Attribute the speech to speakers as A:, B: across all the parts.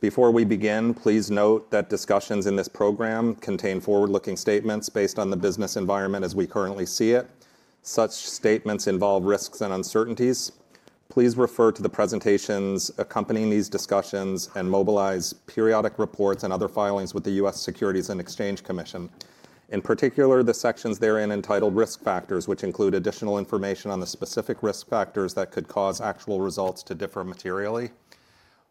A: Before we begin, please note that discussions in this program contain forward-looking statements based on the business environment as we currently see it. Such statements involve risks and uncertainties. Please refer to the presentations accompanying these discussions and Mobileye's periodic reports and other filings with the U.S. Securities and Exchange Commission. In particular, the sections therein entitled Risk Factors, which include additional information on the specific risk factors that could cause actual results to differ materially.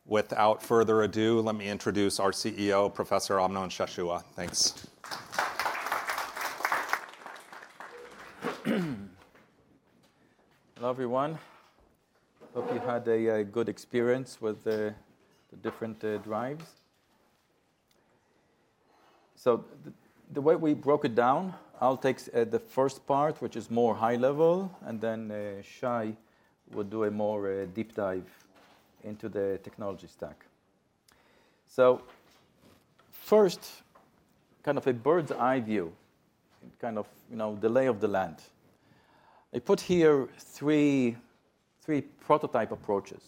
A: Without further ado, let me introduce our CEO, Professor Amnon Shashua. Thanks.
B: Hello, everyone. Hope you had a good experience with the different drives. So the way we broke it down, I'll take the first part, which is more high level, and then Shai will do a more deep dive into the technology stack. So first, kind of a bird's-eye view, kind of the lay of the land. I put here three prototype approaches: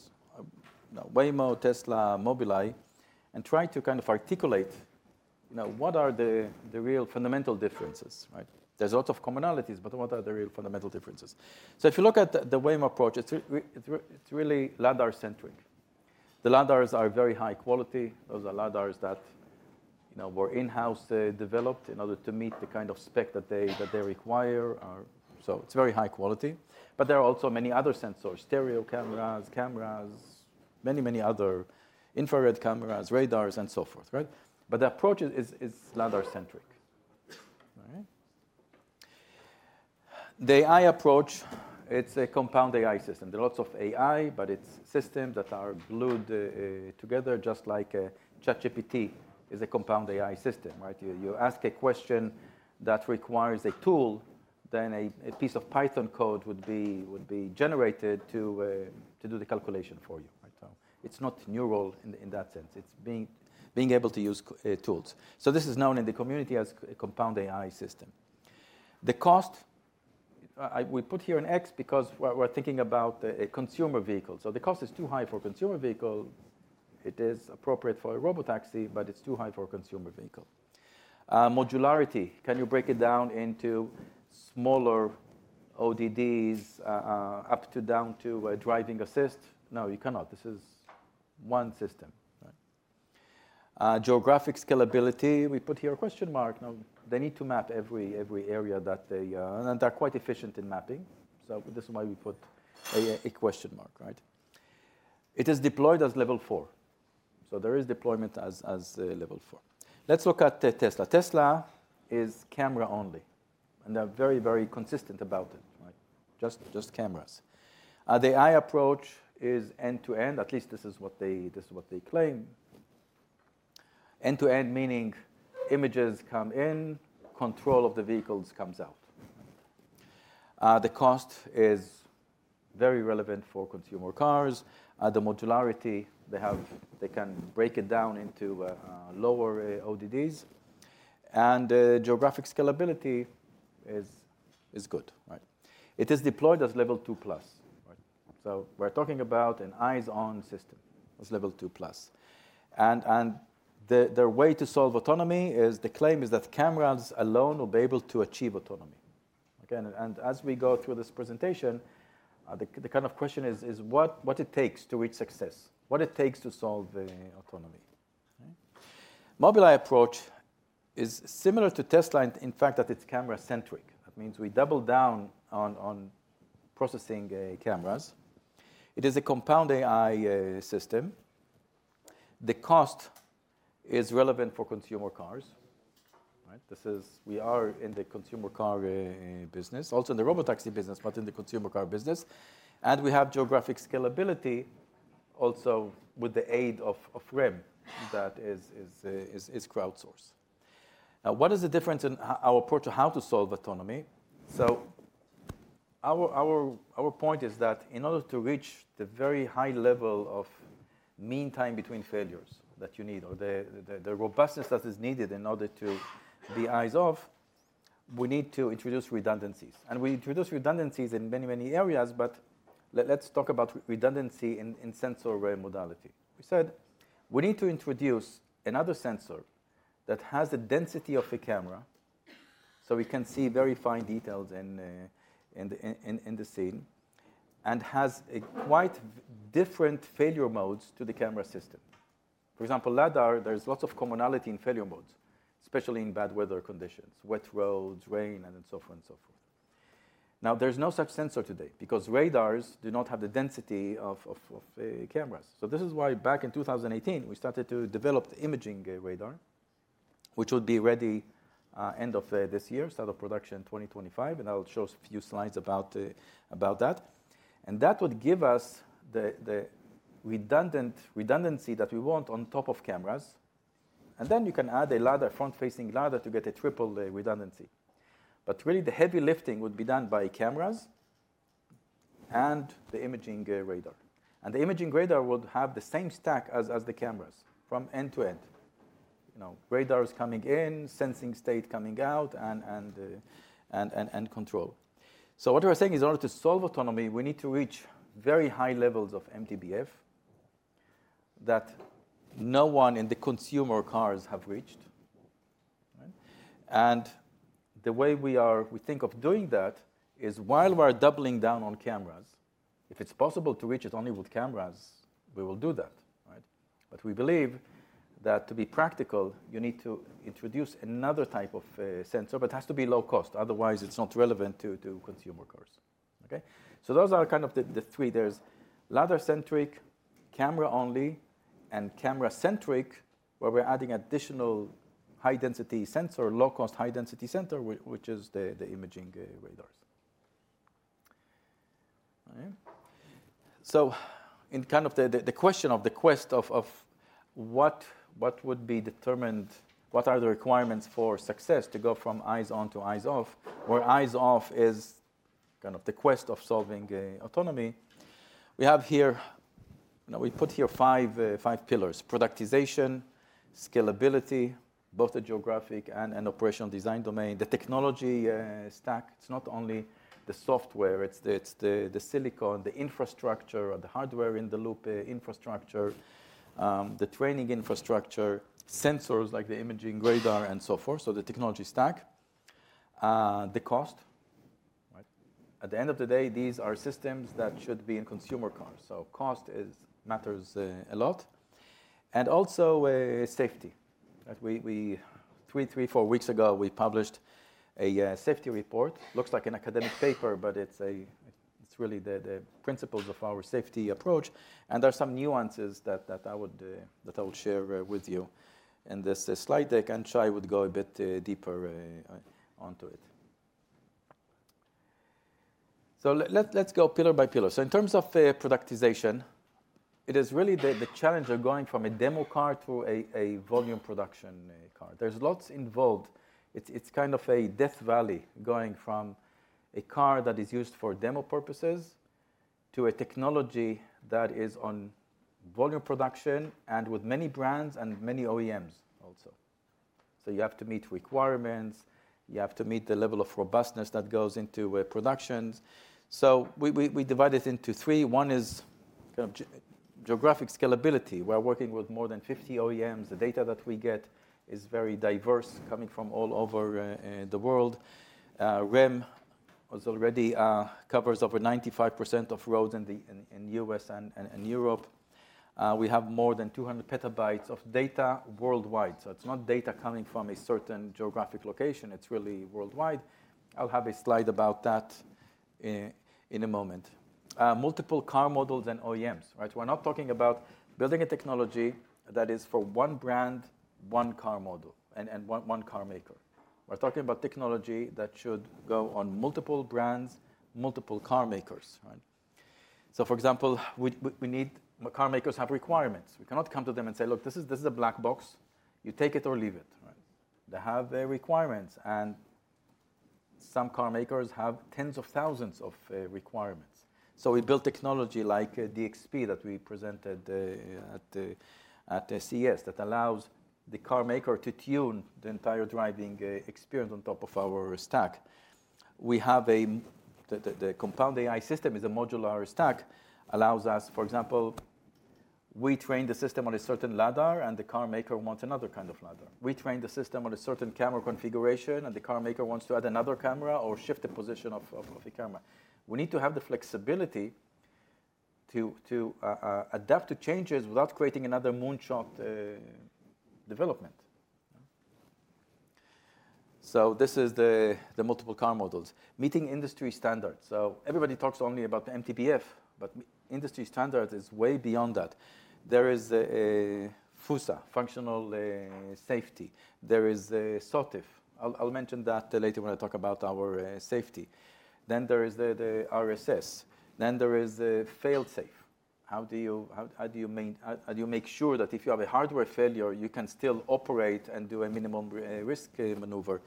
B: Waymo, Tesla, Mobileye, and tried to kind of articulate what are the real fundamental differences. There's lots of commonalities, but what are the real fundamental differences? So if you look at the Waymo approach, it's really LiDAR-centric. The LiDARs are very high quality. Those are LiDARs that were in-house developed in order to meet the kind of spec that they require. So it's very high quality. But there are also many other sensors: stereo cameras, cameras, many, many other infrared cameras, radars, and so forth. But the approach is LiDAR-centric. The AI approach, it's a compound AI system. There are lots of AI, but it's systems that are glued together, just like ChatGPT is a compound AI system. You ask a question that requires a tool, then a piece of Python code would be generated to do the calculation for you. So it's not neural in that sense. It's being able to use tools. So this is known in the community as a compound AI system. The cost, we put here an X because we're thinking about a consumer vehicle. So the cost is too high for a consumer vehicle. It is appropriate for a robotaxi, but it's too high for a consumer vehicle. Modularity, can you break it down into smaller ODDs, up to down to driving assist? No, you cannot. This is one system. Geographic scalability, we put here a question mark. They need to map every area that they are, and they're quite efficient in mapping, so this is why we put a question mark. It is deployed as level 4, so there is deployment as level 4. Let's look at Tesla. Tesla is camera only, and they're very, very consistent about it. Just cameras. The AI approach is end-to-end. At least this is what they claim. End-to-end meaning images come in, control of the vehicles comes out. The cost is very relevant for consumer cars. The modularity, they can break it down into lower ODDs, and geographic scalability is good. It is deployed as level 2+, so we're talking about an eyes-on system as level 2+, and their way to solve autonomy is the claim is that cameras alone will be able to achieve autonomy. As we go through this presentation, the kind of question is, what it takes to reach success? What it takes to solve autonomy? Mobileye approach is similar to Tesla, in fact, that it's camera-centric. That means we double down on processing cameras. It is a compound AI system. The cost is relevant for consumer cars. We are in the consumer car business, also in the robotaxi business, but in the consumer car business. We have geographic scalability also with the aid of REM that is crowdsourced. Now, what is the difference in our approach to how to solve autonomy? Our point is that in order to reach the very high level of mean time between failures that you need, or the robustness that is needed in order to be eyes-off, we need to introduce redundancies. We introduce redundancies in many, many areas, but let's talk about redundancy in sensor modality. We said we need to introduce another sensor that has the density of the camera so we can see very fine details in the scene and has quite different failure modes to the camera system. For example, LiDAR, there's lots of commonality in failure modes, especially in bad weather conditions, wet roads, rain, and so forth and so forth. Now, there's no such sensor today because radars do not have the density of cameras. So this is why back in 2018, we started to develop the imaging radar, which would be ready end of this year, start of production 2025. I'll show a few slides about that. That would give us the redundancy that we want on top of cameras. And then you can add a front-facing LiDAR to get a triple redundancy. But really, the heavy lifting would be done by cameras and the imaging radar. And the imaging radar would have the same stack as the cameras from end to end. Radars coming in, sensing state coming out, and control. So what we're saying is in order to solve autonomy, we need to reach very high levels of MTBF that no one in the consumer cars have reached. And the way we think of doing that is while we're doubling down on cameras, if it's possible to reach it only with cameras, we will do that. But we believe that to be practical, you need to introduce another type of sensor, but it has to be low cost. Otherwise, it's not relevant to consumer cars. So those are kind of the three. There's LiDAR-centric, camera-only, and camera-centric, where we're adding additional high-density sensor, low-cost high-density sensor, which is the imaging radars. So in kind of the question of the quest of what would be determined, what are the requirements for success to go from eyes-on to eyes-off, where eyes-off is kind of the quest of solving autonomy. We put here five pillars: productization, scalability, both the geographic and operational design domain, the technology stack. It's not only the software. It's the silicon, the infrastructure, the hardware-in-the-loop infrastructure, the training infrastructure, sensors like the imaging radar, and so forth. So the technology stack, the cost. At the end of the day, these are systems that should be in consumer cars. So cost matters a lot, and also safety. Three, four weeks ago, we published a safety report. Looks like an academic paper, but it's really the principles of our safety approach, and there are some nuances that I would share with you in this slide deck, and Shai would go a bit deeper onto it. So let's go pillar by pillar. So in terms of productization, it is really the challenge of going from a demo car to a volume production car. There's lots involved. It's kind of a death valley going from a car that is used for demo purposes to a technology that is on volume production and with many brands and many OEMs also. So you have to meet requirements. You have to meet the level of robustness that goes into productions. So we divide it into three. One is kind of geographic scalability. We're working with more than 50 OEMs. The data that we get is very diverse coming from all over the world. REM already covers over 95% of roads in the U.S. and Europe. We have more than 200 petabytes of data worldwide. So it's not data coming from a certain geographic location. It's really worldwide. I'll have a slide about that in a moment. Multiple car models and OEMs. We're not talking about building a technology that is for one brand, one car model, and one car maker. We're talking about technology that should go on multiple brands, multiple car makers. So for example, car makers have requirements. We cannot come to them and say, look, this is a black box. You take it or leave it. They have requirements. And some car makers have tens of thousands of requirements. So we built technology like DXP that we presented at CES that allows the car maker to tune the entire driving experience on top of our stack. The compound AI system is a modular stack, allows us, for example, we train the system on a certain LiDAR, and the car maker wants another kind of LiDAR. We train the system on a certain camera configuration, and the car maker wants to add another camera or shift the position of the camera. We need to have the flexibility to adapt to changes without creating another moonshot development. So this is the multiple car models. Meeting industry standards. So everybody talks only about MTBF, but industry standards is way beyond that. There is FuSa, functional safety. There is SOTIF. I'll mention that later when I talk about our safety. Then there is the RSS. Then there is fail-safe. How do you make sure that if you have a hardware failure, you can still operate and do a minimum risk maneuver,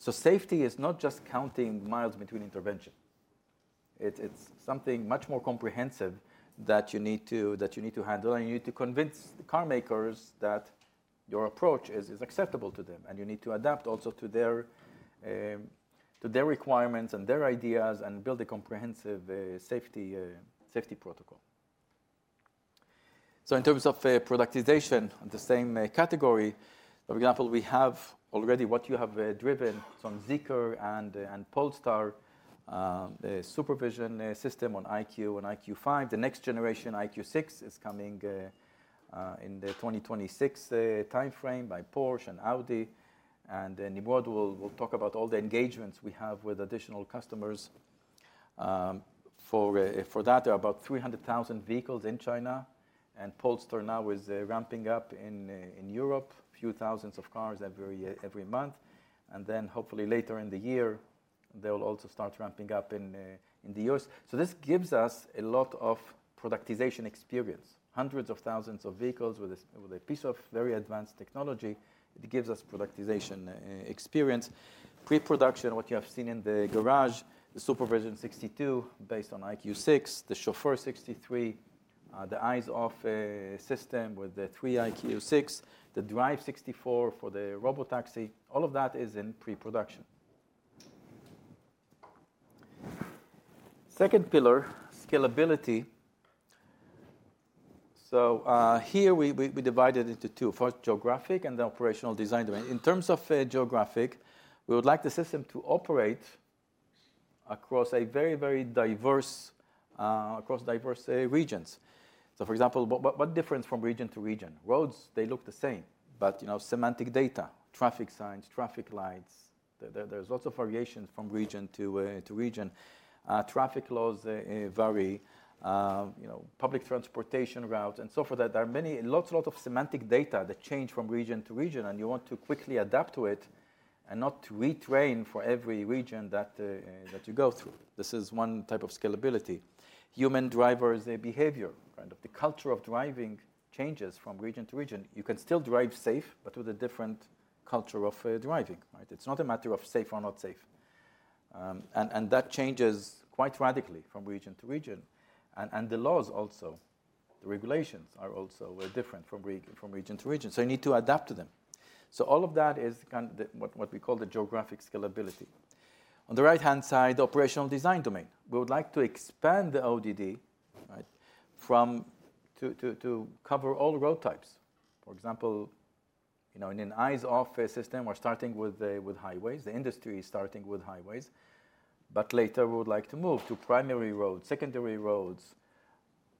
B: so safety is not just counting miles between intervention. It's something much more comprehensive that you need to handle, and you need to convince car makers that your approach is acceptable to them, and you need to adapt also to their requirements and their ideas and build a comprehensive safety protocol, so in terms of productization, the same category. For example, we have already what you have driven, some Zeekr and Polestar SuperVision system on EyeQ and EyeQ5. The next generation EyeQ6 is coming in the 2026 timeframe by Porsche and Audi, and Nimrod will talk about all the engagements we have with additional customers. For that, there are about 300,000 vehicles in China. Polestar now is ramping up in Europe, a few thousands of cars every month. Then hopefully later in the year, they'll also start ramping up in the US. So this gives us a lot of productization experience. Hundreds of thousands of vehicles with a piece of very advanced technology. It gives us productization experience. Pre-production, what you have seen in the garage, the SuperVision 6.2 based on EyeQ6, the Chauffeur 6.3, the eyes-off system with the three EyeQ6, the Drive 6.4 for the robotaxi. All of that is in pre-production. Second pillar, scalability. So here we divide it into two. First, geographic and the operational design domain. In terms of geographic, we would like the system to operate across very, very diverse regions. So for example, what difference from region to region? Roads, they look the same, but semantic data, traffic signs, traffic lights, there's lots of variations from region to region. Traffic laws vary. Public transportation routes and so forth. There are lots and lots of semantic data that change from region to region, and you want to quickly adapt to it and not retrain for every region that you go through. This is one type of scalability. Human driver behavior, kind of the culture of driving changes from region to region. You can still drive safe, but with a different culture of driving. It's not a matter of safe or not safe. And that changes quite radically from region to region. And the laws also, the regulations are also different from region to region. So you need to adapt to them. So all of that is what we call the geographic scalability. On the right-hand side, operational design domain. We would like to expand the ODD to cover all road types. For example, in an eyes-off system, we're starting with highways. The industry is starting with highways. But later we would like to move to primary roads, secondary roads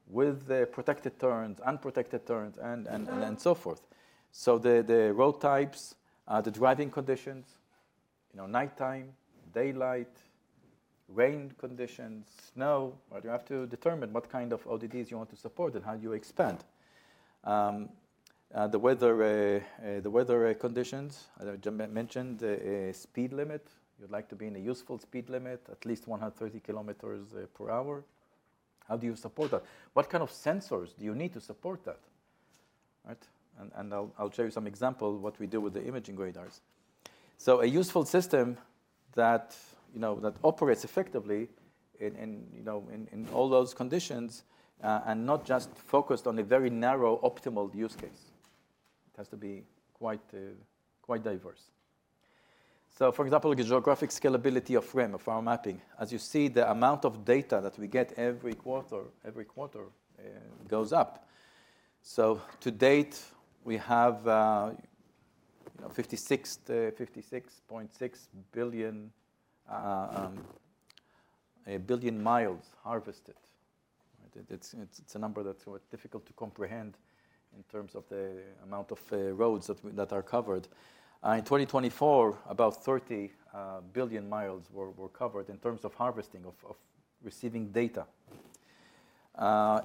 B: with protected turns, unprotected turns, and so forth. So the road types, the driving conditions, nighttime, daylight, rain conditions, snow. You have to determine what kind of ODDs you want to support and how you expand. The weather conditions, I mentioned speed limit. You'd like to be in a useful speed limit, at least 130 kilometers per hour. How do you support that? What kind of sensors do you need to support that? And I'll show you some examples of what we do with the imaging radars. So a useful system that operates effectively in all those conditions and not just focused on a very narrow optimal use case. It has to be quite diverse. So for example, the geographic scalability of REM, of our mapping. As you see, the amount of data that we get every quarter goes up. So to date, we have 56.6 billion miles harvested. It's a number that's difficult to comprehend in terms of the amount of roads that are covered. In 2024, about 30 billion miles were covered in terms of harvesting, of receiving data.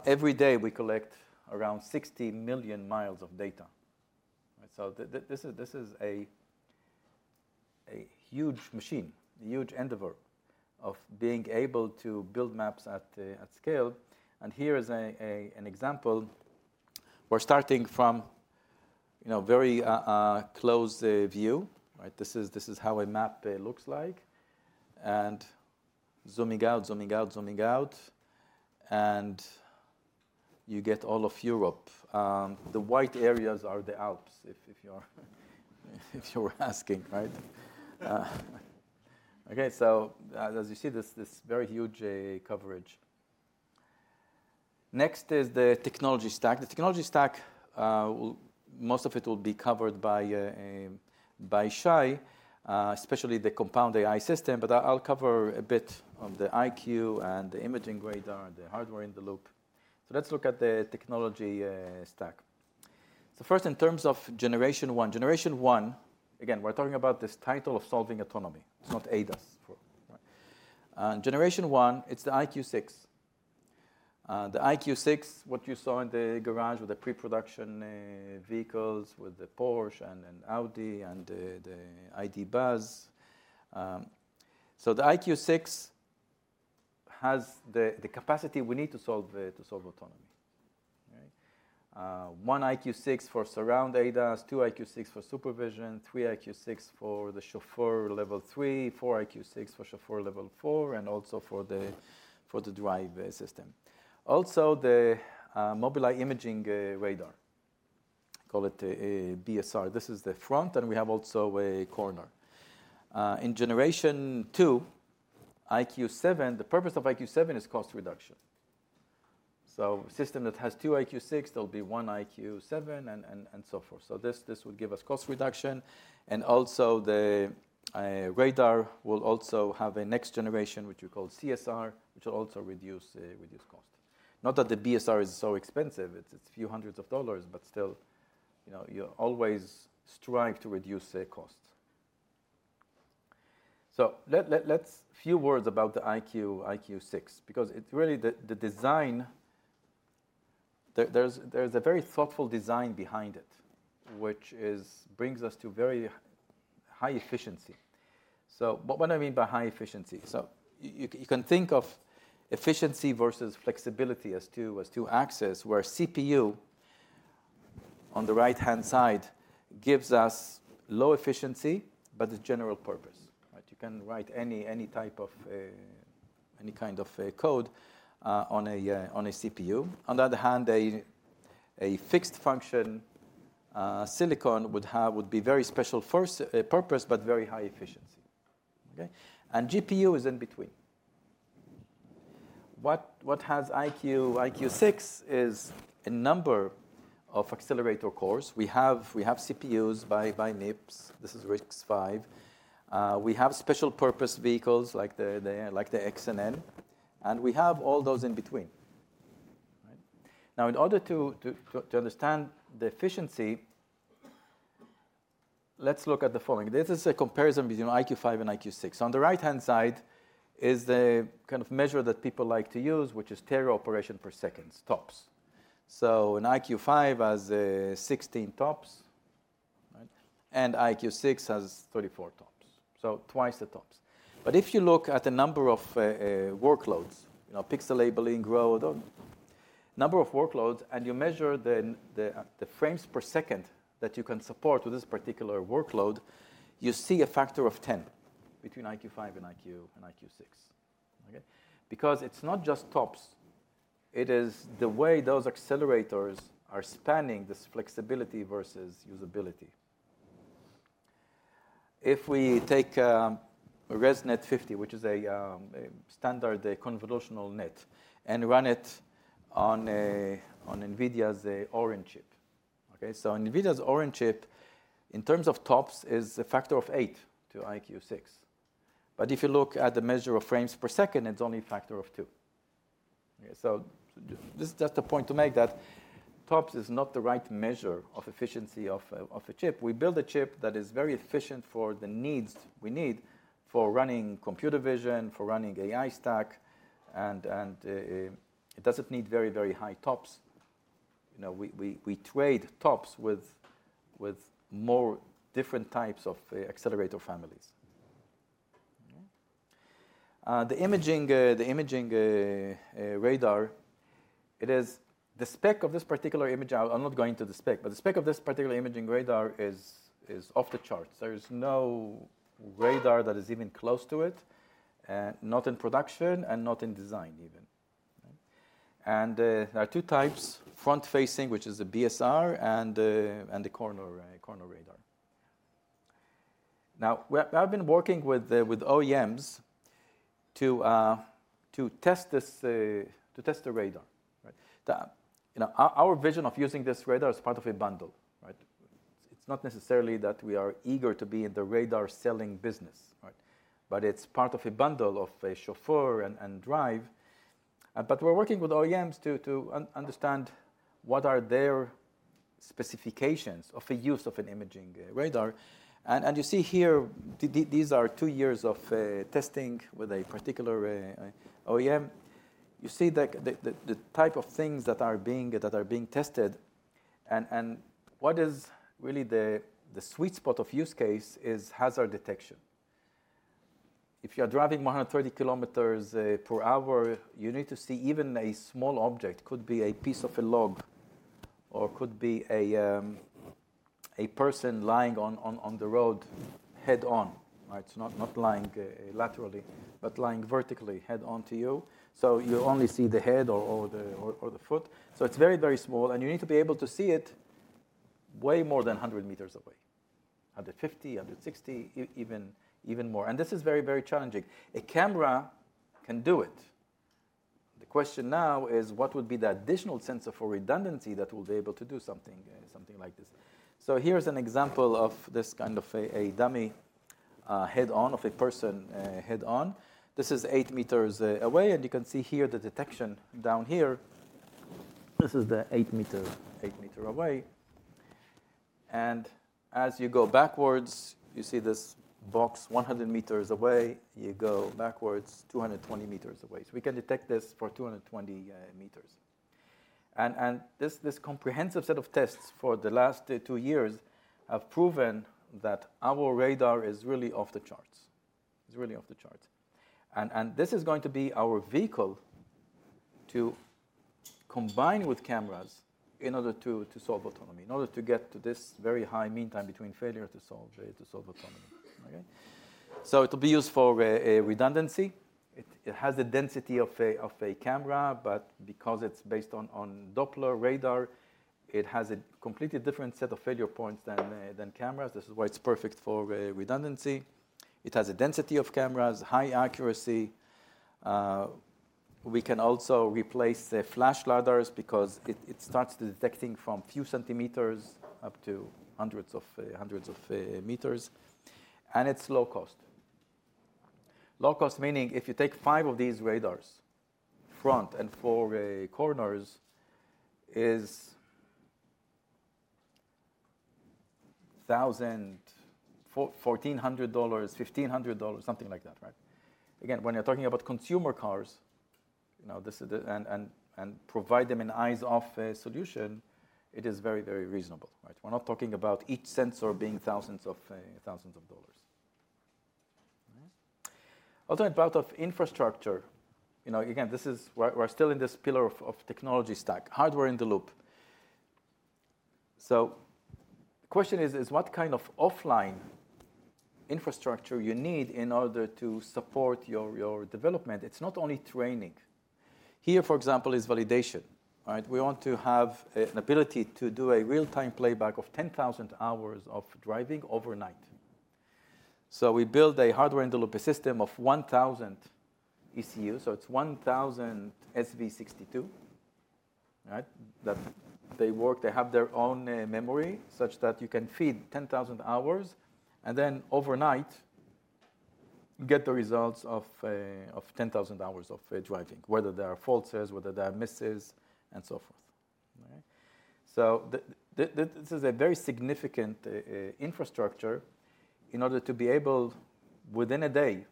B: Every day, we collect around 60 million miles of data. So this is a huge machine, a huge endeavor of being able to build maps at scale. And here is an example. We're starting from a very close view. This is how a map looks like. And zooming out, zooming out, zooming out. And you get all of Europe. The white areas are the Alps, if you're asking. So as you see, this is very huge coverage. Next is the technology stack. The technology stack, most of it will be covered by Shai, especially the compound AI system. But I'll cover a bit of the EyeQ and the imaging radar and the hardware-in-the-loop. So let's look at the technology stack. So first, in terms of generation one. Generation one, again, we're talking about this tide of solving autonomy. It's not ADAS. Generation one, it's the EyeQ6. The EyeQ6, what you saw in the garage with the pre-production vehicles with the Porsche and Audi and the ID. Buzz. So the EyeQ6 has the capacity we need to solve autonomy. One EyeQ6 for Surround ADAS, two EyeQ6 for SuperVision, three EyeQ6 for the Chauffeur level 3, four EyeQ6 for Chauffeur level four, and also for the Drive system. Also, the Mobileye Imaging Radar. Call it BSR. This is the front, and we have also a corner. In generation two, EyeQ7, the purpose of EyeQ7 is cost reduction, so a system that has two EyeQ6, there'll be one EyeQ7 and so forth, so this would give us cost reduction, and also, the radar will also have a next generation, which we call CSR, which will also reduce cost. Not that the BSR is so expensive. It's a few hundreds of dollars, but still, you always strive to reduce cost, so a few words about the EyeQ6, because really, the design, there's a very thoughtful design behind it, which brings us to very high efficiency, so what do I mean by high efficiency, so you can think of efficiency versus flexibility as two axes, where CPU on the right-hand side gives us low efficiency, but it's general purpose. You can write any kind of code on a CPU. On the other hand, a fixed function silicon would be very special purpose, but very high efficiency. And GPU is in between. What EyeQ6 has is a number of accelerator cores. We have CPUs by MIPS. This is RISC-V. We have special purpose vehicles like the xNN. And we have all those in between. Now, in order to understand the efficiency, let's look at the following. This is a comparison between EyeQ5 and EyeQ6. On the right-hand side is the kind of measure that people like to use, which is tera operations per second, TOPS. So an EyeQ5 has 16 TOPS, and EyeQ6 has 34 TOPS. So twice the TOPS. But if you look at the number of workloads, pixel labeling, number of workloads, and you measure the frames per second that you can support with this particular workload, you see a factor of 10 between EyeQ5 and EyeQ6. Because it's not just TOPS. It is the way those accelerators are spanning this flexibility versus usability. If we take ResNet-50, which is a standard convolutional net, and run it on NVIDIA's Orin chip. So NVIDIA's Orin chip, in terms of TOPS, is a factor of 8 to EyeQ6. But if you look at the measure of frames per second, it's only a factor of 2. So this is just a point to make that TOPS is not the right measure of efficiency of a chip. We build a chip that is very efficient for the needs we need for running computer vision, for running AI stack, and it doesn't need very, very high TOPS. We trade TOPS with more different types of accelerator families. The imaging radar, the spec of this particular imaging, I'm not going into the spec, but the spec of this particular imaging radar is off the chart. There is no radar that is even close to it, not in production and not in design even. And there are two types, front-facing, which is the BSR, and the corner radar. Now, I've been working with OEMs to test the radar. Our vision of using this radar is part of a bundle. It's not necessarily that we are eager to be in the radar selling business, but it's part of a bundle of chauffeur and drive. But we're working with OEMs to understand what are their specifications of the use of an imaging radar. And you see here, these are two years of testing with a particular OEM. You see the type of things that are being tested. And what is really the sweet spot of use case is hazard detection. If you're driving 130 kilometers per hour, you need to see even a small object. It could be a piece of a log or could be a person lying on the road head-on, not lying laterally, but lying vertically head-on to you. So you only see the head or the foot. So it's very, very small, and you need to be able to see it way more than 100 meters away, 150, 160, even more. And this is very, very challenging. A camera can do it. The question now is, what would be the additional sensor for redundancy that will be able to do something like this? So here's an example of this kind of a dummy head-on of a person head-on. This is 8 meters away, and you can see here the detection down here. This is the 8 meter away. And as you go backwards, you see this box 100 meters away. You go backwards 220 meters away. So we can detect this for 220 meters. And this comprehensive set of tests for the last two years have proven that our radar is really off the charts. It's really off the charts. And this is going to be our vehicle to combine with cameras in order to solve autonomy, in order to get to this very high mean time between failures to solve autonomy. So it'll be used for redundancy. It has the density of a camera, but because it's based on Doppler radar, it has a completely different set of failure points than cameras. This is why it's perfect for redundancy. It has a density of cameras, high accuracy. We can also replace flash LiDARs because it starts detecting from a few centimeters up to hundreds of meters. And it's low cost. Low cost meaning if you take five of these radars, front and four corners, is $1,400, $1,500, something like that. Again, when you're talking about consumer cars and provide them an eyes-off solution, it is very, very reasonable. We're not talking about each sensor being thousands of dollars. Another part of infrastructure. Again, we're still in this pillar of technology stack, Hardware-in-the-Loop. So the question is, what kind of offline infrastructure you need in order to support your development? It's not only training. Here, for example, is validation. We want to have an ability to do a real-time playback of 10,000 hours of driving overnight, so we build a hardware-in-the-loop system of 1,000 ECUs. So it's 1,000 SV6.2. They work. They have their own memory such that you can feed 10,000 hours, and then overnight, you get the results of 10,000 hours of driving, whether there are fault sets, whether there are misses, and so forth. So this is a very significant infrastructure in order to be able, within a day,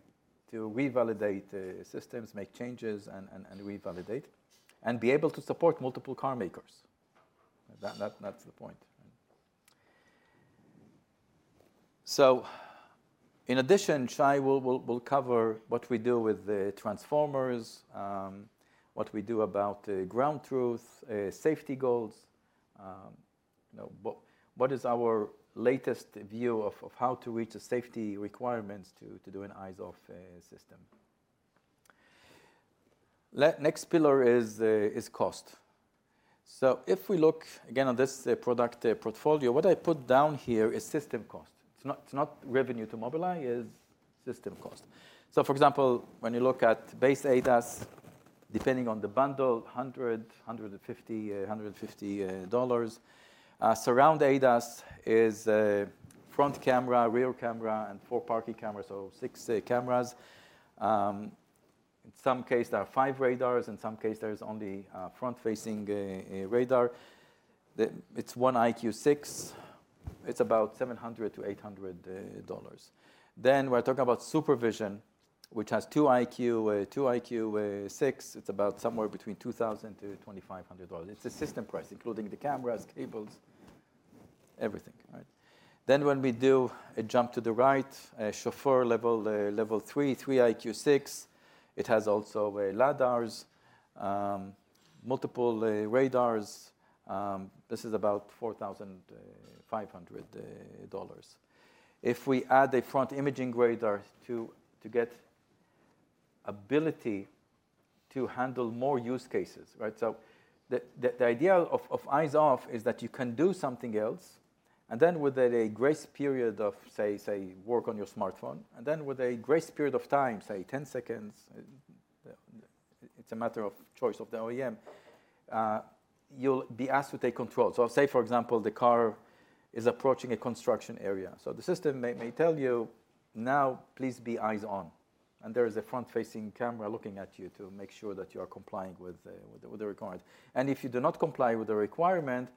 B: to revalidate systems, make changes, and revalidate, and be able to support multiple car makers. That's the point, so in addition, Shai will cover what we do with the transformers, what we do about ground truth, safety goals, what is our latest view of how to reach the safety requirements to do an eyes-off system. Next pillar is cost. If we look again at this product portfolio, what I put down here is system cost. It's not revenue to Mobileye. It's system cost. For example, when you look at Base ADAS, depending on the bundle, $100-$150. Surround ADAS is front camera, rear camera, and four parking cameras, so six cameras. In some cases, there are five radars. In some cases, there is only front-facing radar. It's one EyeQ6. It's about $700-$800. Then we're talking about SuperVision, which has two EyeQ6. It's about somewhere between $2,000-$2,500. It's a system price, including the cameras, cables, everything. Then when we do a jump to the right, Chauffeur Level 3, three EyeQ6, it has also LiDARs, multiple radars. This is about $4,500. If we add a front imaging radar to get ability to handle more use cases. So the idea of eyes-off is that you can do something else. And then with a grace period of, say, work on your smartphone, and then with a grace period of time, say, 10 seconds, it's a matter of choice of the OEM, you'll be asked to take control. So say, for example, the car is approaching a construction area. So the system may tell you, "Now, please be eyes-on." And there is a front-facing camera looking at you to make sure that you are complying with the requirement. And if you do not comply with the requirement,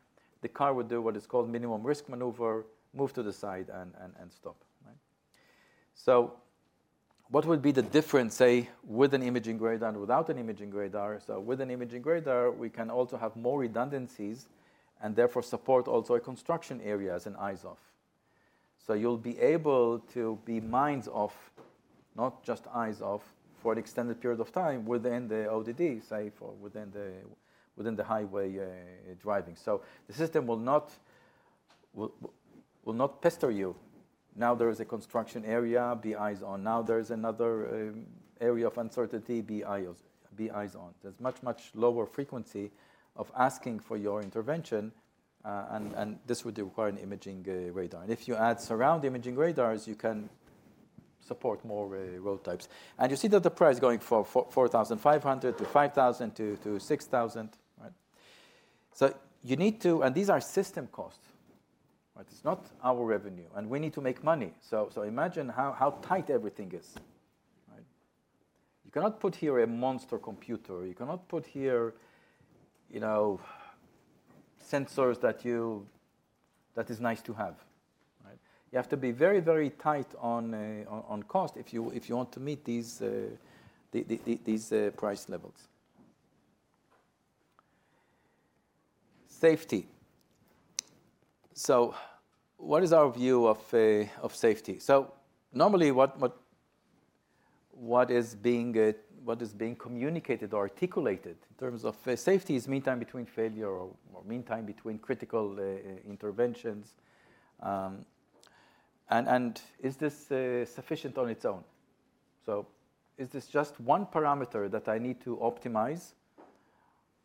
B: the car would do what is called minimum risk maneuver, move to the side, and stop. So what would be the difference, say, with an imaging radar and without an imaging radar? So with an imaging radar, we can also have more redundancies and therefore support also a construction area as an eyes-off. So you'll be able to be minds-off, not just eyes-off, for an extended period of time within the ODD, say, within the highway driving. So the system will not pester you. Now there is a construction area, be eyes-on. Now there is another area of uncertainty, be eyes-on. There's much, much lower frequency of asking for your intervention, and this would require an imaging radar. And if you add surround imaging radars, you can support more road types. And you see that the price going from 4,500 to 5,000 to 6,000. So you need to, and these are system costs. It's not our revenue, and we need to make money. So imagine how tight everything is. You cannot put here a monster computer. You cannot put here sensors that is nice to have. You have to be very, very tight on cost if you want to meet these price levels. Safety. So what is our view of safety? So normally, what is being communicated or articulated in terms of safety is mean time between failures or mean time between critical interventions. And is this sufficient on its own? So is this just one parameter that I need to optimize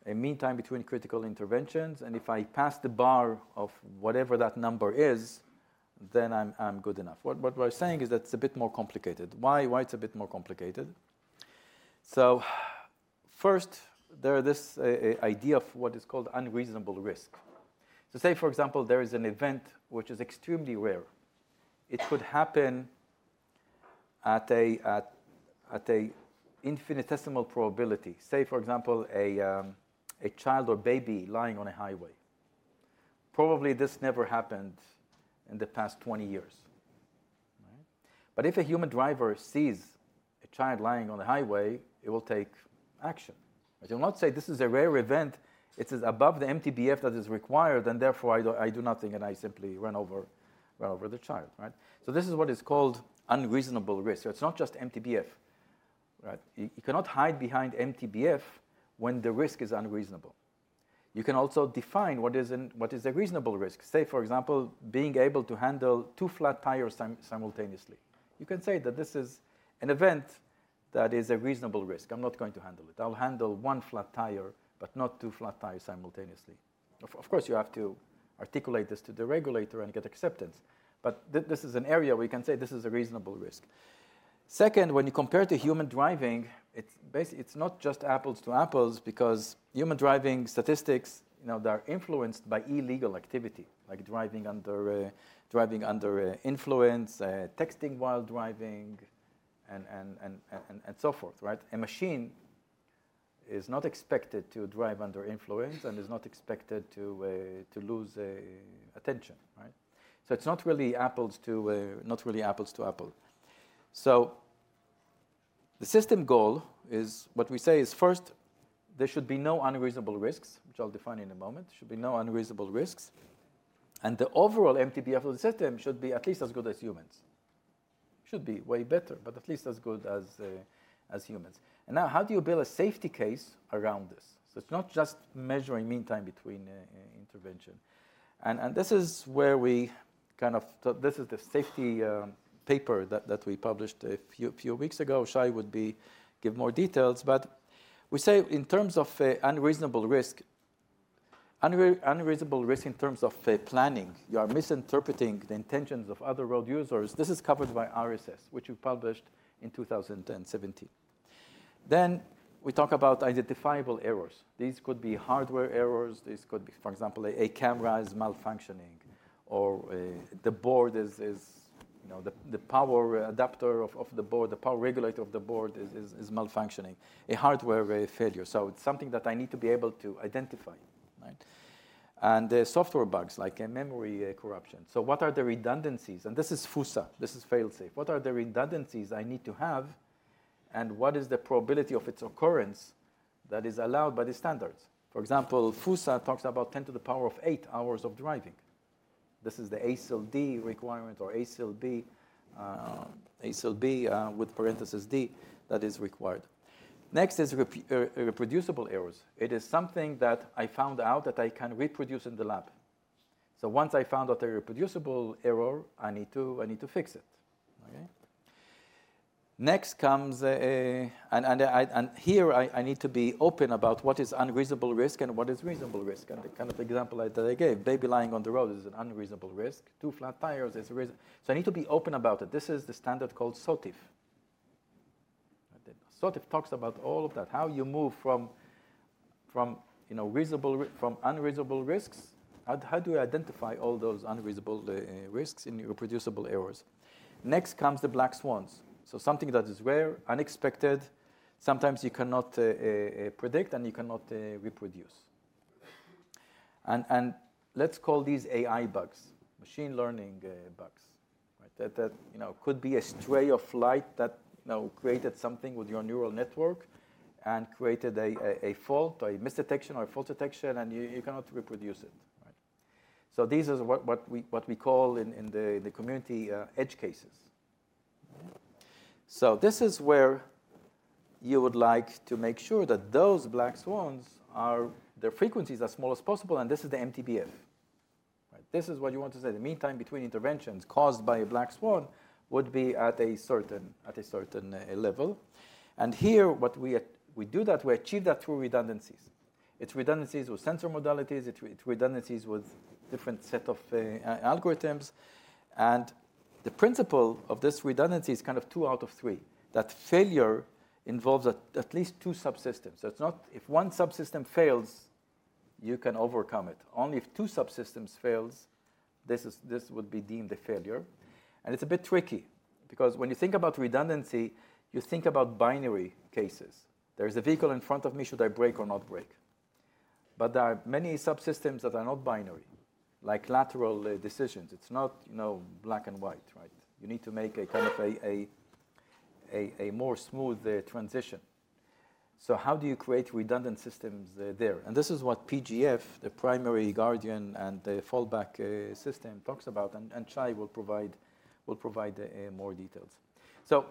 B: a mean time between critical interventions? And if I pass the bar of whatever that number is, then I'm good enough. What we're saying is that it's a bit more complicated. Why it's a bit more complicated? So first, there is this idea of what is called unreasonable risk. So say, for example, there is an event which is extremely rare. It could happen at an infinitesimal probability. Say, for example, a child or baby lying on a highway. Probably this never happened in the past 20 years. But if a human driver sees a child lying on the highway, it will take action. It will not say, "This is a rare event. It is above the MTBF that is required, and therefore, I do nothing, and I simply run over the child." So this is what is called unreasonable risk. It's not just MTBF. You cannot hide behind MTBF when the risk is unreasonable. You can also define what is a reasonable risk. Say, for example, being able to handle two flat tires simultaneously. You can say that this is an event that is a reasonable risk. I'm not going to handle it. I'll handle one flat tire, but not two flat tires simultaneously. Of course, you have to articulate this to the regulator and get acceptance. But this is an area where you can say this is a reasonable risk. Second, when you compare to human driving, it's not just apples to apples because human driving statistics that are influenced by illegal activity, like driving under influence, and so forth. A machine is not expected to drive under influence and is not expected to lose attention. So it's not really apples to apples. So the system goal is what we say is, first, there should be no unreasonable risks, which I'll define in a moment. There should be no unreasonable risks. And the overall MTBF of the system should be at least as good as humans. It should be way better, but at least as good as humans. And now, how do you build a safety case around this? So it's not just measuring mean time between intervention. And this is where, kind of, this is the safety paper that we published a few weeks ago. Shai would give more details. But we say in terms of unreasonable risk, unreasonable risk in terms of planning, you are misinterpreting the intentions of other road users. This is covered by RSS, which we published in 2017. Then we talk about identifiable errors. These could be hardware errors. This could be, for example, a camera is malfunctioning or the board is the power adapter of the board, the power regulator of the board is malfunctioning, a hardware failure. So it's something that I need to be able to identify. And software bugs like a memory corruption. So what are the redundancies? And this is FuSa. This is fail-safe. What are the redundancies I need to have? And what is the probability of its occurrence that is allowed by the standards? For example, FuSa talks about 10 to the power of 8 hours of driving. This is the ASIL D requirement or ASIL B, ASIL B with parenthesis D that is required. Next is reproducible errors. It is something that I found out that I can reproduce in the lab. So once I found out a reproducible error, I need to fix it. Next comes, and here I need to be open about what is unreasonable risk and what is reasonable risk. And the kind of example that I gave, baby lying on the road is an unreasonable risk. Two flat tires is a reasonable risk. So I need to be open about it. This is the standard called SOTIF. SOTIF talks about all of that, how you move from unreasonable risks. How do you identify all those unreasonable risks in reproducible errors? Next comes the black swans. So something that is rare, unexpected, sometimes you cannot predict and you cannot reproduce. And let's call these AI bugs, machine learning bugs. That could be a stray light that created something with your neural network and created a fault, a missed detection or a false detection, and you cannot reproduce it. So these are what we call in the community edge cases. So this is where you would like to make sure that those black swans, their frequencies are as small as possible, and this is the MTBF. This is what you want to say. The meantime between interventions caused by a black swan would be at a certain level. And here, what we do that, we achieve that through redundancies. It's redundancies with sensor modalities. It's redundancies with different sets of algorithms. And the principle of this redundancy is kind of two out of three. That failure involves at least two subsystems. If one subsystem fails, you can overcome it. Only if two subsystems fail, this would be deemed a failure. And it's a bit tricky because when you think about redundancy, you think about binary cases. There is a vehicle in front of me. Should I brake or not brake? But there are many subsystems that are not binary, like lateral decisions. It's not black and white. You need to make a kind of a more smooth transition. So how do you create redundant systems there? And this is what PGF, the primary guardian and the fallback system talks about. And Shai will provide more details. So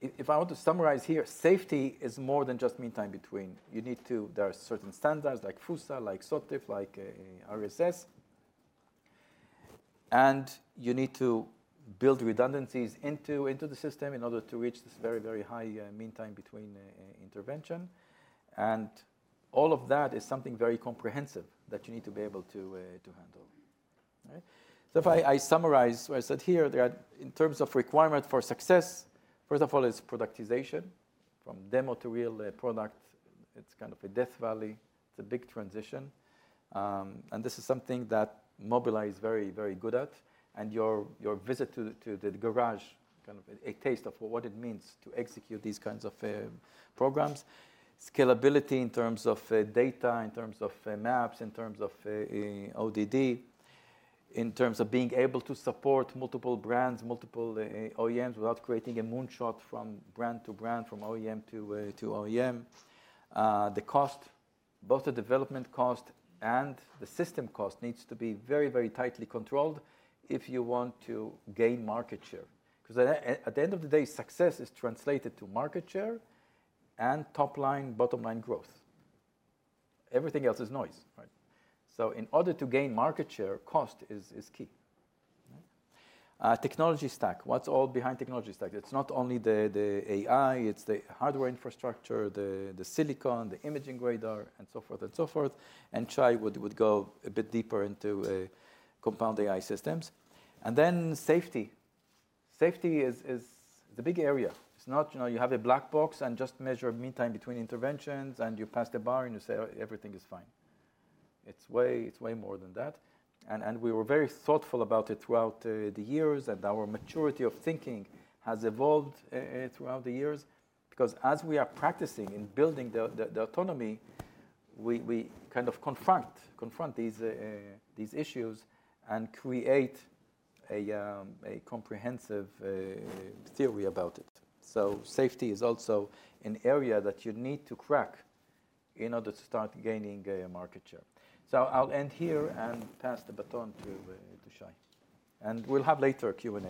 B: if I want to summarize here, safety is more than just mean time between. There are certain standards like FuSa, like SOTIF, like RSS. You need to build redundancies into the system in order to reach this very, very high mean time between intervention. And all of that is something very comprehensive that you need to be able to handle. So if I summarize what I said here, in terms of requirement for success, first of all, it's productization. From demo to real product, it's kind of a death valley. It's a big transition. And this is something that Mobileye is very, very good at. And your visit to the garage, kind of a taste of what it means to execute these kinds of programs, scalability in terms of data, in terms of maps, in terms of ODD, in terms of being able to support multiple brands, multiple OEMs without creating a moonshot from brand to brand, from OEM to OEM. The cost, both the development cost and the system cost, needs to be very, very tightly controlled if you want to gain market share. Because at the end of the day, success is translated to market share and top line, bottom line growth. Everything else is noise. So in order to gain market share, cost is key. Technology stack. What's all behind technology stack? It's not only the AI. It's the hardware infrastructure, the silicon, the imaging radar, and so forth and so forth. And Shai would go a bit deeper into compound AI systems. And then safety. Safety is the big area. It's not you have a black box and just measure mean time between interventions, and you pass the bar, and you say everything is fine. It's way more than that. And we were very thoughtful about it throughout the years, and our maturity of thinking has evolved throughout the years. Because as we are practicing in building the autonomy, we kind of confront these issues and create a comprehensive theory about it. So safety is also an area that you need to crack in order to start gaining market share. So I'll end here and pass the baton to Shai. And we'll have later a Q&A.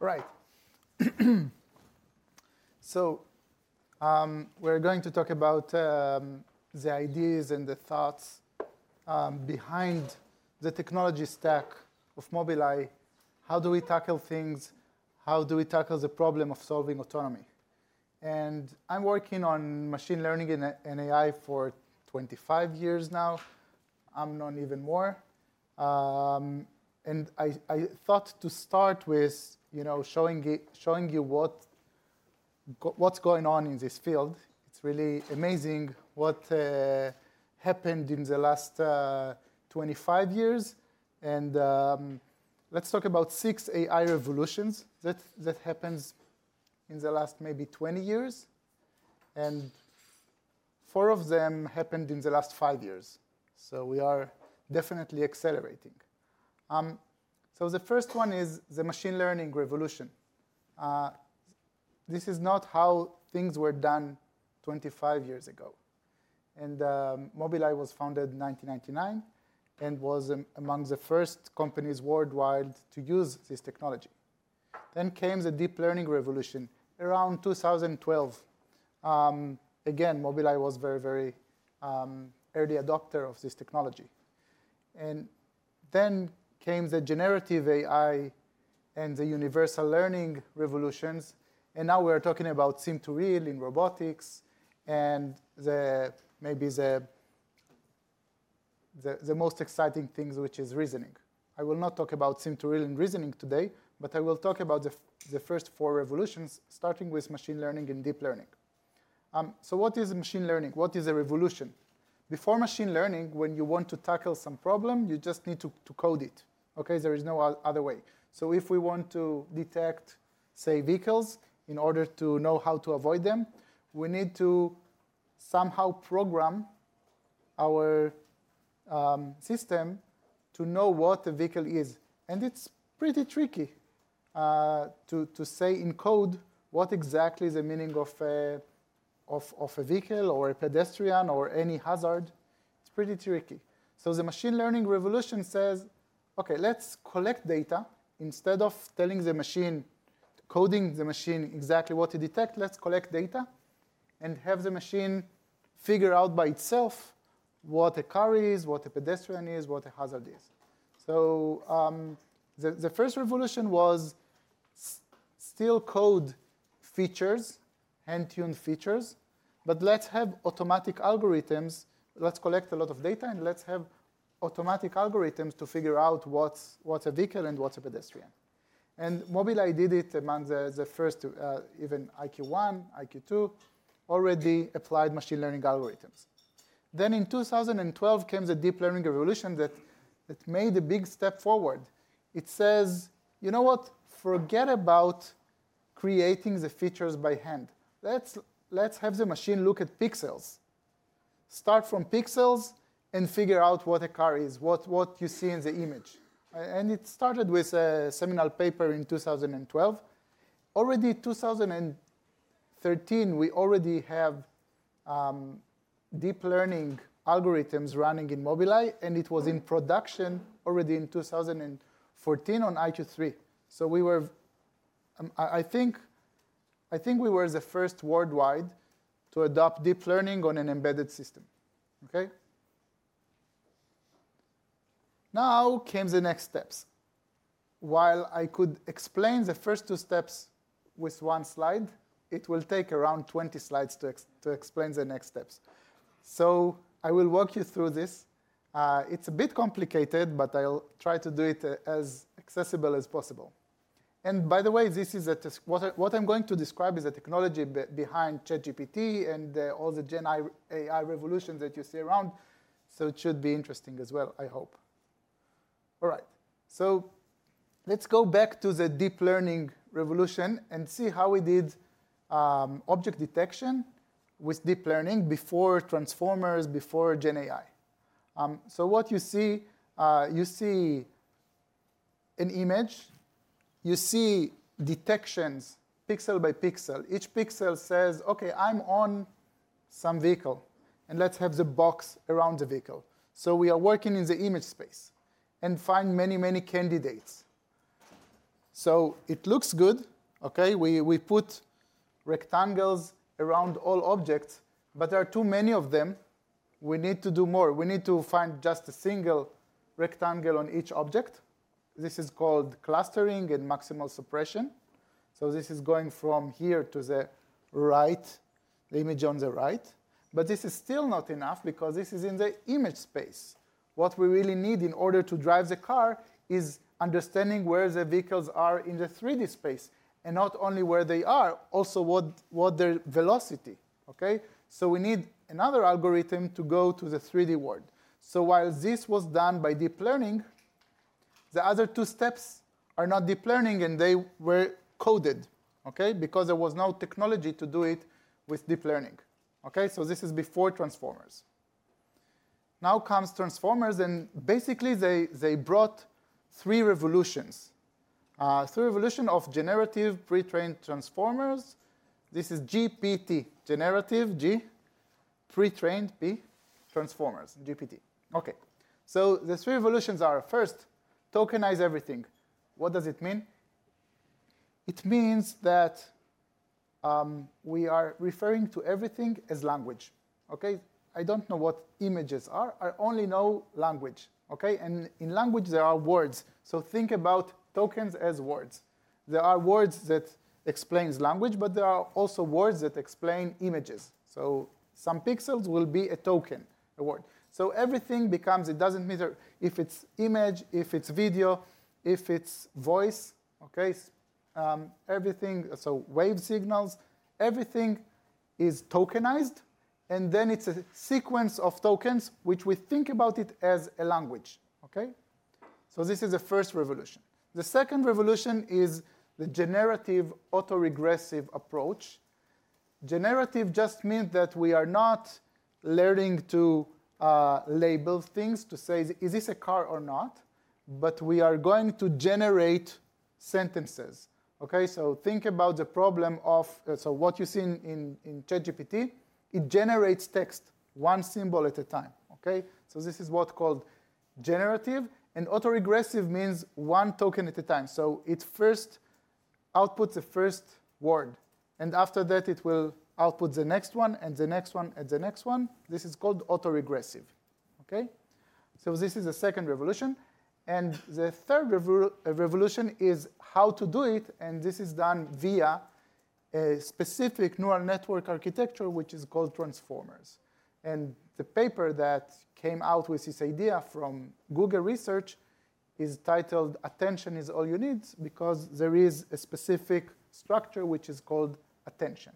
C: All right. So we're going to talk about the ideas and the thoughts behind the technology stack of Mobileye. How do we tackle things? How do we tackle the problem of solving autonomy? And I'm working on machine learning and AI for 25 years now. I'm known even more. And I thought to start with showing you what's going on in this field. It's really amazing what happened in the last 25 years. Let's talk about six AI revolutions that happened in the last maybe 20 years. And four of them happened in the last five years. So we are definitely accelerating. So the first one is the machine learning revolution. This is not how things were done 25 years ago. And Mobileye was founded in 1999 and was among the first companies worldwide to use this technology. Then came the deep learning revolution around 2012. Again, Mobileye was a very, very early adopter of this technology. And then came the generative AI and the universal learning revolutions. And now we're talking about sim-to-real in robotics and maybe the most exciting things, which is reasoning. I will not talk about sim-to-real in reasoning today, but I will talk about the first four revolutions, starting with machine learning and deep learning. So what is machine learning? What is a revolution? Before machine learning, when you want to tackle some problem, you just need to code it. There is no other way. So if we want to detect, say, vehicles in order to know how to avoid them, we need to somehow program our system to know what a vehicle is. And it's pretty tricky to say in code what exactly is the meaning of a vehicle or a pedestrian or any hazard. It's pretty tricky. So the machine learning revolution says, "Okay, let's collect data." Instead of telling the machine, coding the machine exactly what to detect, let's collect data and have the machine figure out by itself what a car is, what a pedestrian is, what a hazard is. So the first revolution was still code features, hand-tuned features. But let's have automatic algorithms. Let's collect a lot of data and let's have automatic algorithms to figure out what's a vehicle and what's a pedestrian. And Mobileye did it among the first, even EyeQ1, EyeQ2, already applied machine learning algorithms. Then in 2012 came the deep learning revolution that made a big step forward. It says, "You know what? Forget about creating the features by hand. Let's have the machine look at pixels. Start from pixels and figure out what a car is, what you see in the image." And it started with a seminal paper in 2012. Already in 2013, we already have deep learning algorithms running in Mobileye. And it was in production already in 2014 on EyeQ3. So I think we were the first worldwide to adopt deep learning on an embedded system. Now came the next steps. While I could explain the first two steps with one slide, it will take around 20 slides to explain the next steps, so I will walk you through this. It's a bit complicated, but I'll try to do it as accessible as possible, and by the way, what I'm going to describe is the technology behind ChatGPT and all the Gen AI revolutions that you see around, so it should be interesting as well, I hope. All right, so let's go back to the deep learning revolution and see how we did object detection with deep learning before transformers, before Gen AI, so what you see, you see an image. You see detections pixel by pixel. Each pixel says, "Okay, I'm on some vehicle, and let's have the box around the vehicle." So we are working in the image space and find many, many candidates, so it looks good. We put rectangles around all objects, but there are too many of them. We need to do more. We need to find just a single rectangle on each object. This is called clustering and maximal suppression, so this is going from here to the right, the image on the right, but this is still not enough because this is in the image space. What we really need in order to drive the car is understanding where the vehicles are in the 3D space and not only where they are, also what their velocity. We need another algorithm to go to the 3D world, so while this was done by deep learning, the other two steps are not deep learning, and they were coded because there was no technology to do it with deep learning, so this is before transformers. Now comes transformers, and basically, they brought three revolutions. Three revolutions of generative pretrained transformers. This is GPT, generative, G, pretrained P, transformers, GPT. So the three revolutions are first, tokenize everything. What does it mean? It means that we are referring to everything as language. I don't know what images are. I only know language. And in language, there are words. So think about tokens as words. There are words that explain language, but there are also words that explain images. So some pixels will be a token, a word. So everything becomes, it doesn't matter if it's image, if it's video, if it's voice. So wave signals, everything is tokenized. And then it's a sequence of tokens, which we think about as a language. So this is the first revolution. The second revolution is the generative autoregressive approach. Generative just means that we are not learning to label things to say, "Is this a car or not?" But we are going to generate sentences. Think about the problem of what you see in ChatGPT. It generates text, one symbol at a time. This is what's called generative. Autoregressive means one token at a time. It first outputs the first word. After that, it will output the next one and the next one and the next one. This is called autoregressive. This is the second revolution. The third revolution is how to do it. This is done via a specific neural network architecture, which is called transformers. The paper that came out with this idea from Google Research is titled "Attention Is All You Need" because there is a specific structure which is called attention.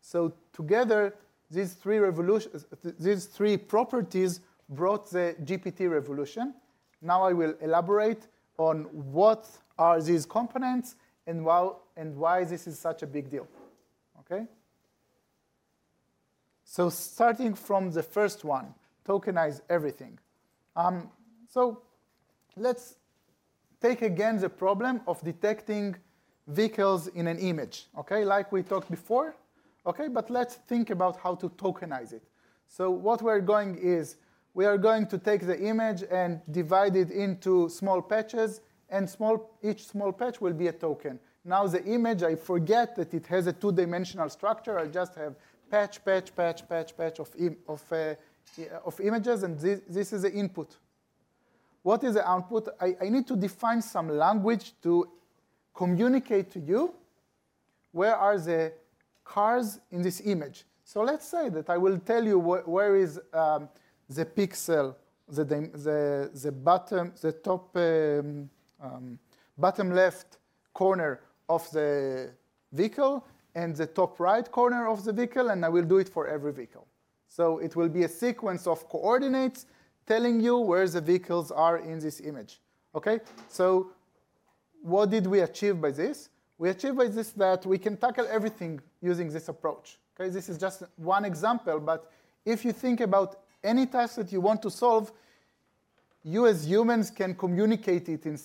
C: So together, these three properties brought the GPT revolution. Now I will elaborate on what are these components and why this is such a big deal. So starting from the first one, tokenize everything. So let's take again the problem of detecting vehicles in an image, like we talked before. But let's think about how to tokenize it. So what we're going is we are going to take the image and divide it into small patches. And each small patch will be a token. Now the image, I forget that it has a two-dimensional structure. I just have patch, patch, patch, patch, patch of images. And this is the input. What is the output? I need to define some language to communicate to you where are the cars in this image. So let's say that I will tell you where is the pixel, the bottom left corner of the vehicle and the top right corner of the vehicle. And I will do it for every vehicle. So it will be a sequence of coordinates telling you where the vehicles are in this image. So what did we achieve by this? We achieved by this that we can tackle everything using this approach. This is just one example. But if you think about any task that you want to solve, you as humans can communicate it in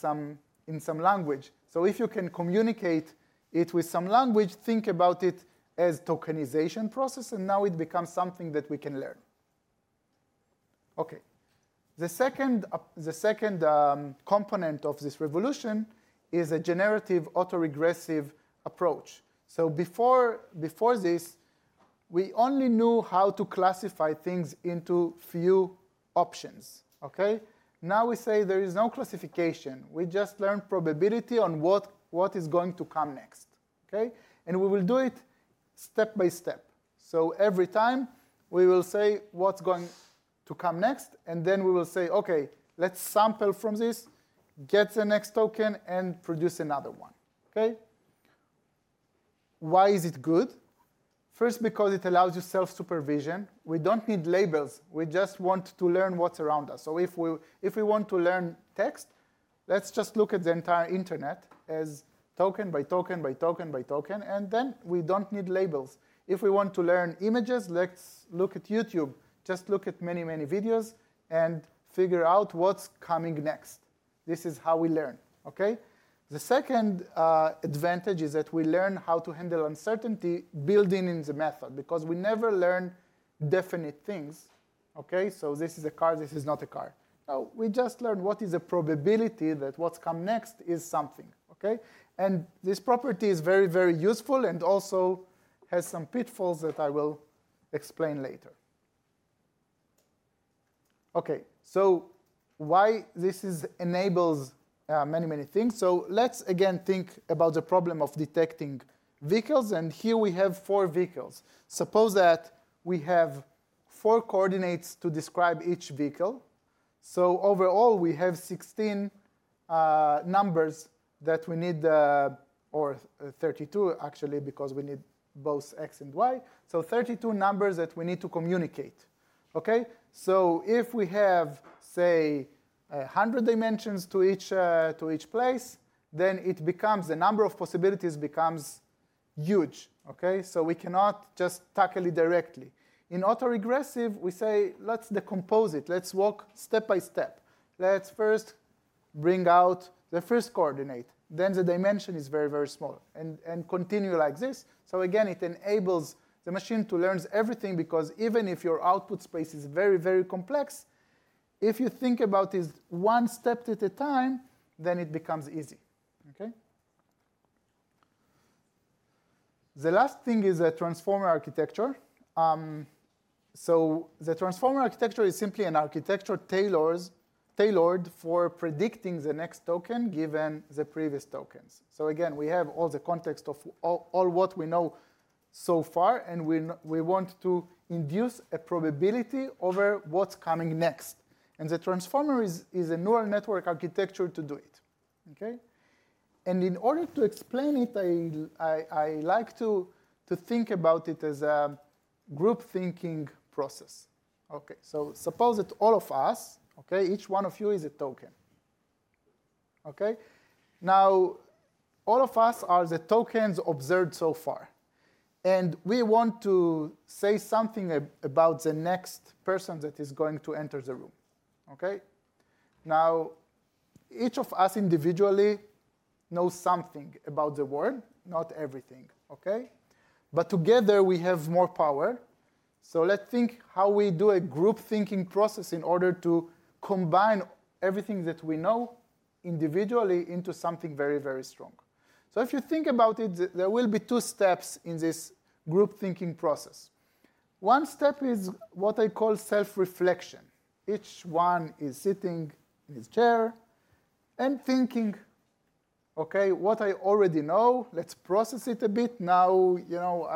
C: some language. So if you can communicate it with some language, think about it as a tokenization process. And now it becomes something that we can learn. The second component of this revolution is a generative autoregressive approach. So before this, we only knew how to classify things into few options. Now we say there is no classification. We just learned probability on what is going to come next. And we will do it step by step. So every time, we will say what's going to come next. And then we will say, "Okay, let's sample from this, get the next token, and produce another one." Why is it good? First, because it allows you self-supervision. We don't need labels. We just want to learn what's around us. So if we want to learn text, let's just look at the entire internet as token by token by token by token. And then we don't need labels. If we want to learn images, let's look at YouTube. Just look at many, many videos and figure out what's coming next. This is how we learn. The second advantage is that we learn how to handle uncertainty building in the method because we never learn definite things. So this is a car. This is not a car. We just learn what is the probability that what's come next is something. And this property is very, very useful and also has some pitfalls that I will explain later. So why this enables many, many things? So let's again think about the problem of detecting vehicles. And here we have four vehicles. Suppose that we have four coordinates to describe each vehicle. So overall, we have 16 numbers that we need, or 32 actually, because we need both X and Y. So 32 numbers that we need to communicate. So if we have, say, 100 dimensions to each place, then the number of possibilities becomes huge. So we cannot just tackle it directly. In autoregressive, we say, "Let's decompose it. Let's walk step by step. Let's first bring out the first coordinate." Then the dimension is very, very small and continue like this. So again, it enables the machine to learn everything because even if your output space is very, very complex, if you think about it one step at a time, then it becomes easy. The last thing is a transformer architecture. So the transformer architecture is simply an architecture tailored for predicting the next token given the previous tokens. So again, we have all the context of all what we know so far. And we want to induce a probability over what's coming next. And the transformer is a neural network architecture to do it. And in order to explain it, I like to think about it as a group thinking process. So suppose that all of us, each one of us is a token. Now all of us are the tokens observed so far. And we want to say something about the next person that is going to enter the room. Now each of us individually knows something about the world, not everything. But together, we have more power. So let's think how we do a group thinking process in order to combine everything that we know individually into something very, very strong. So if you think about it, there will be two steps in this group thinking process. One step is what I call self-reflection. Each one is sitting in his chair and thinking, "Okay, what I already know, let's process it a bit. Now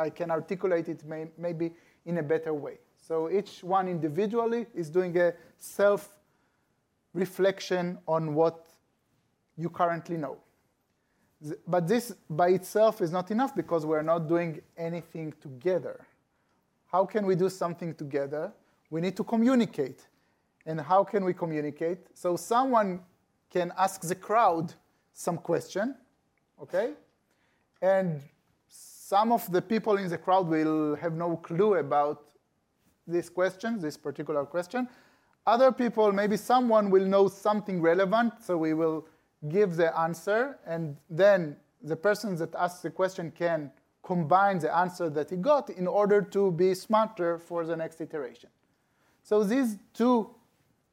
C: I can articulate it maybe in a better way." So each one individually is doing a self-reflection on what you currently know. But this by itself is not enough because we are not doing anything together. How can we do something together? We need to communicate. And how can we communicate? So someone can ask the crowd some question. And some of the people in the crowd will have no clue about this question, this particular question. Other people, maybe someone will know something relevant. So we will give the answer. And then the person that asked the question can combine the answer that he got in order to be smarter for the next iteration. So these two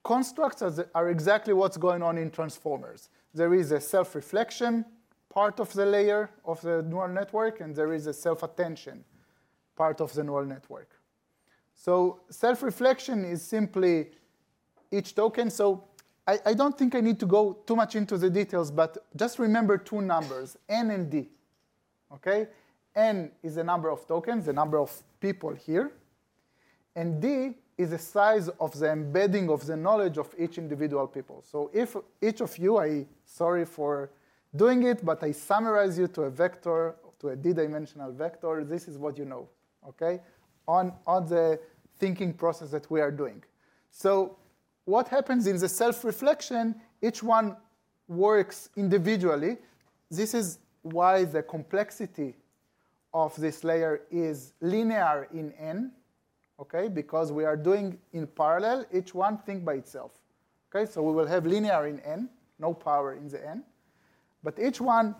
C: constructs are exactly what's going on in transformers. There is a self-reflection part of the layer of the neural network. And there is a self-attention part of the neural network. So self-reflection is simply each token. So I don't think I need to go too much into the details. But just remember two numbers, N and D. N is the number of tokens, the number of people here. And D is the size of the embedding of the knowledge of each individual people. So if each of you, sorry for doing it, but I summarize you to a vector, to a D-dimensional vector, this is what you know on the thinking process that we are doing. So what happens in the self-reflection, each one works individually. This is why the complexity of this layer is linear in N because we are doing in parallel each one thing by itself. So we will have linear in N, no power in the N. But each one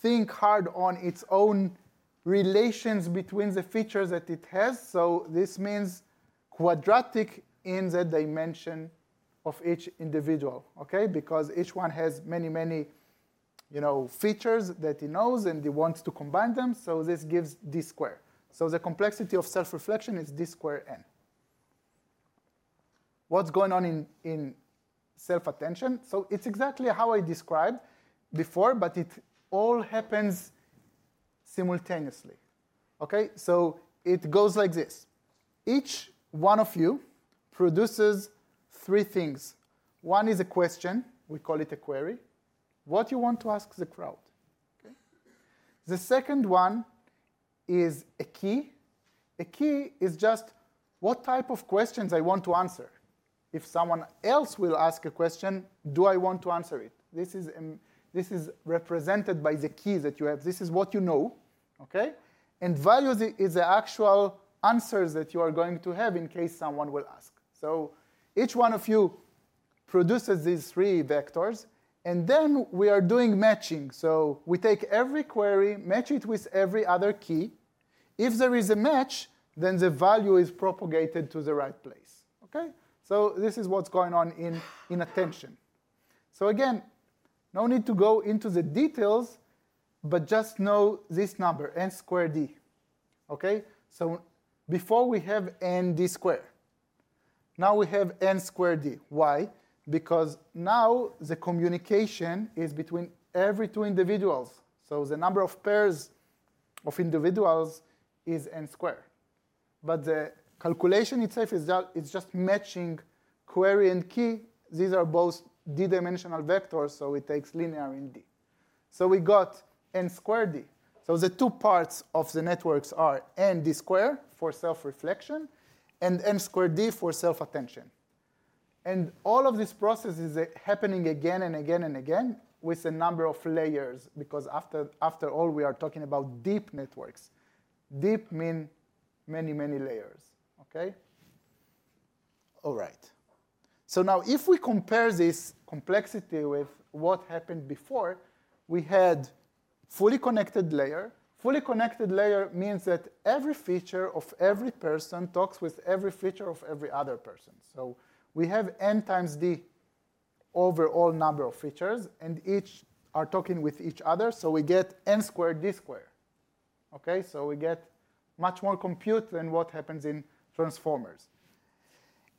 C: thinks hard on its own relations between the features that it has. So this means quadratic in the dimension of each individual because each one has many, many features that he knows. And he wants to combine them. So this gives D squared. So the complexity of self-reflection is D squared N. What's going on in self-attention? So it's exactly how I described before. But it all happens simultaneously. So it goes like this. Each one of you produces three things. One is a question. We call it a query. What do you want to ask the crowd? The second one is a key. A key is just what type of questions I want to answer. If someone else will ask a question, do I want to answer it? This is represented by the key that you have. This is what you know. And value is the actual answers that you are going to have in case someone will ask. So each one of you produces these three vectors. And then we are doing matching. So we take every query, match it with every other key. If there is a match, then the value is propagated to the right place. So this is what's going on in attention. So again, no need to go into the details. But just know this number, N squared D. So before we have N D squared. Now we have N squared D. Why? Because now the communication is between every two individuals. So the number of pairs of individuals is N squared. But the calculation itself is just matching query and key. These are both D-dimensional vectors. So it takes linear in D. So we got N squared D. So the two parts of the networks are N D squared for self-reflection and N squared D for self-attention. And all of this process is happening again and again and again with a number of layers because after all, we are talking about deep networks. Deep means many, many layers. All right. So now if we compare this complexity with what happened before, we had a fully connected layer. Fully connected layer means that every feature of every person talks with every feature of every other person. So we have N times D over all number of features. And each are talking with each other. So we get N squared D squared. So we get much more compute than what happens in transformers.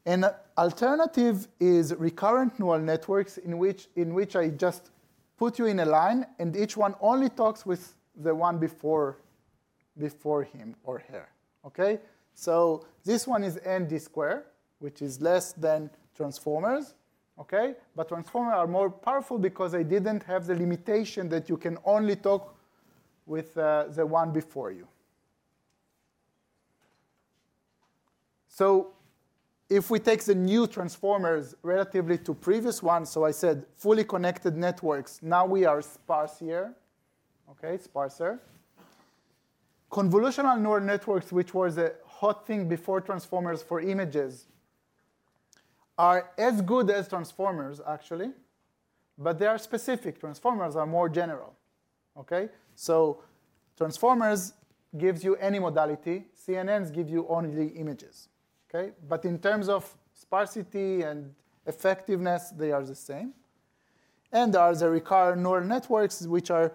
C: An alternative is recurrent neural networks in which I just put you in a line. And each one only talks with the one before him or her. So this one is N D squared, which is less than transformers. But transformers are more powerful because they didn't have the limitation that you can only talk with the one before you. So if we take the new transformers relative to previous ones, so I said fully connected networks, now we are sparser. Convolutional neural networks, which were the hot thing before transformers for images, are as good as transformers, actually. But they are specific. Transformers are more general. So transformers give you any modality. CNNs give you only images. But in terms of sparsity and effectiveness, they are the same. And there are the recurrent neural networks, which are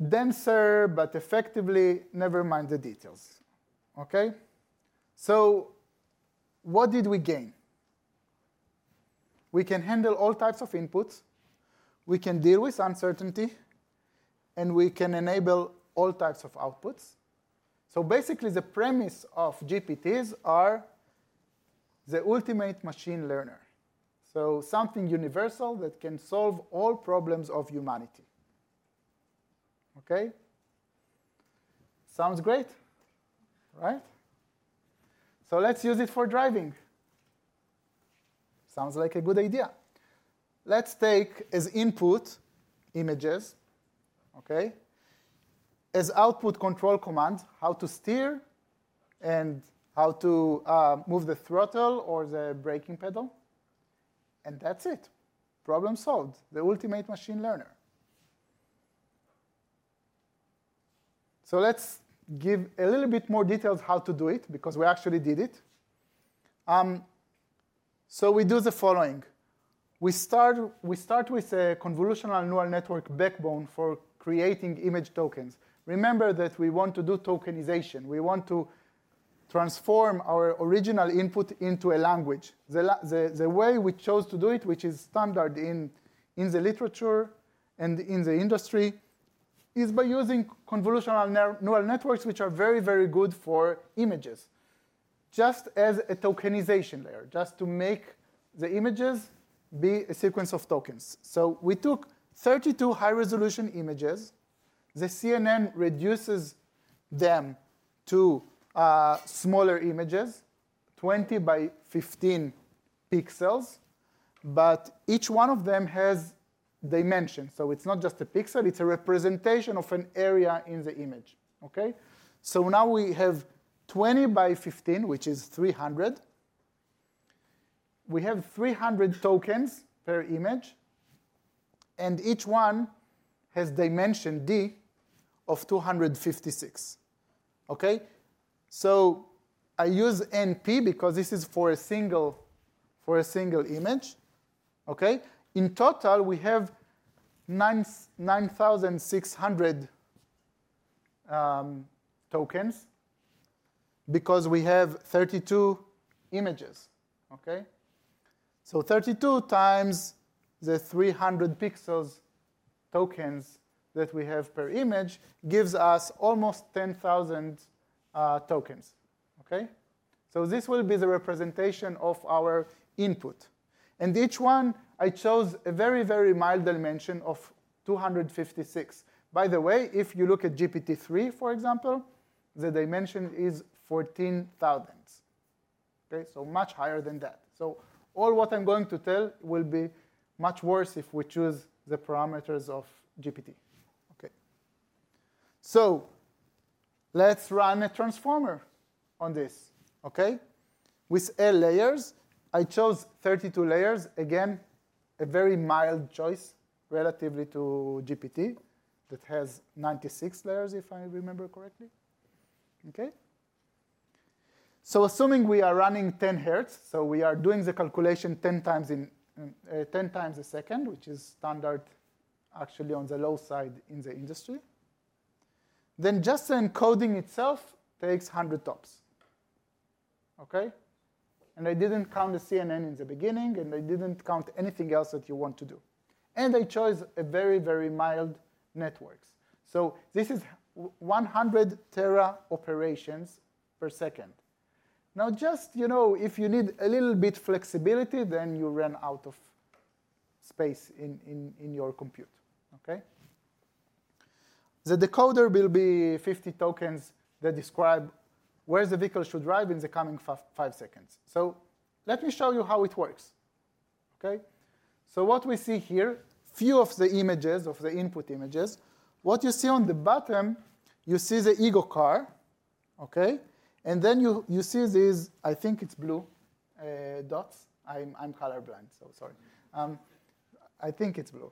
C: denser but effectively, never mind the details. So what did we gain? We can handle all types of inputs. We can deal with uncertainty. And we can enable all types of outputs. So basically, the premise of GPTs are the ultimate machine learner. So something universal that can solve all problems of humanity. Sounds great? Right? So let's use it for driving. Sounds like a good idea. Let's take as input images, as output control commands, how to steer and how to move the throttle or the braking pedal. And that's it. Problem solved. The ultimate machine learner. So let's give a little bit more details how to do it because we actually did it. So we do the following. We start with a convolutional neural network backbone for creating image tokens. Remember that we want to do tokenization. We want to transform our original input into a language. The way we chose to do it, which is standard in the literature and in the industry, is by using convolutional neural networks, which are very, very good for images, just as a tokenization layer, just to make the images be a sequence of tokens. So we took 32 high-resolution images. The CNN reduces them to smaller images, 20 by 15 pixels. But each one of them has dimensions. So it's not just a pixel. It's a representation of an area in the image. So now we have 20 by 15, which is 300. We have 300 tokens per image. And each one has dimension D of 256. So I use NP because this is for a single image. In total, we have 9,600 tokens because we have 32 images. So 32 times the 300 pixel tokens that we have per image gives us almost 10,000 tokens. So this will be the representation of our input. And each one, I chose a very, very mild dimension of 256. By the way, if you look at GPT-3, for example, the dimension is 14,000, so much higher than that. So all what I'm going to tell will be much worse if we choose the parameters of GPT. So let's run a transformer on this with L layers. I chose 32 layers. Again, a very mild choice relative to GPT that has 96 layers, if I remember correctly. So assuming we are running 10 Hertz, so we are doing the calculation 10 times a second, which is standard actually on the low side in the industry, then just the encoding itself takes 100 TOPS. And I didn't count the CNN in the beginning. And I didn't count anything else that you want to do. And I chose a very, very mild network. So this is 100 tera operations per second. Now just if you need a little bit of flexibility, then you run out of space in your compute. The decoder will be 50 tokens that describe where the vehicle should drive in the coming five seconds. So let me show you how it works. So what we see here, a few of the images of the input images, what you see on the bottom, you see the ego car. And then you see these, I think it's blue dots. I'm colorblind. So sorry. I think it's blue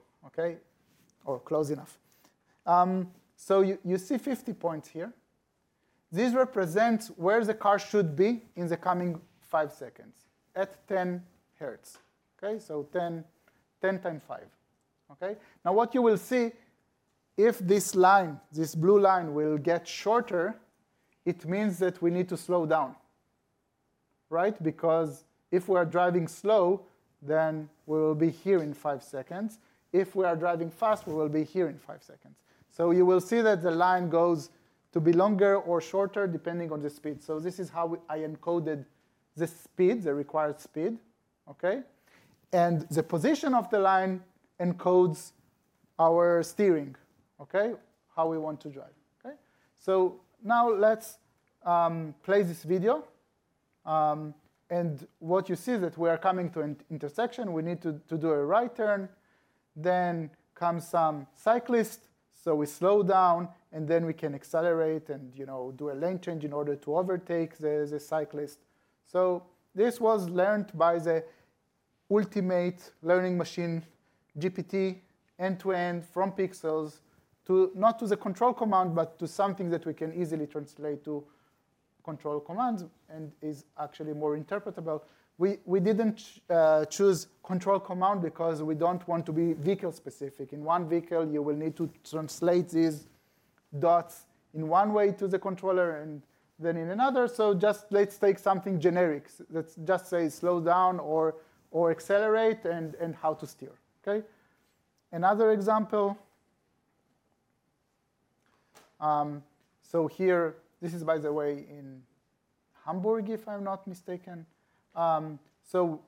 C: or close enough. So you see 50 points here. These represent where the car should be in the coming five seconds at 10 Hertz, so 10 times 5. Now what you will see, if this line, this blue line will get shorter, it means that we need to slow down because if we are driving slow, then we will be here in five seconds. If we are driving fast, we will be here in five seconds, so you will see that the line goes to be longer or shorter depending on the speed, so this is how I encoded the speed, the required speed, and the position of the line encodes our steering, how we want to drive, so now let's play this video, and what you see is that we are coming to an intersection. We need to do a right turn, then comes some cyclist, so we slow down, and then we can accelerate and do a lane change in order to overtake the cyclist. So this was learned by the ultimate learning machine, GPT, end to end from pixels, not to the control command, but to something that we can easily translate to control commands and is actually more interpretable. We didn't choose control command because we don't want to be vehicle specific. In one vehicle, you will need to translate these dots in one way to the controller and then in another. So just let's take something generic that just says slow down or accelerate and how to steer. Another example. So here, this is, by the way, in Hamburg, if I'm not mistaken. So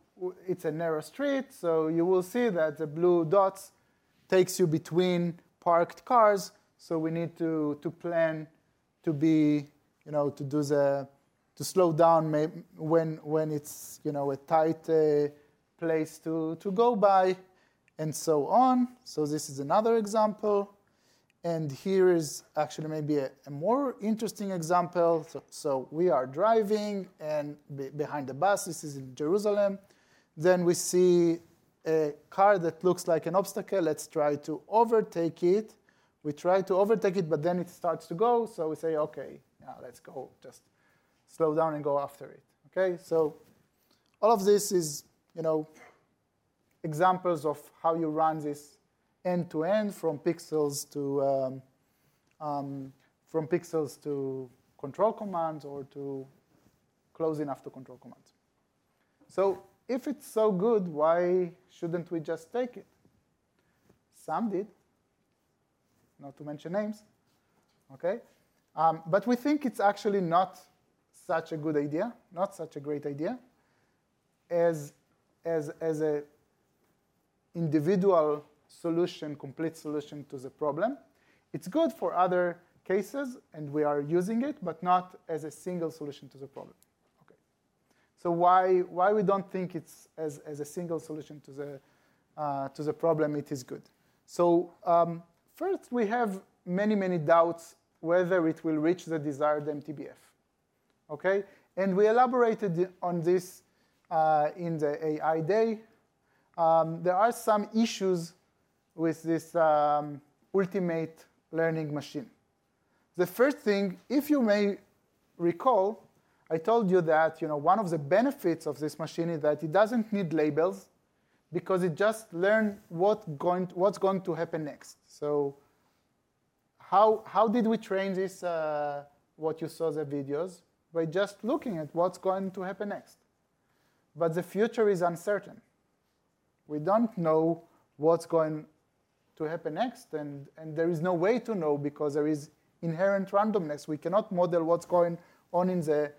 C: it's a narrow street. So you will see that the blue dots take you between parked cars. So we need to plan to do the slow down when it's a tight place to go by and so on. So this is another example. Here is actually maybe a more interesting example. We are driving behind a bus. This is in Jerusalem. Then we see a car that looks like an obstacle. Let's try to overtake it. We try to overtake it. Then it starts to go. We say, OK, let's go just slow down and go after it. All of this is examples of how you run this end-to-end from pixels to control commands or to close enough to control commands. If it's so good, why shouldn't we just take it? Some did, not to mention names. We think it's actually not such a good idea, not such a great idea as an individual solution, complete solution to the problem. It's good for other cases. We are using it, but not as a single solution to the problem. So why we don't think it's a single solution to the problem, it is good. First, we have many, many doubts whether it will reach the desired MTBF. We elaborated on this in the AI Day. There are some issues with this end-to-end learning machine. The first thing, if you may recall, I told you that one of the benefits of this machine is that it doesn't need labels because it just learns what's going to happen next. How did we train this, what you saw in the videos? By just looking at what's going to happen next. But the future is uncertain. We don't know what's going to happen next. There is no way to know because there is inherent randomness. We cannot model what's going on in the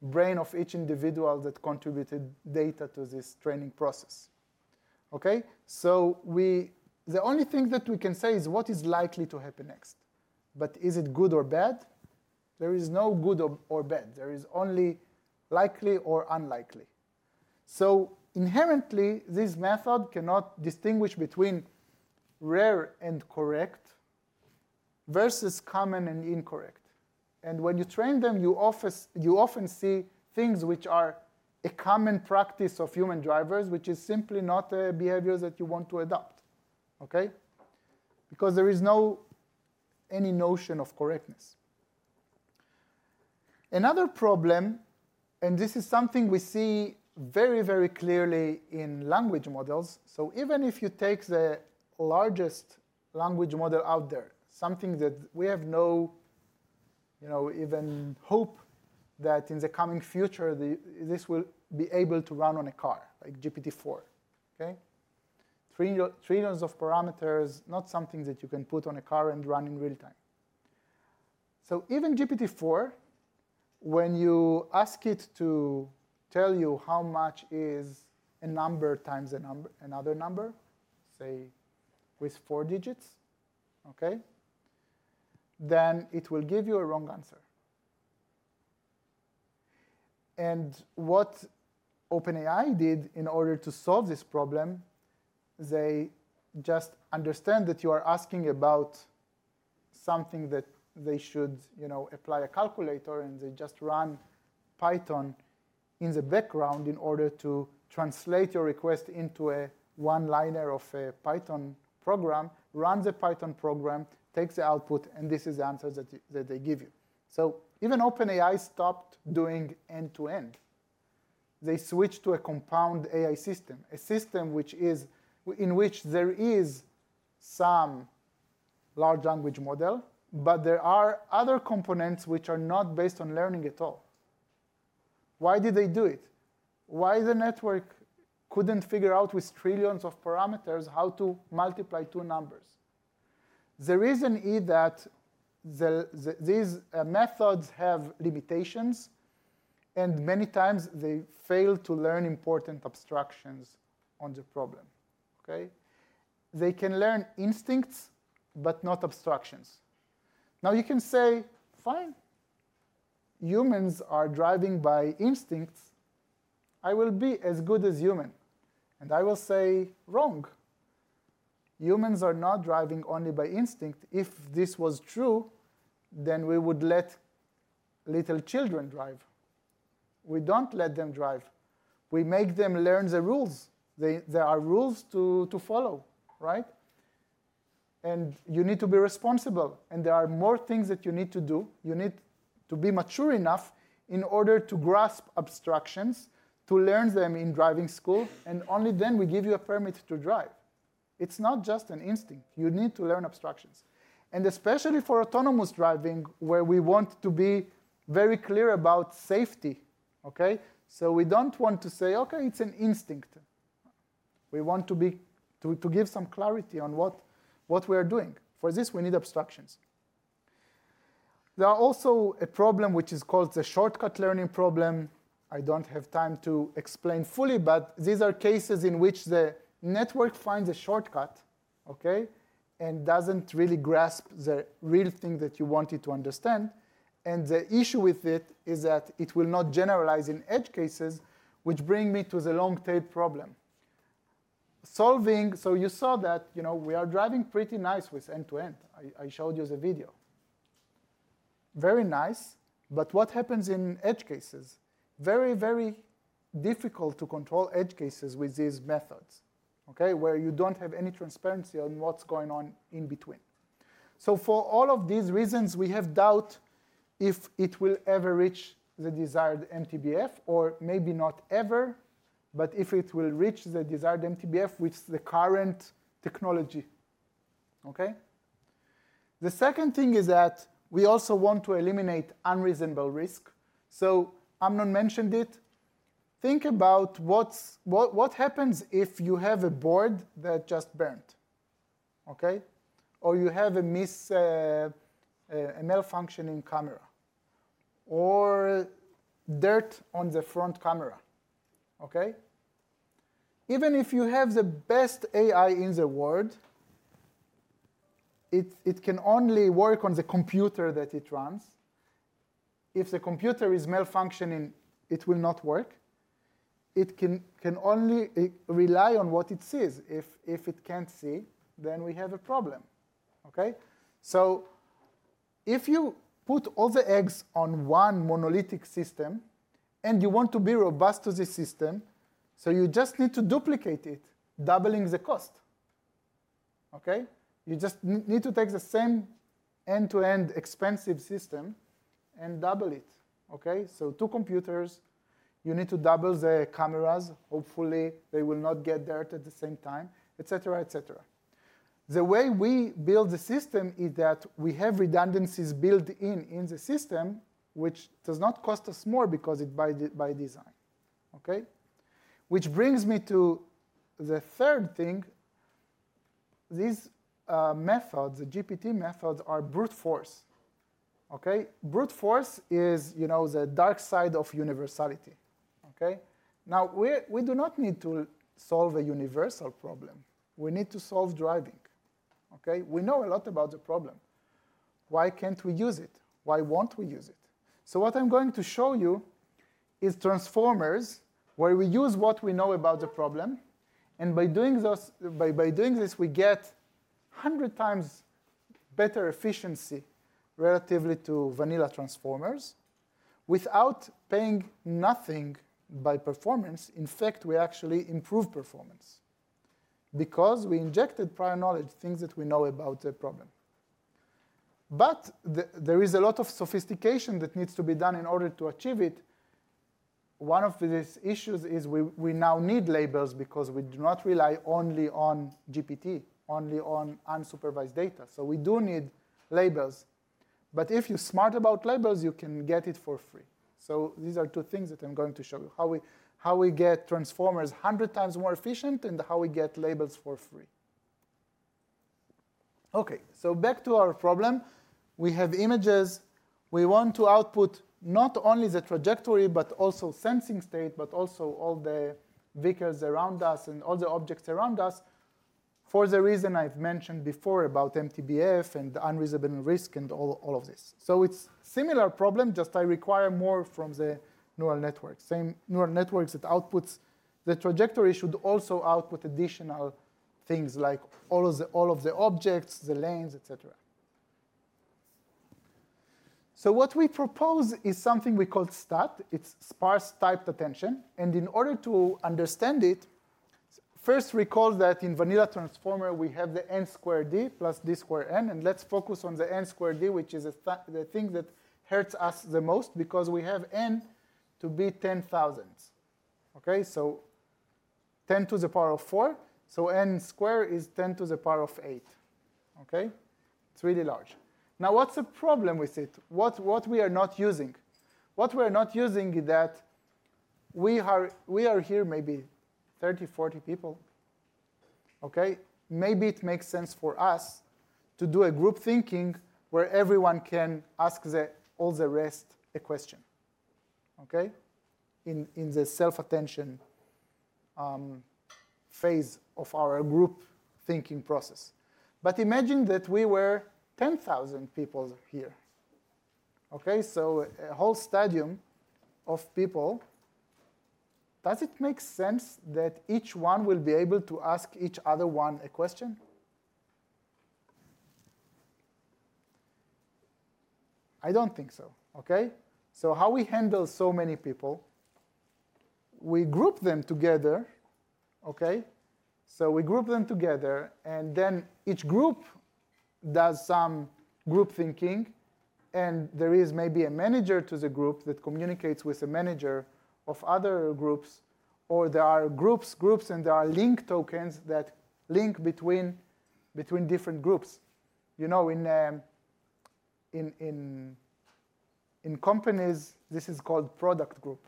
C: brain of each individual that contributed data to this training process. So the only thing that we can say is what is likely to happen next. But is it good or bad? There is no good or bad. There is only likely or unlikely. So inherently, this method cannot distinguish between rare and correct versus common and incorrect. And when you train them, you often see things which are a common practice of human drivers, which is simply not a behavior that you want to adopt because there is no notion of correctness. Another problem, and this is something we see very, very clearly in language models. So even if you take the largest language model out there, something that we have no even hope that in the coming future this will be able to run on a car like GPT-4, trillions of parameters, not something that you can put on a car and run in real time. So even GPT-4, when you ask it to tell you how much is a number times another number, say with four digits, then it will give you a wrong answer. And what OpenAI did in order to solve this problem, they just understand that you are asking about something that they should apply a calculator. And they just run Python in the background in order to translate your request into a one-liner of a Python program, run the Python program, take the output, and this is the answer that they give you. So even OpenAI stopped doing end-to-end. They switched to a compound AI system, a system in which there is some large language model. But there are other components which are not based on learning at all. Why did they do it? Why the network couldn't figure out with trillions of parameters how to multiply two numbers? The reason is that these methods have limitations. And many times, they fail to learn important abstractions on the problem. They can learn instincts but not abstractions. Now you can say, fine, humans are driving by instincts. I will be as good as human. And I will say, wrong. Humans are not driving only by instinct. If this was true, then we would let little children drive. We don't let them drive. We make them learn the rules. There are rules to follow. And you need to be responsible. And there are more things that you need to do. You need to be mature enough in order to grasp abstractions, to learn them in driving school. And only then we give you a permit to drive. It's not just an instinct. You need to learn abstractions, and especially for autonomous driving, where we want to be very clear about safety. So we don't want to say, OK, it's an instinct. We want to give some clarity on what we are doing. For this, we need abstractions. There is also a problem which is called the shortcut learning problem. I don't have time to explain fully. But these are cases in which the network finds a shortcut and doesn't really grasp the real thing that you want it to understand. And the issue with it is that it will not generalize in edge cases, which brings me to the long-tail problem. So you saw that we are driving pretty nice with end to end. I showed you the video. Very nice. But what happens in edge cases? Very, very difficult to control edge cases with these methods where you don't have any transparency on what's going on in between. So for all of these reasons, we have doubt if it will ever reach the desired MTBF or maybe not ever, but if it will reach the desired MTBF with the current technology. The second thing is that we also want to eliminate unreasonable risk. So Amnon mentioned it. Think about what happens if you have a board that just burned or you have a malfunctioning camera or dirt on the front camera. Even if you have the best AI in the world, it can only work on the computer that it runs. If the computer is malfunctioning, it will not work. It can only rely on what it sees. If it can't see, then we have a problem. So if you put all the eggs on one monolithic system and you want to be robust to this system, so you just need to duplicate it, doubling the cost. You just need to take the same end-to-end expensive system and double it. So two computers, you need to double the cameras. Hopefully, they will not get dirt at the same time, et cetera, et cetera. The way we build the system is that we have redundancies built in the system, which does not cost us more because it's by design, which brings me to the third thing. These methods, the GPT methods, are brute force. Brute force is the dark side of universality. Now we do not need to solve a universal problem. We need to solve driving. We know a lot about the problem. Why can't we use it? Why won't we use it? So what I'm going to show you is transformers where we use what we know about the problem. By doing this, we get 100 times better efficiency relative to vanilla transformers without paying nothing by performance. In fact, we actually improve performance because we injected prior knowledge, things that we know about the problem. There is a lot of sophistication that needs to be done in order to achieve it. One of these issues is we now need labels because we do not rely only on GPT, only on unsupervised data. We do need labels. If you're smart about labels, you can get it for free. These are two things that I'm going to show you: how we get transformers 100 times more efficient and how we get labels for free. OK, back to our problem. We have images. We want to output not only the trajectory but also sensing state, but also all the vehicles around us and all the objects around us for the reason I've mentioned before about MTBF and unreasonable risk and all of this. So it's a similar problem, just I require more from the neural network. Same neural network that outputs the trajectory should also output additional things like all of the objects, the lanes, et cetera. So what we propose is something we call STAT. It's Sparse Typed Attention. And in order to understand it, first recall that in vanilla transformer, we have the n squared d plus d squared n. And let's focus on the n squared d, which is the thing that hurts us the most because we have n to be 10,000, so 10 to the power of 4. So n squared is 10 to the power of 8. It's really large. Now what's the problem with it? What we are not using? What we are not using is that we are here maybe 30-40 people. Maybe it makes sense for us to do a group thinking where everyone can ask all the rest a question in the self-attention phase of our group thinking process. But imagine that we were 10,000 people here, so a whole stadium of people. Does it make sense that each one will be able to ask each other one a question? I don't think so. So how we handle so many people? We group them together. So we group them together. And then each group does some group thinking. And there is maybe a manager to the group that communicates with a manager of other groups. Or there are groups, groups, and there are link tokens that link between different groups. In companies, this is called product group.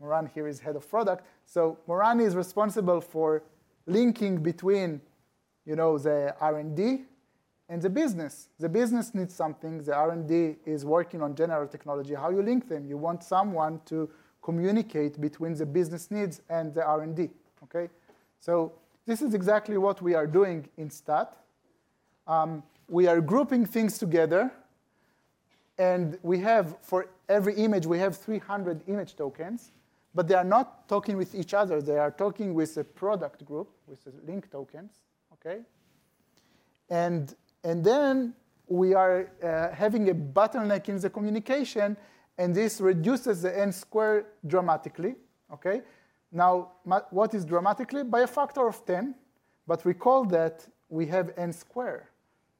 C: Moran here is head of product. So Moran is responsible for linking between the R&D and the business. The business needs something. The R&D is working on general technology. How do you link them? You want someone to communicate between the business needs and the R&D. So this is exactly what we are doing in STAT. We are grouping things together. And for every image, we have 300 image tokens. But they are not talking with each other. They are talking with the product group, with the link tokens. And then we are having a bottleneck in the communication. And this reduces the n squared dramatically. Now what is dramatically? By a factor of 10. But recall that we have n squared.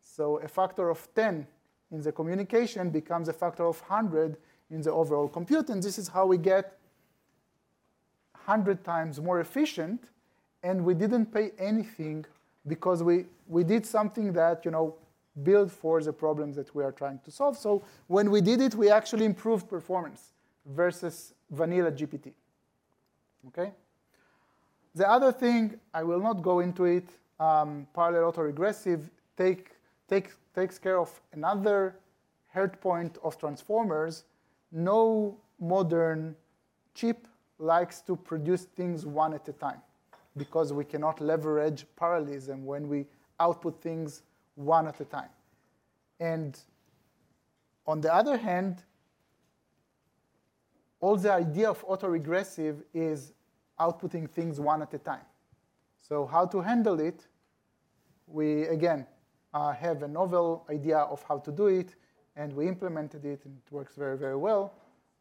C: So a factor of 10 in the communication becomes a factor of 100 in the overall compute. And this is how we get 100 times more efficient. And we didn't pay anything because we did something that built for the problems that we are trying to solve. So when we did it, we actually improved performance versus vanilla GPT. The other thing, I will not go into it, parallel autoregressive takes care of another hurt point of transformers. No modern chip likes to produce things one at a time because we cannot leverage parallelism when we output things one at a time. And on the other hand, all the idea of autoregressive is outputting things one at a time. So how to handle it? We, again, have a novel idea of how to do it. And we implemented it. And it works very, very well.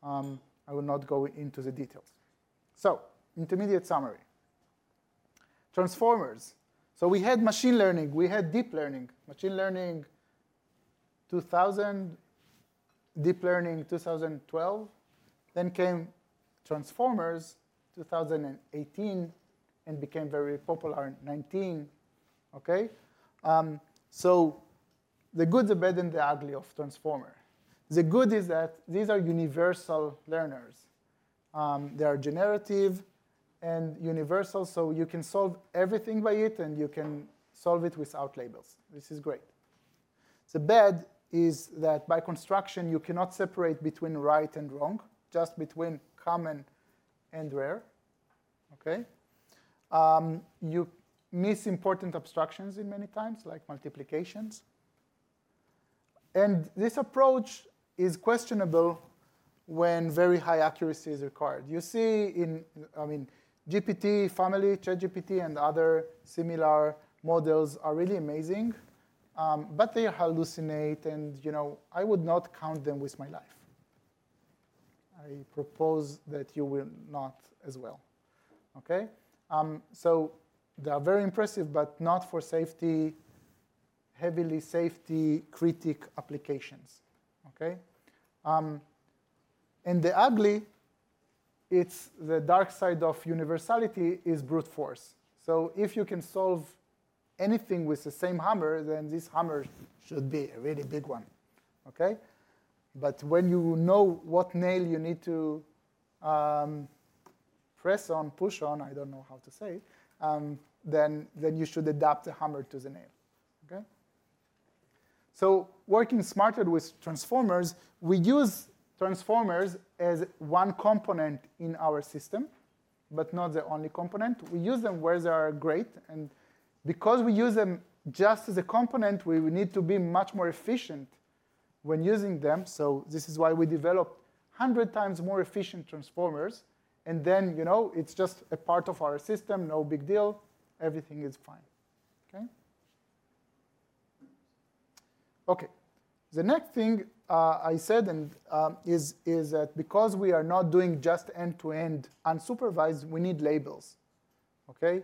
C: I will not go into the details. So intermediate summary. Transformers. So we had machine learning. We had deep learning, machine learning 2000, deep learning 2012. Then came transformers 2018 and became very popular in 2019. The good, the bad, and the ugly of transformers. The good is that these are universal learners. They are generative and universal. You can solve everything by it. You can solve it without labels. This is great. The bad is that by construction, you cannot separate between right and wrong, just between common and rare. You miss important abstractions many times, like multiplications. This approach is questionable when very high accuracy is required. You see, GPT family, ChatGPT, and other similar models are really amazing. But they hallucinate. I would not count them with my life. I propose that you will not as well. They are very impressive but not for safety, heavily safety-critical applications. The ugly: it's the dark side of universality, brute force. So if you can solve anything with the same hammer, then this hammer should be a really big one. But when you know what nail you need to press on, push on, I don't know how to say it, then you should adapt the hammer to the nail. So working smarter with transformers, we use transformers as one component in our system, but not the only component. We use them where they are great. And because we use them just as a component, we need to be much more efficient when using them. So this is why we developed 100 times more efficient transformers. And then it's just a part of our system, no big deal. Everything is fine. OK, the next thing I said is that because we are not doing just end-to-end unsupervised, we need labels. When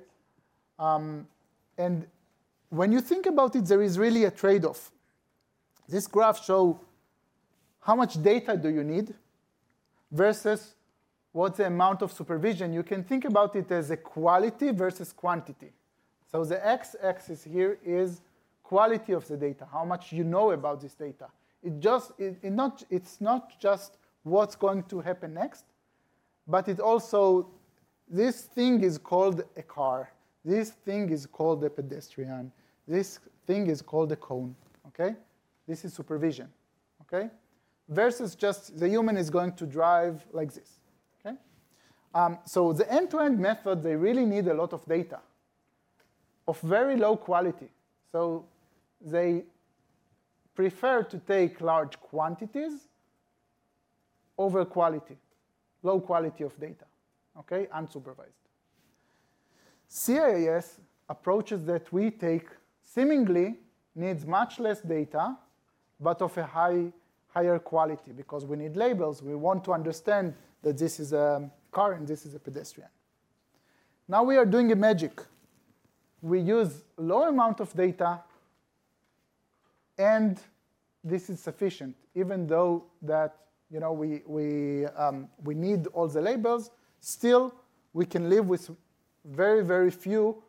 C: you think about it, there is really a trade-off. This graph shows how much data do you need versus what's the amount of supervision. You can think about it as quality versus quantity. So the x-axis here is quality of the data, how much you know about this data. It's not just what's going to happen next, but also this thing is called a car. This thing is called a pedestrian. This thing is called a cone. This is supervision versus just the human is going to drive like this. So the end-to-end method, they really need a lot of data of very low quality. So they prefer to take large quantities over quality, low quality of data, unsupervised. These approaches that we take seemingly need much less data but of a higher quality because we need labels. We want to understand that this is a car and this is a pedestrian. Now we are doing a magic. We use a low amount of data, and this is sufficient. Even though that we need all the labels, still we can live with very, very few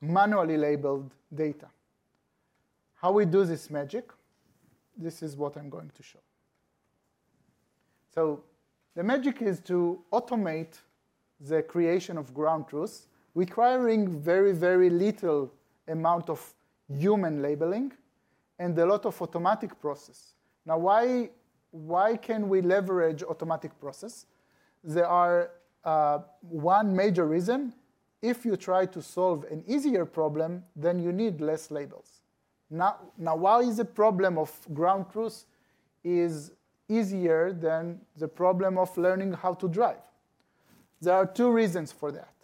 C: manually labeled data. How we do this magic? This is what I'm going to show, so the magic is to automate the creation of ground truth, requiring very, very little amount of human labeling and a lot of automatic process. Now why can we leverage automatic process? There are one major reason. If you try to solve an easier problem, then you need less labels. Now why is the problem of ground truth easier than the problem of learning how to drive? There are two reasons for that.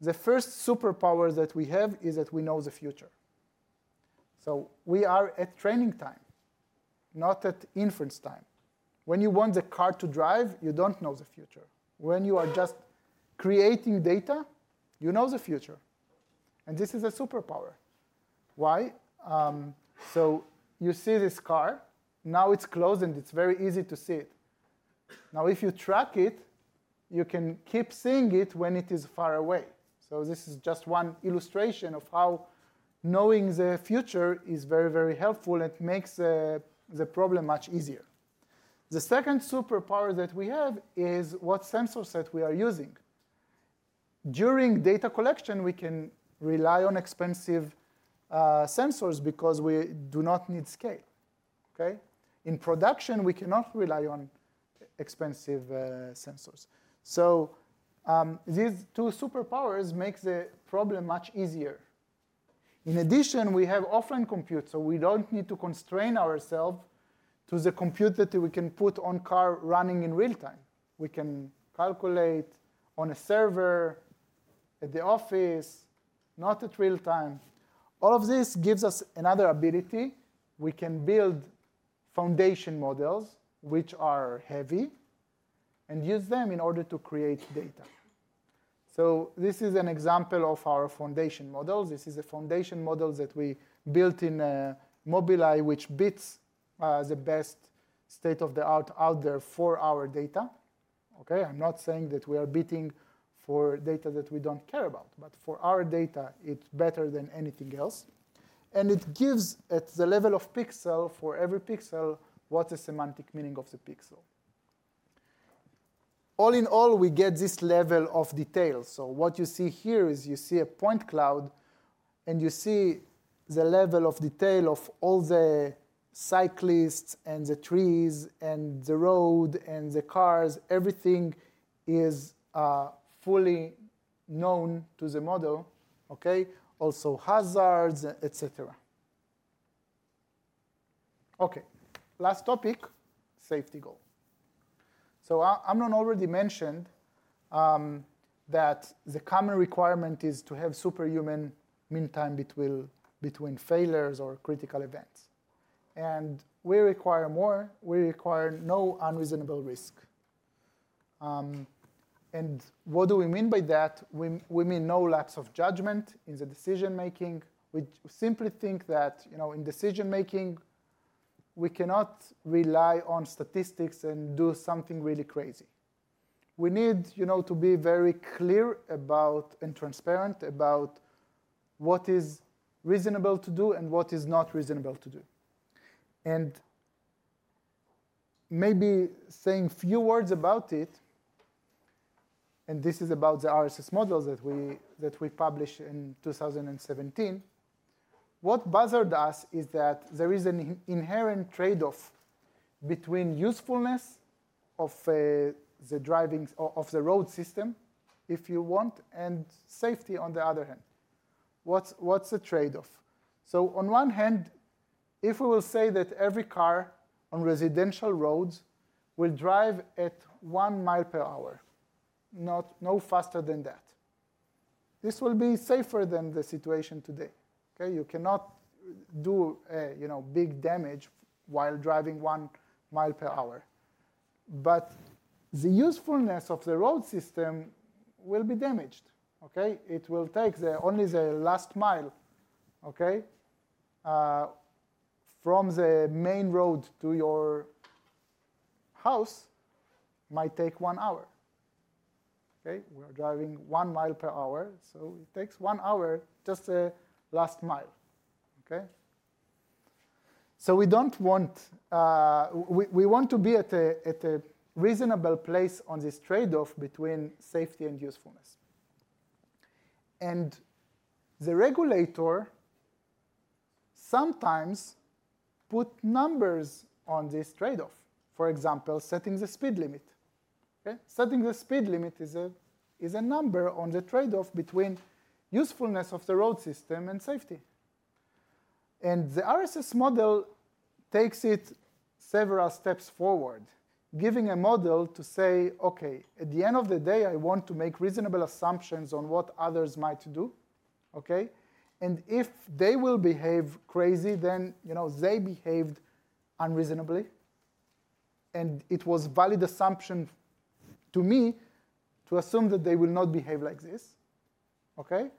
C: The first superpower that we have is that we know the future. So we are at training time, not at inference time. When you want the car to drive, you don't know the future. When you are just creating data, you know the future. And this is a superpower. Why? So you see this car. Now it's close. And it's very easy to see it. Now if you track it, you can keep seeing it when it is far away. So this is just one illustration of how knowing the future is very, very helpful and makes the problem much easier. The second superpower that we have is what sensors that we are using. During data collection, we can rely on expensive sensors because we do not need scale. In production, we cannot rely on expensive sensors. So these two superpowers make the problem much easier. In addition, we have offline compute. So we don't need to constrain ourselves to the compute that we can put on car running in real time. We can calculate on a server at the office, not at real time. All of this gives us another ability. We can build foundation models, which are heavy, and use them in order to create data. So this is an example of our foundation models. This is a foundation model that we built in Mobileye, which beats the best state of the art out there for our data. I'm not saying that we are beating for data that we don't care about. But for our data, it's better than anything else. And it gives at the level of pixel for every pixel what the semantic meaning of the pixel. All in all, we get this level of detail. So what you see here is you see a point cloud. And you see the level of detail of all the cyclists and the trees and the road and the cars. Everything is fully known to the model, also hazards, et cetera. OK, last topic, safety goal. So Amnon already mentioned that the common requirement is to have superhuman mean time between failures or critical events. And we require more. We require no unreasonable risk. And what do we mean by that? We mean no lack of judgment in the decision making. We simply think that in decision making, we cannot rely on statistics and do something really crazy. We need to be very clear and transparent about what is reasonable to do and what is not reasonable to do. And maybe saying a few words about it, and this is about the RSS models that we published in 2017. What bothered us is that there is an inherent trade-off between usefulness of the road system, if you want, and safety on the other hand. What's the trade-off? So on one hand, if we will say that every car on residential roads will drive at one mile per hour, no faster than that, this will be safer than the situation today. You cannot do big damage while driving one mile per hour. But the usefulness of the road system will be damaged. It will take only the last mile from the main road to your house might take one hour. We are driving one mile per hour. So it takes one hour just the last mile. So we want to be at a reasonable place on this trade-off between safety and usefulness. And the regulator sometimes puts numbers on this trade-off, for example, setting the speed limit. Setting the speed limit is a number on the trade-off between usefulness of the road system and safety. And the RSS model takes it several steps forward, giving a model to say, OK, at the end of the day, I want to make reasonable assumptions on what others might do. And if they will behave crazy, then they behaved unreasonably. And it was a valid assumption to me to assume that they will not behave like this. But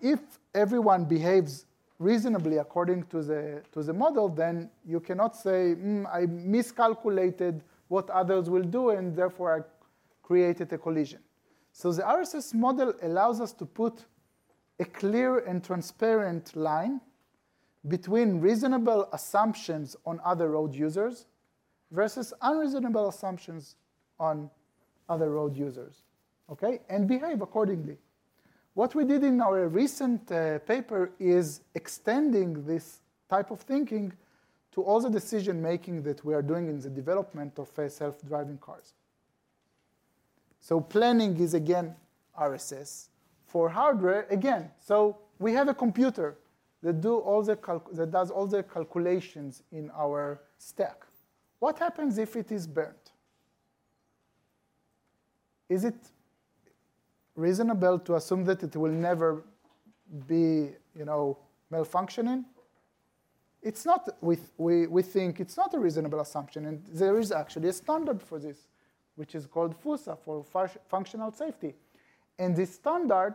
C: if everyone behaves reasonably according to the model, then you cannot say, I miscalculated what others will do. And therefore, I created a collision. So the RSS model allows us to put a clear and transparent line between reasonable assumptions on other road users versus unreasonable assumptions on other road users and behave accordingly. What we did in our recent paper is extending this type of thinking to all the decision making that we are doing in the development of self-driving cars. So planning is, again, RSS. For hardware, again, so we have a computer that does all the calculations in our stack. What happens if it is burnt? Is it reasonable to assume that it will never be malfunctioning? We think it's not a reasonable assumption. And there is actually a standard for this, which is called FuSa for functional safety. And this standard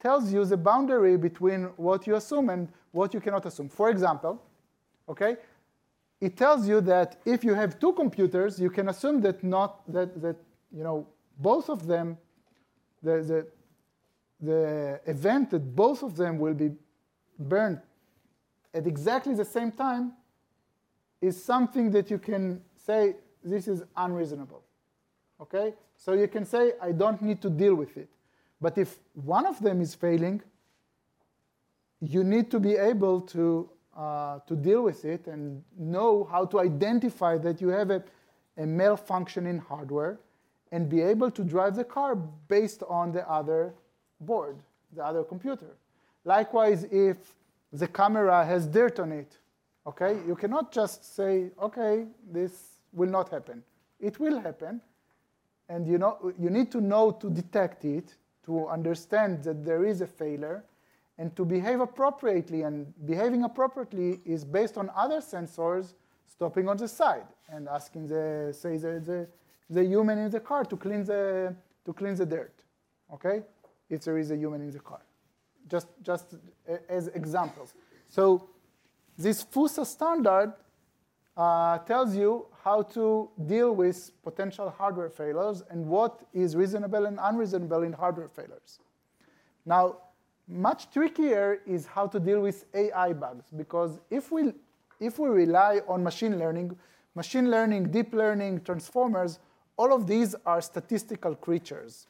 C: tells you the boundary between what you assume and what you cannot assume. For example, it tells you that if you have two computers, you can assume that both of them, the event that both of them will be burnt at exactly the same time is something that you can say this is unreasonable. So you can say, I don't need to deal with it. But if one of them is failing, you need to be able to deal with it and know how to identify that you have a malfunctioning hardware and be able to drive the car based on the other board, the other computer. Likewise, if the camera has dirt on it, you cannot just say, OK, this will not happen. It will happen, and you need to know to detect it, to understand that there is a failure, and to behave appropriately. Behaving appropriately is based on other sensors stopping on the side and asking the human in the car to clean the dirt. If there is a human in the car, just as examples. This FuSa standard tells you how to deal with potential hardware failures and what is reasonable and unreasonable in hardware failures. Now, much trickier is how to deal with AI bugs. Because if we rely on machine learning, machine learning, deep learning, transformers, all of these are statistical creatures.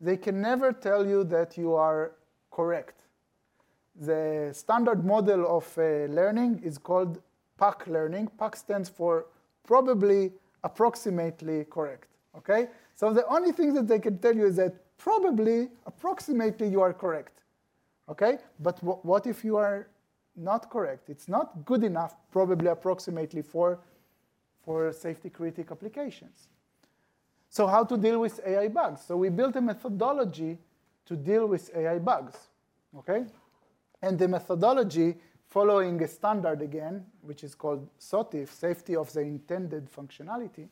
C: They can never tell you that you are correct. The standard model of learning is called PAC learning. PAC stands for probably, approximately correct. The only thing that they can tell you is that probably, approximately you are correct. What if you are not correct? It's not good enough, probably, approximately for safety-critical applications. How to deal with AI bugs? So we built a methodology to deal with AI bugs. And the methodology, following a standard again, which is called SOTIF, safety of the intended functionality,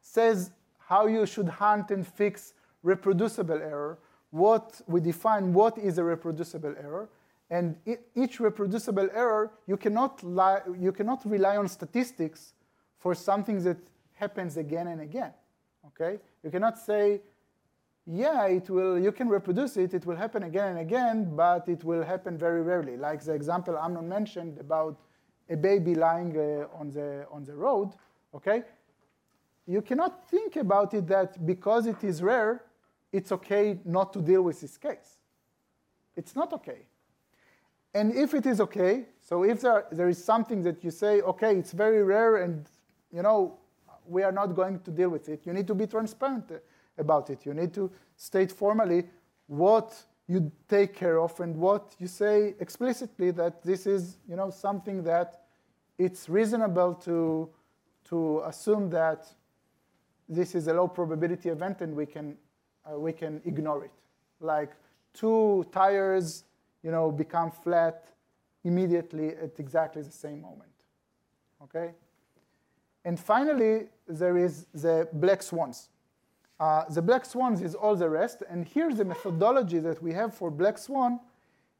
C: says how you should hunt and fix reproducible error, what we define what is a reproducible error. And each reproducible error, you cannot rely on statistics for something that happens again and again. You cannot say, yeah, you can reproduce it. It will happen again and again. But it will happen very rarely, like the example Amnon mentioned about a baby lying on the road. You cannot think about it that because it is rare, it's OK not to deal with this case. It's not OK. And if it is OK, so if there is something that you say, OK, it's very rare. And we are not going to deal with it, you need to be transparent about it. You need to state formally what you take care of and what you say explicitly that this is something that it's reasonable to assume that this is a low probability event. And we can ignore it, like two tires become flat immediately at exactly the same moment. And finally, there is the black swans. The black swans is all the rest. And here's the methodology that we have for black swan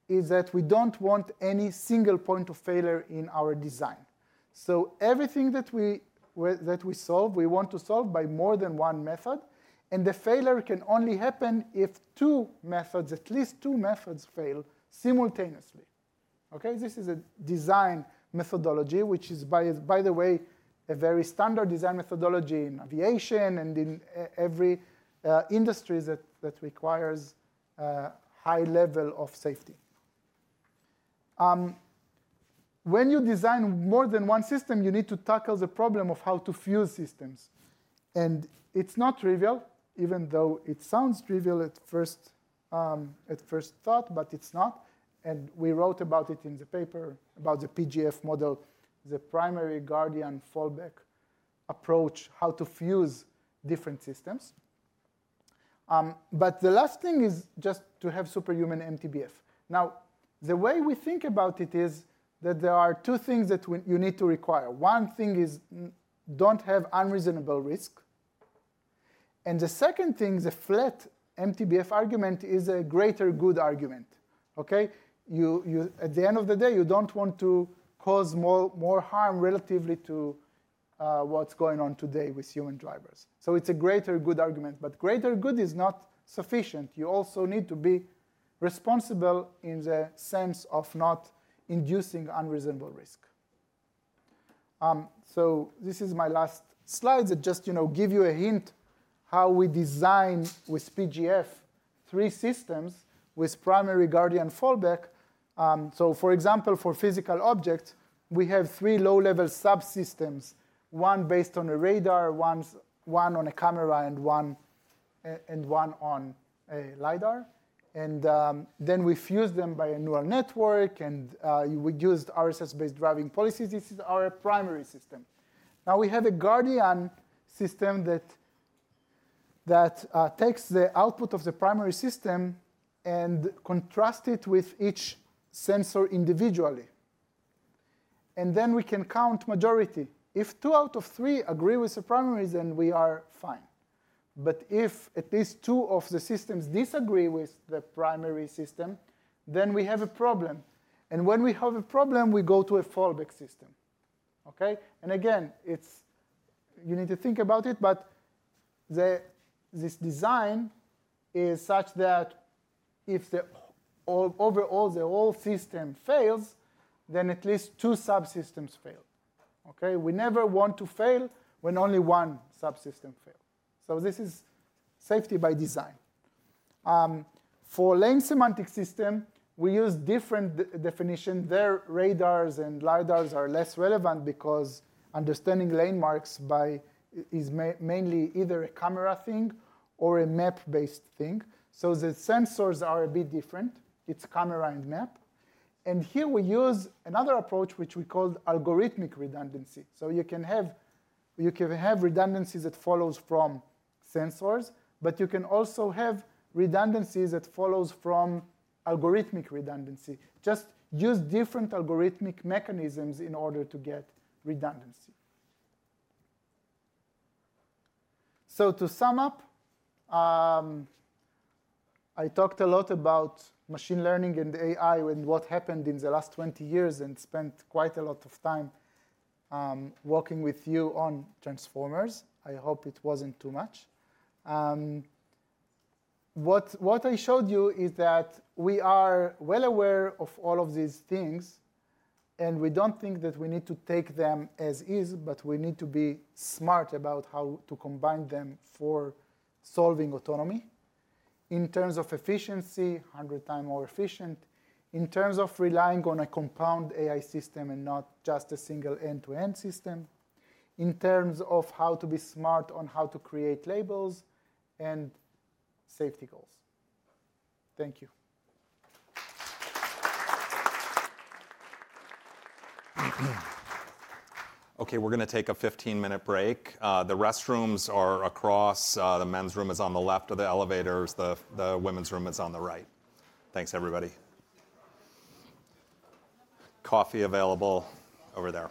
C: is that we don't want any single point of failure in our design. So everything that we solve, we want to solve by more than one method. And the failure can only happen if two methods, at least two methods, fail simultaneously. This is a design methodology, which is, by the way, a very standard design methodology in aviation and in every industry that requires a high level of safety. When you design more than one system, you need to tackle the problem of how to fuse systems. And it's not trivial, even though it sounds trivial at first thought. But it's not. And we wrote about it in the paper, about the PGF model, the Primary Guardian Fallback approach, how to fuse different systems. But the last thing is just to have superhuman MTBF. Now, the way we think about it is that there are two things that you need to require. One thing is don't have unreasonable risk. And the second thing, the flat MTBF argument is a greater good argument. At the end of the day, you don't want to cause more harm relatively to what's going on today with human drivers. So it's a greater good argument. But greater good is not sufficient. You also need to be responsible in the sense of not inducing unreasonable risk, so this is my last slide that just gives you a hint how we design with PGF three systems with Primary Guardian Fallback. So, for example, for physical objects, we have three low-level subsystems, one based on a radar, one on a camera, and one on a LiDAR, and then we fuse them by a neural network, and we used RSS-based driving policies. This is our primary system. Now, we have a guardian system that takes the output of the primary system and contrasts it with each sensor individually, and then we can count majority. If two out of three agree with the primary, then we are fine, but if at least two of the systems disagree with the primary system, then we have a problem. And when we have a problem, we go to a fallback system. And again, you need to think about it. But this design is such that if overall the whole system fails, then at least two subsystems fail. We never want to fail when only one subsystem fails. So this is safety by design. For lane semantic system, we use different definitions. Their radars and LiDARs are less relevant because understanding lane marks is mainly either a camera thing or a map-based thing. So the sensors are a bit different. It's camera and map. And here we use another approach, which we call algorithmic redundancy. So you can have redundancies that follow from sensors. But you can also have redundancies that follow from algorithmic redundancy. Just use different algorithmic mechanisms in order to get redundancy. So to sum up, I talked a lot about machine learning and AI and what happened in the last 20 years. And spent quite a lot of time working with you on transformers. I hope it wasn't too much. What I showed you is that we are well aware of all of these things. And we don't think that we need to take them as is. But we need to be smart about how to combine them for solving autonomy in terms of efficiency, 100 times more efficient, in terms of relying on a compound AI system and not just a single end-to-end system, in terms of how to be smart on how to create labels and safety goals. Thank you.
A: OK, we're going to take a 15-minute break. The restrooms are across. The men's room is on the left of the elevators. The women's room is on the right. Thanks, everybody. Coffee available over there.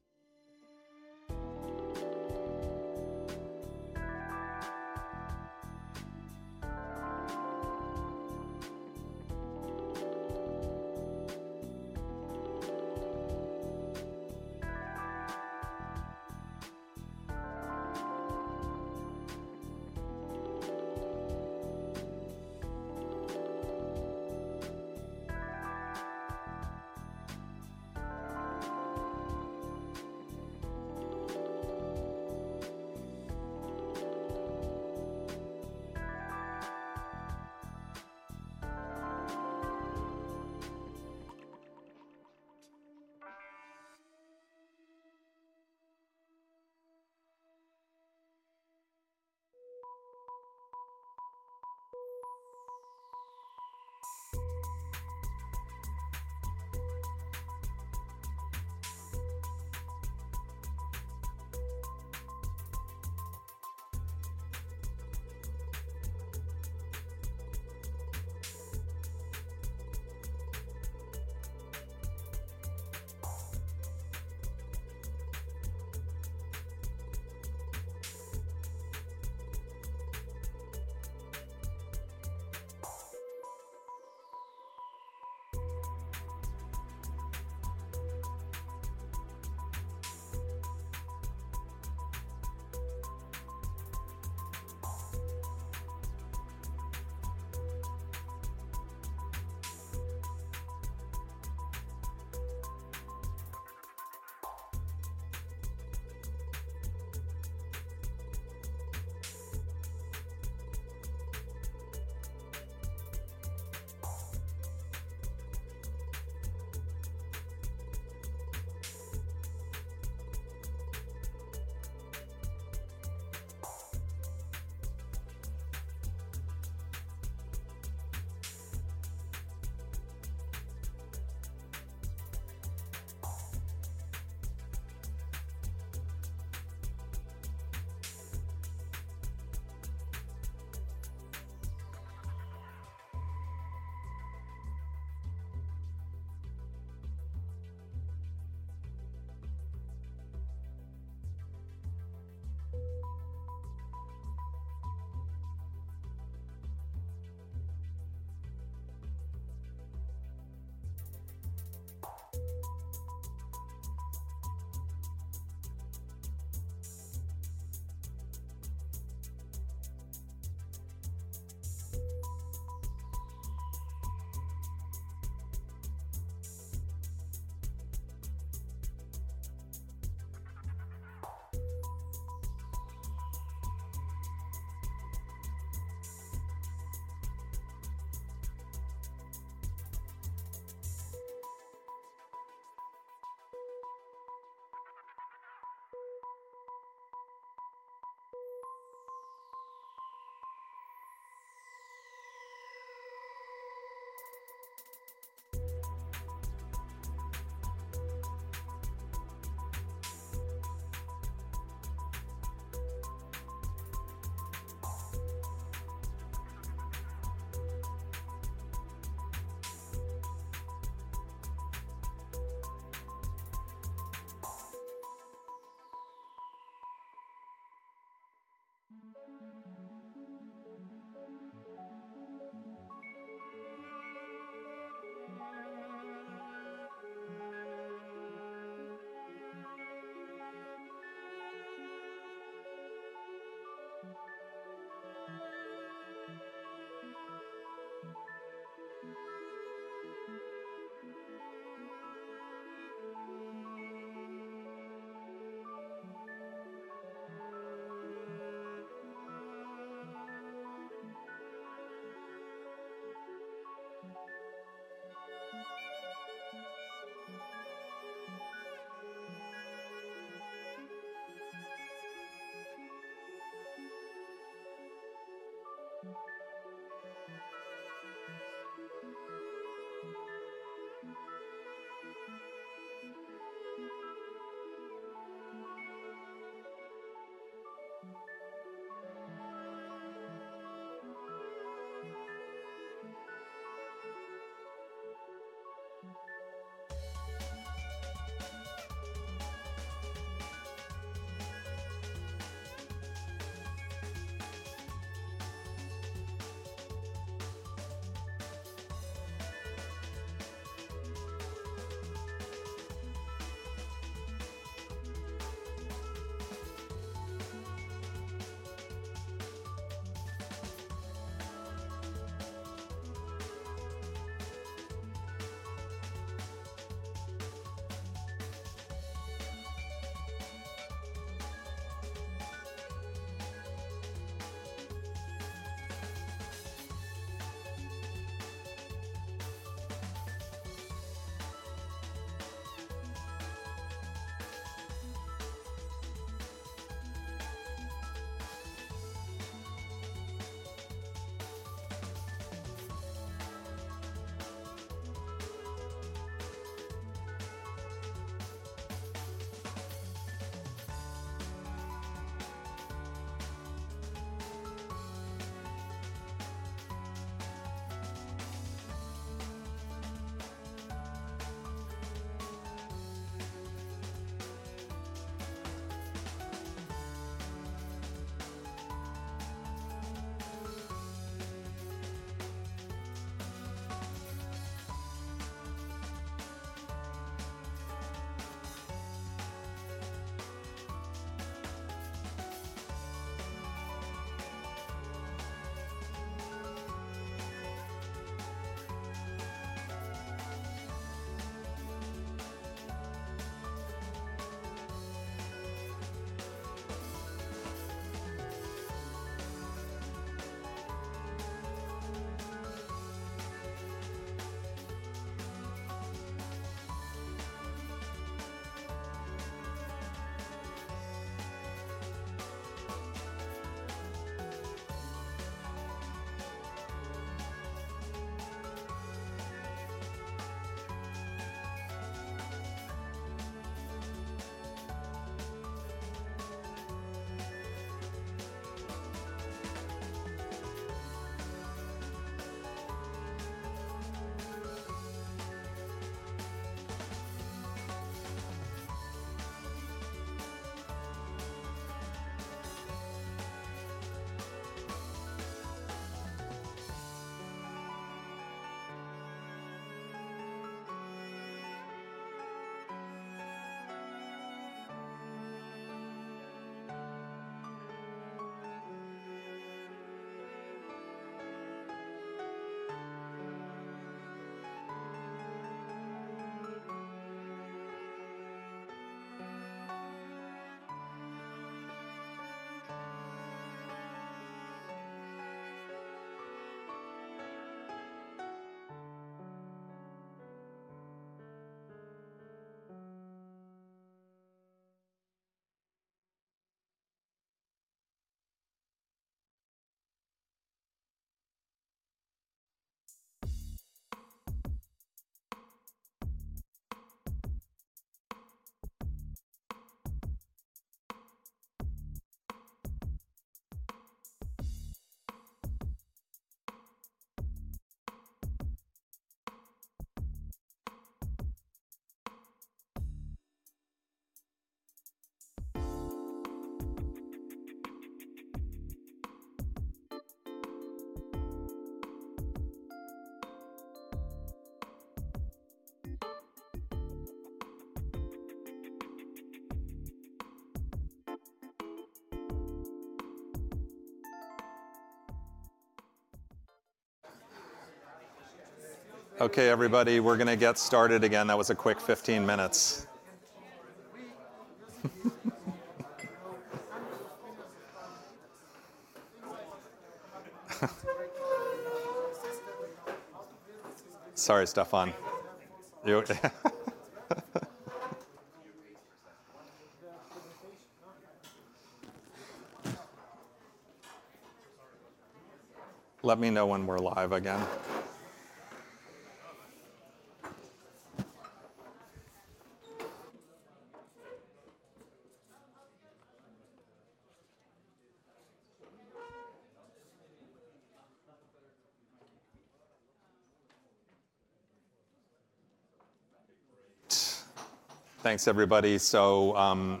A: Thanks, everybody. So,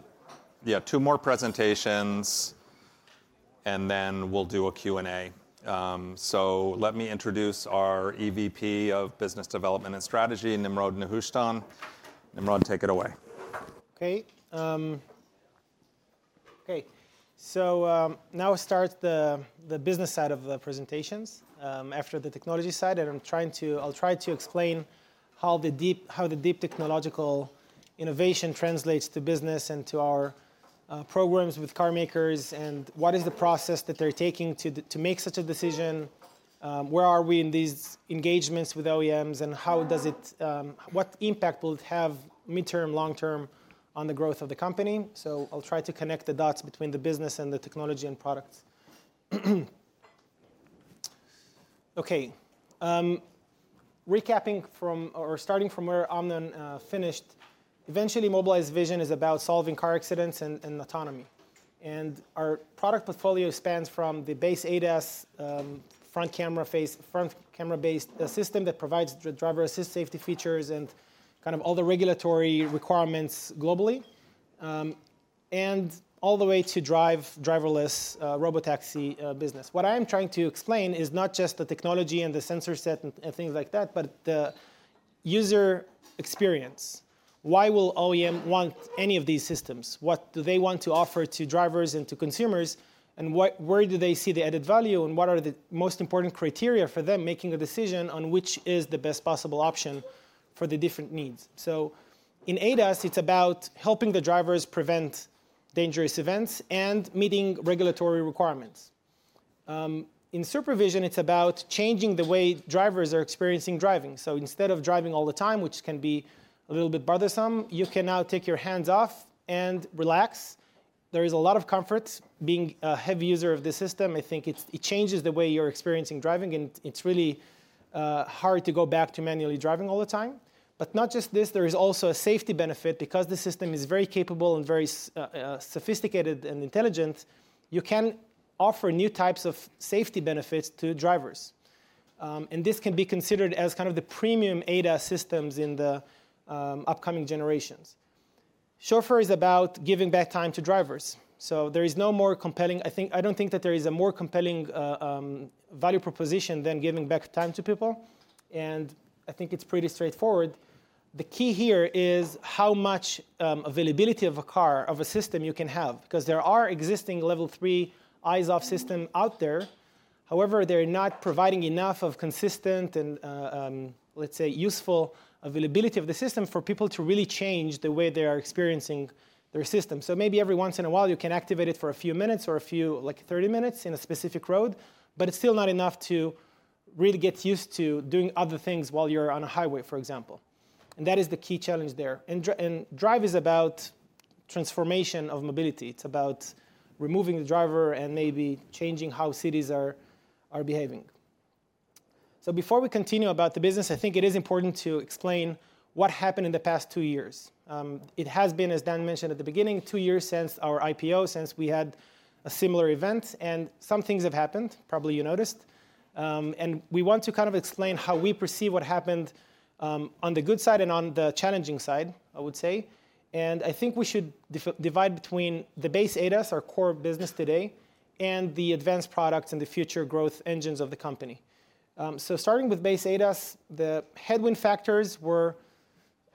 A: yeah, two more presentations, and then we'll do a Q&A. So let me introduce our EVP of Business Development and Strategy, Nimrod Nehushtan. Nimrod, take it away.
D: Okay. So now we'll start the business side of the presentations after the technology side. And I'm trying to, I'll try to explain how the deep technological innovation translates to business and to our programs with car makers, and what is the process that they're taking to make such a decision, where are we in these engagements with OEMs, and how does it, what impact will it have midterm, long-term on the growth of the company? So I'll try to connect the dots between the business and the technology and products. Okay. Recapping from, or starting from where Amnon finished, eventually, Mobileye SuperVision is about solving car accidents and autonomy. Our product portfolio spans from the base ADAS front camera-based system that provides driver-assist safety features and kind of all the regulatory requirements globally, and all the way to driverless robotaxi business. What I am trying to explain is not just the technology and the sensor set and things like that, but the user experience. Why will OEM want any of these systems? What do they want to offer to drivers and to consumers? Where do they see the added value? What are the most important criteria for them making a decision on which is the best possible option for the different needs? In ADAS, it's about helping the drivers prevent dangerous events and meeting regulatory requirements. In supervision, it's about changing the way drivers are experiencing driving. So instead of driving all the time, which can be a little bit bothersome, you can now take your hands off and relax. There is a lot of comfort being a heavy user of the system. I think it changes the way you're experiencing driving, and it's really hard to go back to manually driving all the time. But not just this. There is also a safety benefit. Because the system is very capable and very sophisticated and intelligent, you can offer new types of safety benefits to drivers. And this can be considered as kind of the premium ADAS systems in the upcoming generations. Chauffeur is about giving back time to drivers. So there is no more compelling. I don't think that there is a more compelling value proposition than giving back time to people. And I think it's pretty straightforward. The key here is how much availability of a car, of a system you can have. Because there are existing Level 3 eyes-off systems out there. However, they're not providing enough of consistent and, let's say, useful availability of the system for people to really change the way they are experiencing their system, so maybe every once in a while, you can activate it for a few minutes or a few, like 30 minutes, in a specific road, but it's still not enough to really get used to doing other things while you're on a highway, for example, and that is the key challenge there, and Drive is about transformation of mobility. It's about removing the driver and maybe changing how cities are behaving, so before we continue about the business, I think it is important to explain what happened in the past two years. It has been, as Dan mentioned at the beginning, two years since our IPO, since we had a similar event. And some things have happened, probably you noticed. And we want to kind of explain how we perceive what happened on the good side and on the challenging side, I would say. And I think we should divide between the base ADAS, our core business today, and the advanced products and the future growth engines of the company. So starting with base ADAS, the headwind factors were,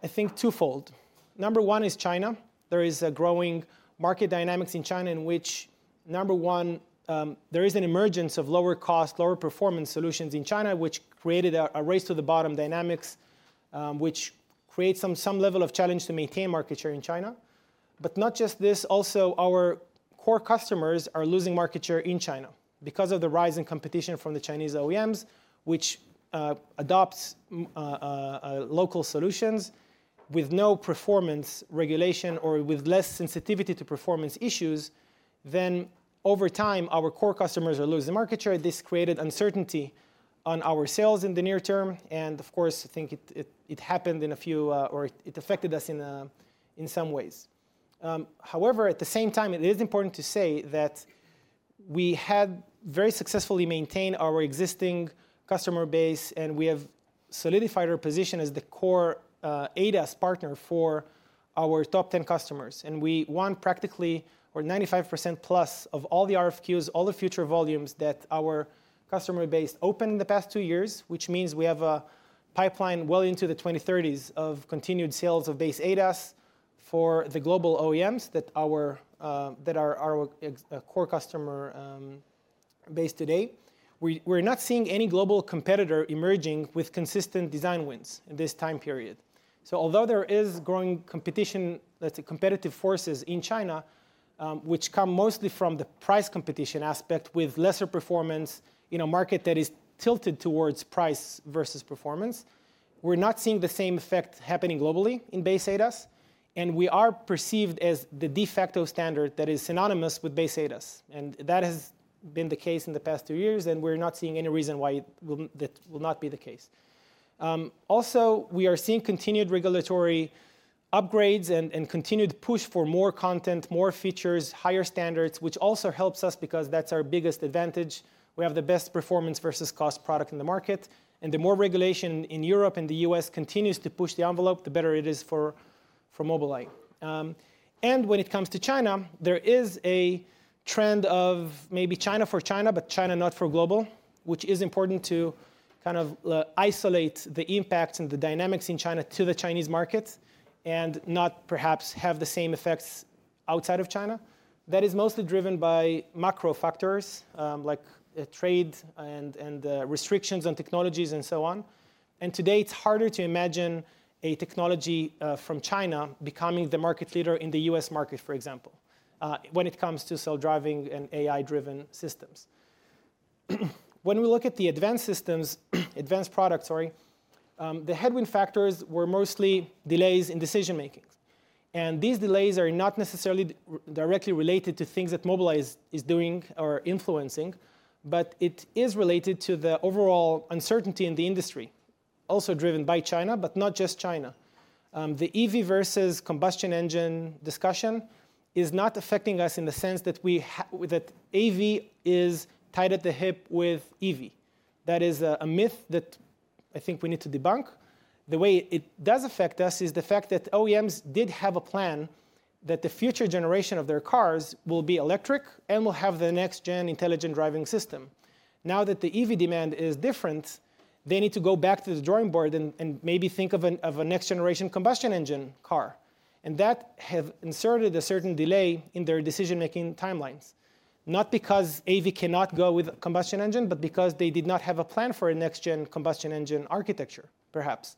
D: I think, twofold. Number one is China. There is a growing market dynamics in China in which, number one, there is an emergence of lower-cost, lower-performance solutions in China, which created a race-to-the-bottom dynamics, which creates some level of challenge to maintain market share in China. But not just this. Also, our core customers are losing market share in China because of the rise in competition from the Chinese OEMs, which adopt local solutions with no performance regulation or with less sensitivity to performance issues. Then, over time, our core customers are losing market share. This created uncertainty on our sales in the near term. And, of course, I think it happened in a few, or it affected us in some ways. However, at the same time, it is important to say that we had very successfully maintained our existing customer base, and we have solidified our position as the core ADAS partner for our top 10 customers. We won, practically, or 95% plus of all the RFQs, all the future volumes that our customer base opened in the past two years, which means we have a pipeline well into the 2030s of continued sales of base ADAS for the global OEMs that are our core customer base today. We're not seeing any global competitor emerging with consistent design wins in this time period. Although there is growing competition, let's say, competitive forces in China, which come mostly from the price competition aspect with lesser performance in a market that is tilted towards price versus performance, we're not seeing the same effect happening globally in base ADAS. We are perceived as the de facto standard that is synonymous with base ADAS. That has been the case in the past two years, and we're not seeing any reason why that will not be the case. Also, we are seeing continued regulatory upgrades and continued push for more content, more features, higher standards, which also helps us because that's our biggest advantage. We have the best performance versus cost product in the market. And the more regulation in Europe and the U.S. continues to push the envelope, the better it is for Mobileye. And when it comes to China, there is a trend of maybe China for China, but China not for global, which is important to kind of isolate the impacts and the dynamics in China to the Chinese market and not perhaps have the same effects outside of China. That is mostly driven by macro factors like trade and restrictions on technologies and so on. And today, it's harder to imagine a technology from China becoming the market leader in the U.S. market, for example, when it comes to self-driving and AI-driven systems. When we look at the advanced systems, advanced products, sorry, the headwind factors were mostly delays in decision-making, and these delays are not necessarily directly related to things that Mobileye is doing or influencing, but it is related to the overall uncertainty in the industry, also driven by China, but not just China. The EV versus combustion engine discussion is not affecting us in the sense that AV is tied at the hip with EV. That is a myth that I think we need to debunk. The way it does affect us is the fact that OEMs did have a plan that the future generation of their cars will be electric and will have the next-gen intelligent driving system. Now that the EV demand is different, they need to go back to the drawing board and maybe think of a next-generation combustion engine car. That has inserted a certain delay in their decision-making timelines, not because AV cannot go with a combustion engine, but because they did not have a plan for a next-gen combustion engine architecture, perhaps.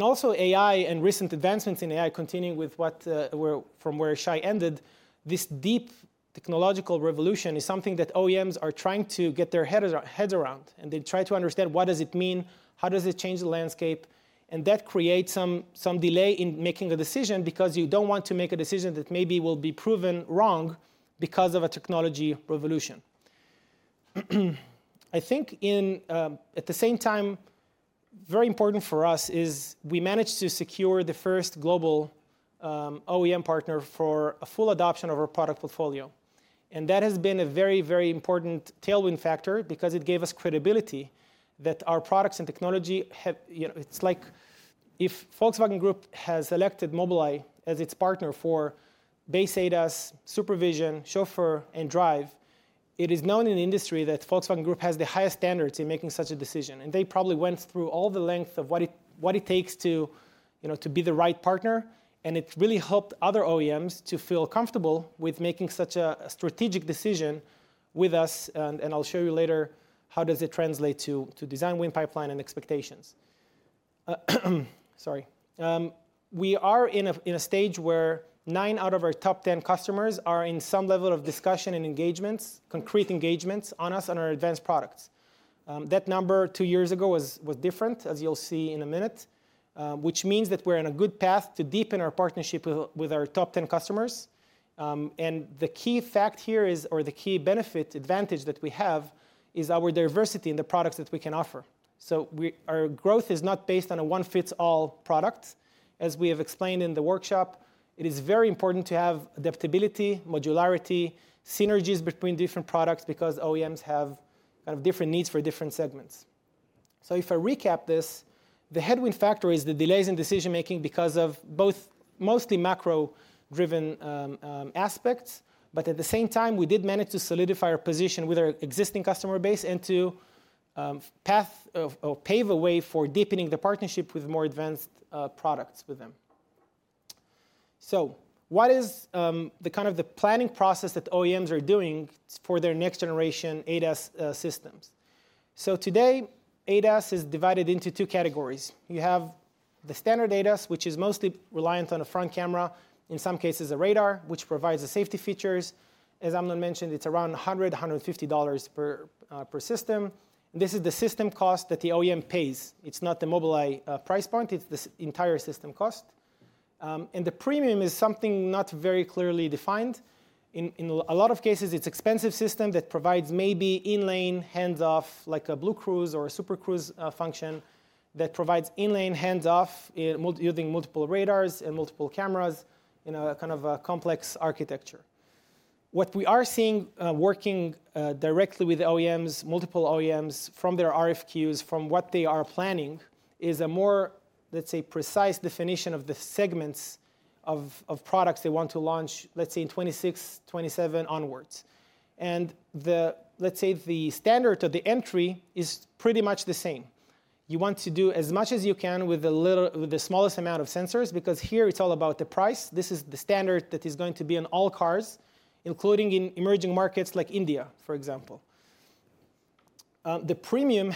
D: Also, AI and recent advancements in AI, continuing from where Shai ended, this deep technological revolution is something that OEMs are trying to get their heads around. They try to understand what does it mean, how does it change the landscape. That creates some delay in making a decision because you don't want to make a decision that maybe will be proven wrong because of a technology revolution. I think, at the same time, very important for us is we managed to secure the first global OEM partner for a full adoption of our product portfolio. That has been a very, very important tailwind factor because it gave us credibility that our products and technology have. It's like if Volkswagen Group has selected Mobileye as its partner for base ADAS, SuperVision, Chauffeur, and Drive, it is known in the industry that Volkswagen Group has the highest standards in making such a decision. They probably went through all the length of what it takes to be the right partner. It really helped other OEMs to feel comfortable with making such a strategic decision with us. I'll show you later how it translates to design win pipeline and expectations. Sorry. We are in a stage where nine out of our top 10 customers are in some level of discussion and engagements, concrete engagements on us and our advanced products. That number two years ago was different, as you'll see in a minute, which means that we're on a good path to deepen our partnership with our top 10 customers. And the key fact here is, or the key benefit, advantage that we have is our diversity in the products that we can offer. So our growth is not based on a one-fits-all product. As we have explained in the workshop, it is very important to have adaptability, modularity, synergies between different products because OEMs have kind of different needs for different segments. So if I recap this, the headwind factor is the delays in decision-making because of both mostly macro-driven aspects. But at the same time, we did manage to solidify our position with our existing customer base and to pave a way for deepening the partnership with more advanced products with them. So what is the kind of the planning process that OEMs are doing for their next-generation ADAS systems? So today, ADAS is divided into two categories. You have the standard ADAS, which is mostly reliant on a front camera, in some cases a radar, which provides the safety features. As Amnon mentioned, it's around $100-$150 per system. This is the system cost that the OEM pays. It's not the Mobileye price point. It's the entire system cost. And the premium is something not very clearly defined. In a lot of cases, it's an expensive system that provides maybe in-lane hands-off, like a BlueCruise or a Super Cruise function that provides in-lane hands-off using multiple radars and multiple cameras in a kind of complex architecture. What we are seeing working directly with OEMs, multiple OEMs from their RFQs, from what they are planning, is a more, let's say, precise definition of the segments of products they want to launch, let's say, in 2026, 2027 onwards, and let's say the standard to the entry is pretty much the same. You want to do as much as you can with the smallest amount of sensors because here, it's all about the price. This is the standard that is going to be in all cars, including in emerging markets like India, for example. The premium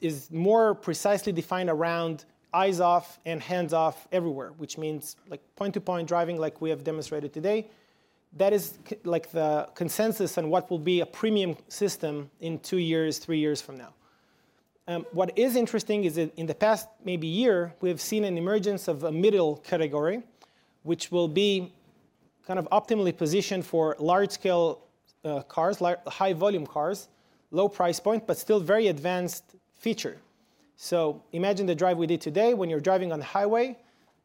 D: is more precisely defined around eyes-off and hands-off everywhere, which means point-to-point driving like we have demonstrated today. That is the consensus on what will be a premium system in two years, three years from now. What is interesting is that in the past maybe year, we have seen an emergence of a middle category, which will be kind of optimally positioned for large-scale cars, high-volume cars, low price point, but still very advanced feature. So imagine the drive we did today. When you're driving on the highway,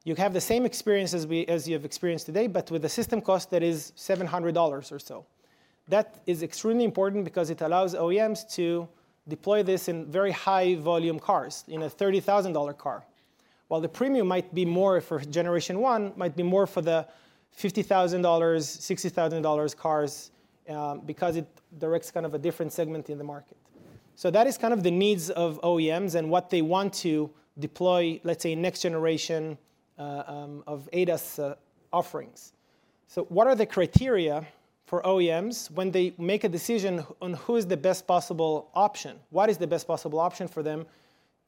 D: you have the same experience as you have experienced today, but with a system cost that is $700 or so. That is extremely important because it allows OEMs to deploy this in very high-volume cars, in a $30,000 car. While the premium might be more for generation one, might be more for the $50,000, $60,000 cars because it directs kind of a different segment in the market. So that is kind of the needs of OEMs and what they want to deploy, let's say, next generation of ADAS offerings. What are the criteria for OEMs when they make a decision on who is the best possible option? What is the best possible option for them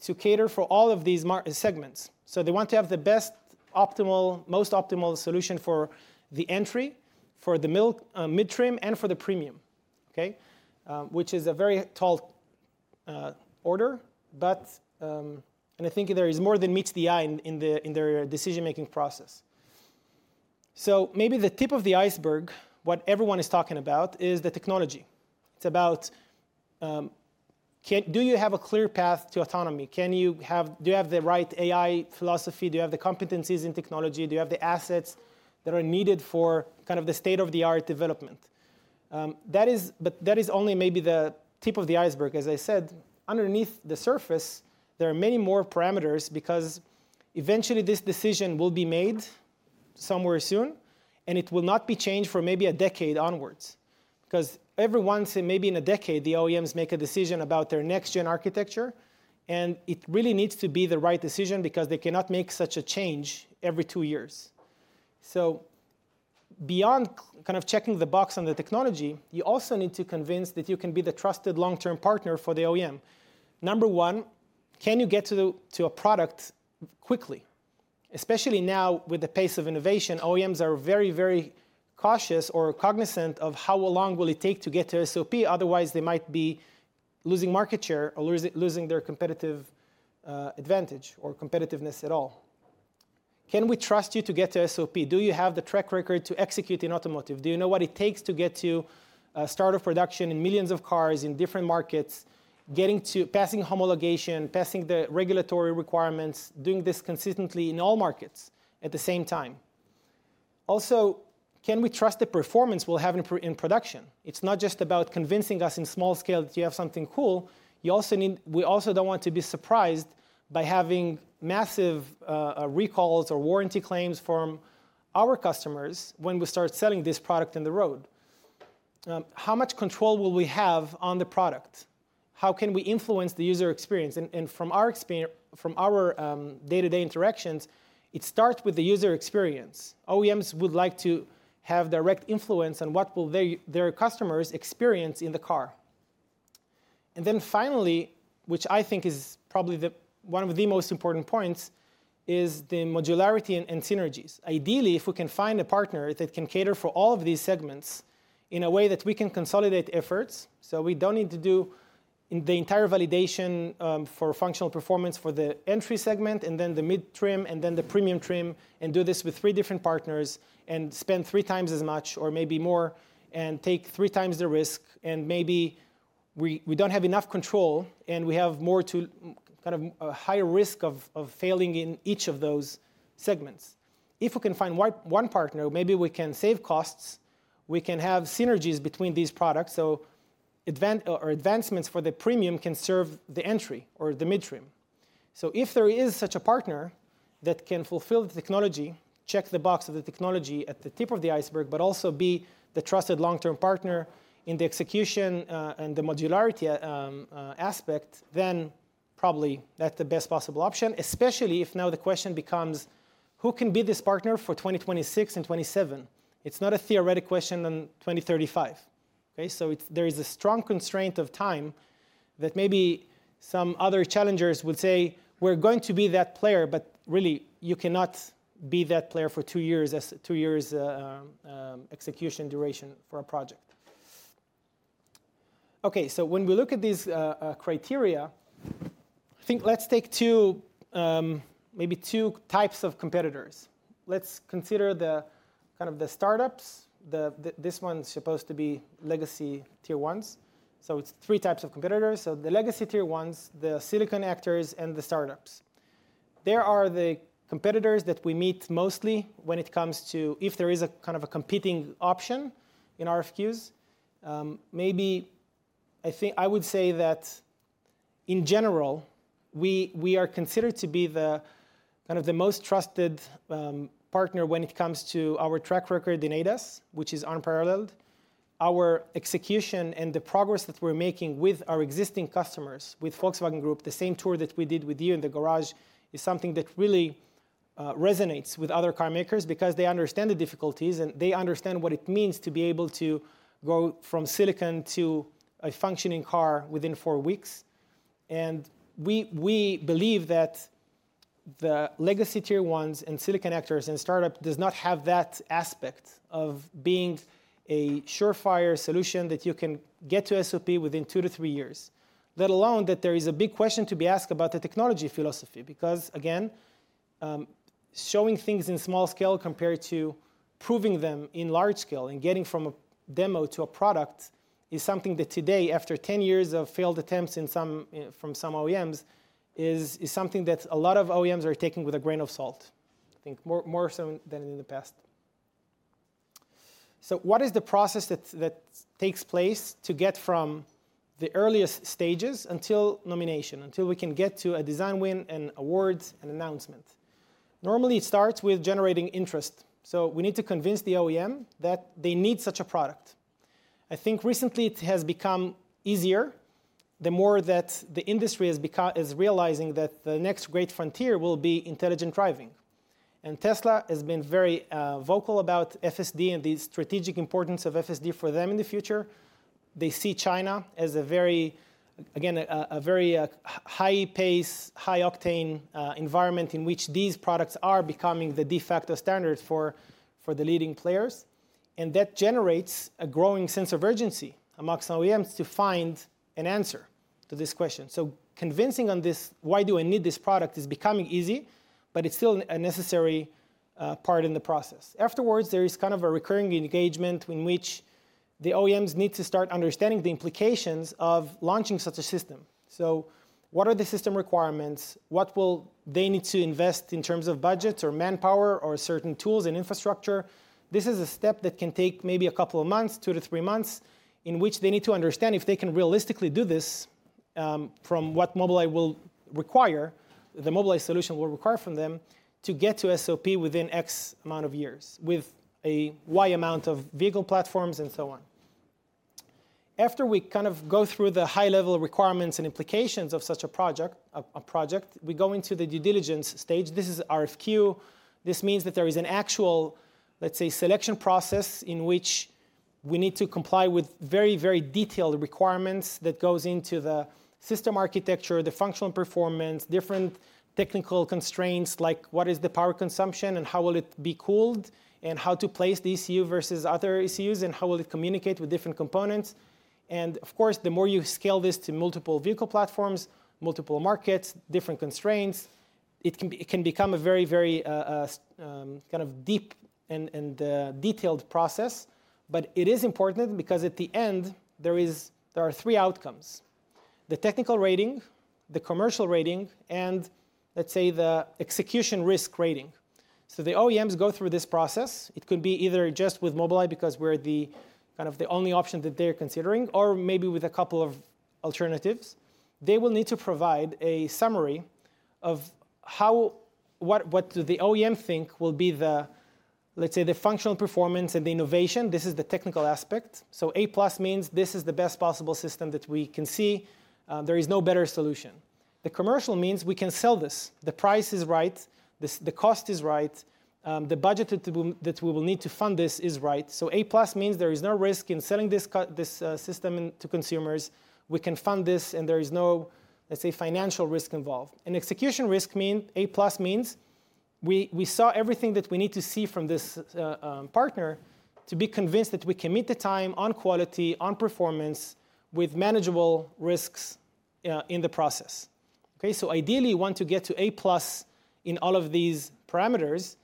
D: to cater for all of these segments? They want to have the best, optimal, most optimal solution for the entry, for the mid-trim, and for the premium, which is a very tall order. I think there is more than meets the eye in their decision-making process. Maybe the tip of the iceberg, what everyone is talking about, is the technology. It's about, do you have a clear path to autonomy? Do you have the right AI philosophy? Do you have the competencies in technology? Do you have the assets that are needed for kind of the state-of-the-art development? That is only maybe the tip of the iceberg. As I said, underneath the surface, there are many more parameters because eventually, this decision will be made somewhere soon, and it will not be changed for maybe a decade onwards. Because every once in maybe in a decade, the OEMs make a decision about their next-gen architecture. And it really needs to be the right decision because they cannot make such a change every two years. So beyond kind of checking the box on the technology, you also need to convince that you can be the trusted long-term partner for the OEM. Number one, can you get to a product quickly? Especially now, with the pace of innovation, OEMs are very, very cautious or cognizant of how long will it take to get to SOP. Otherwise, they might be losing market share or losing their competitive advantage or competitiveness at all. Can we trust you to get to SOP? Do you have the track record to execute in automotive? Do you know what it takes to get to start of production in millions of cars in different markets, passing homologation, passing the regulatory requirements, doing this consistently in all markets at the same time? Also, can we trust the performance we'll have in production? It's not just about convincing us in small scale that you have something cool. We also don't want to be surprised by having massive recalls or warranty claims from our customers when we start selling this product on the road. How much control will we have on the product? How can we influence the user experience? And from our day-to-day interactions, it starts with the user experience. OEMs would like to have direct influence on what will their customers experience in the car. Then finally, which I think is probably one of the most important points, is the modularity and synergies. Ideally, if we can find a partner that can cater for all of these segments in a way that we can consolidate efforts, so we don't need to do the entire validation for functional performance for the entry segment and then the mid-trim and then the premium trim, and do this with three different partners and spend three times as much or maybe more and take three times the risk. Maybe we don't have enough control, and we have more to kind of a higher risk of failing in each of those segments. If we can find one partner, maybe we can save costs. We can have synergies between these products. Advancements for the premium can serve the entry or the mid-trim. So if there is such a partner that can fulfill the technology, check the box of the technology at the tip of the iceberg, but also be the trusted long-term partner in the execution and the modularity aspect, then probably that's the best possible option, especially if now the question becomes, who can be this partner for 2026 and 2027? It's not a theoretic question in 2035. So there is a strong constraint of time that maybe some other challengers would say, we're going to be that player, but really, you cannot be that player for two years' execution duration for a project. Okay. So when we look at these criteria, I think let's take maybe two types of competitors. Let's consider kind of the startups. This one's supposed to be legacy Tier 1s. So it's three types of competitors. So the legacy Tier 1s, the silicon actors, and the startups. There are the competitors that we meet mostly when it comes to if there is a kind of a competing option in RFQs. Maybe I would say that in general, we are considered to be kind of the most trusted partner when it comes to our track record in ADAS, which is unparalleled. Our execution and the progress that we're making with our existing customers, with Volkswagen Group, the same tour that we did with you in the garage, is something that really resonates with other car makers because they understand the difficulties, and they understand what it means to be able to go from silicon to a functioning car within four weeks. And we believe that the legacy Tier 1s and silicon actors and startups do not have that aspect of being a surefire solution that you can get to SOP within two to three years, let alone that there is a big question to be asked about the technology philosophy. Because again, showing things in small scale compared to proving them in large scale and getting from a demo to a product is something that today, after 10 years of failed attempts from some OEMs, is something that a lot of OEMs are taking with a grain of salt, I think more so than in the past. So what is the process that takes place to get from the earliest stages until nomination, until we can get to a design win and awards and announcement? Normally, it starts with generating interest. We need to convince the OEM that they need such a product. I think recently, it has become easier the more that the industry is realizing that the next great frontier will be intelligent driving. Tesla has been very vocal about FSD and the strategic importance of FSD for them in the future. They see China as, again, a very high-paced, high-octane environment in which these products are becoming the de facto standard for the leading players. That generates a growing sense of urgency amongst OEMs to find an answer to this question. Convincing on this, why do I need this product, is becoming easy, but it's still a necessary part in the process. Afterwards, there is kind of a recurring engagement in which the OEMs need to start understanding the implications of launching such a system. What are the system requirements? What will they need to invest in terms of budgets or manpower or certain tools and infrastructure? This is a step that can take maybe a couple of months, two to three months, in which they need to understand if they can realistically do this from what Mobileye will require, the Mobileye solution will require from them to get to SOP within X amount of years with a Y amount of vehicle platforms and so on. After we kind of go through the high-level requirements and implications of such a project, we go into the due diligence stage. This is RFQ. This means that there is an actual, let's say, selection process in which we need to comply with very, very detailed requirements that go into the system architecture, the functional performance, different technical constraints, like what is the power consumption and how will it be cooled and how to place the ECU versus other ECUs and how will it communicate with different components, and of course, the more you scale this to multiple vehicle platforms, multiple markets, different constraints, it can become a very, very kind of deep and detailed process, but it is important because at the end, there are three outcomes: the technical rating, the commercial rating, and let's say the execution risk rating, so the OEMs go through this process. It could be either just with Mobileye because we're kind of the only option that they're considering, or maybe with a couple of alternatives. They will need to provide a summary of what do the OEM think will be, let's say, the functional performance and the innovation. This is the technical aspect. So A-plus means this is the best possible system that we can see. There is no better solution. The commercial means we can sell this. The price is right. The cost is right. The budget that we will need to fund this is right. So A-plus means there is no risk in selling this system to consumers. We can fund this, and there is no, let's say, financial risk involved. And execution risk means A-plus means we saw everything that we need to see from this partner to be convinced that we commit the time on quality, on performance, with manageable risks in the process. So ideally, you want to get to A-plus in all of these parameters.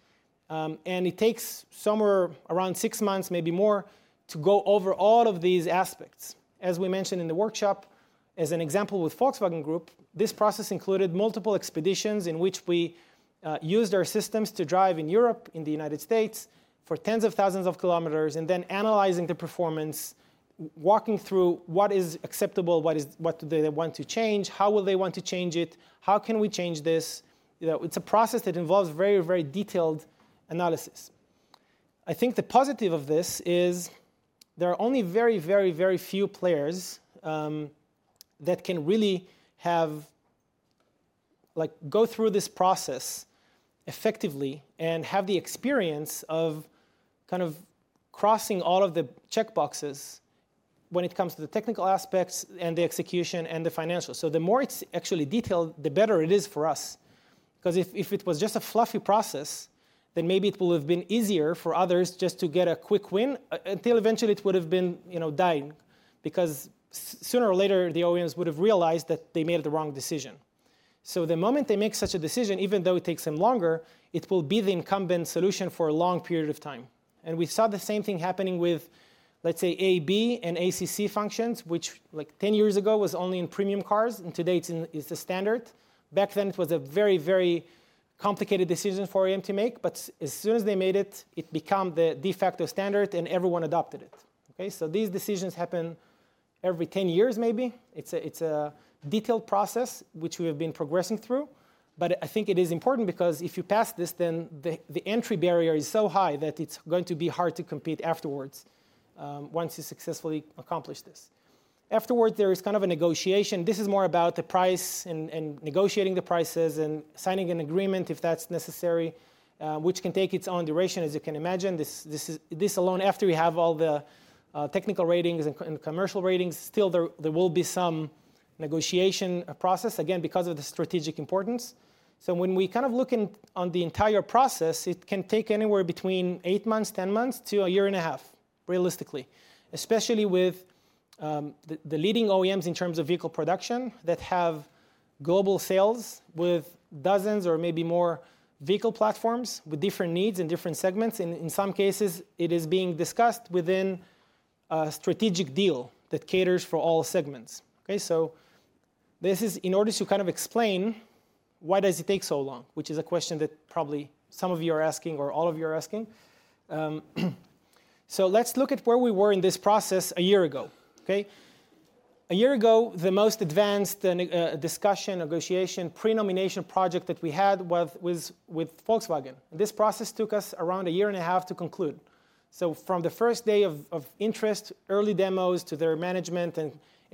D: And it takes somewhere around six months, maybe more, to go over all of these aspects. As we mentioned in the workshop, as an example with Volkswagen Group, this process included multiple expeditions in which we used our systems to drive in Europe, in the United States, for tens of thousands of kilometers, and then analyzing the performance, walking through what is acceptable, what do they want to change, how will they want to change it, how can we change this. It's a process that involves very, very detailed analysis. I think the positive of this is there are only very, very, very few players that can really go through this process effectively and have the experience of kind of crossing all of the checkboxes when it comes to the technical aspects and the execution and the financial. So the more it's actually detailed, the better it is for us. Because if it was just a fluffy process, then maybe it will have been easier for others just to get a quick win until eventually, it would have been dying, because sooner or later, the OEMs would have realized that they made the wrong decision, so the moment they make such a decision, even though it takes them longer, it will be the incumbent solution for a long period of time, and we saw the same thing happening with, let's say, AEB and ACC functions, which 10 years ago was only in premium cars, and today, it's a standard. Back then, it was a very, very complicated decision for OEM to make, but as soon as they made it, it became the de facto standard, and everyone adopted it, so these decisions happen every 10 years, maybe. It's a detailed process, which we have been progressing through. I think it is important because if you pass this, then the entry barrier is so high that it's going to be hard to compete afterwards once you successfully accomplish this. Afterwards, there is kind of a negotiation. This is more about the price and negotiating the prices and signing an agreement if that's necessary, which can take its own duration, as you can imagine. This alone, after you have all the technical ratings and commercial ratings, still, there will be some negotiation process, again, because of the strategic importance. So when we kind of look on the entire process, it can take anywhere between eight months, 10 months to a year and a half, realistically, especially with the leading OEMs in terms of vehicle production that have global sales with dozens or maybe more vehicle platforms with different needs in different segments. In some cases, it is being discussed within a strategic deal that caters for all segments. So this is in order to kind of explain why does it take so long?, which is a question that probably some of you are asking or all of you are asking. So let's look at where we were in this process a year ago. A year ago, the most advanced discussion, negotiation, pre-nomination project that we had was with Volkswagen. This process took us around a year and a half to conclude. From the first day of interest, early demos to their management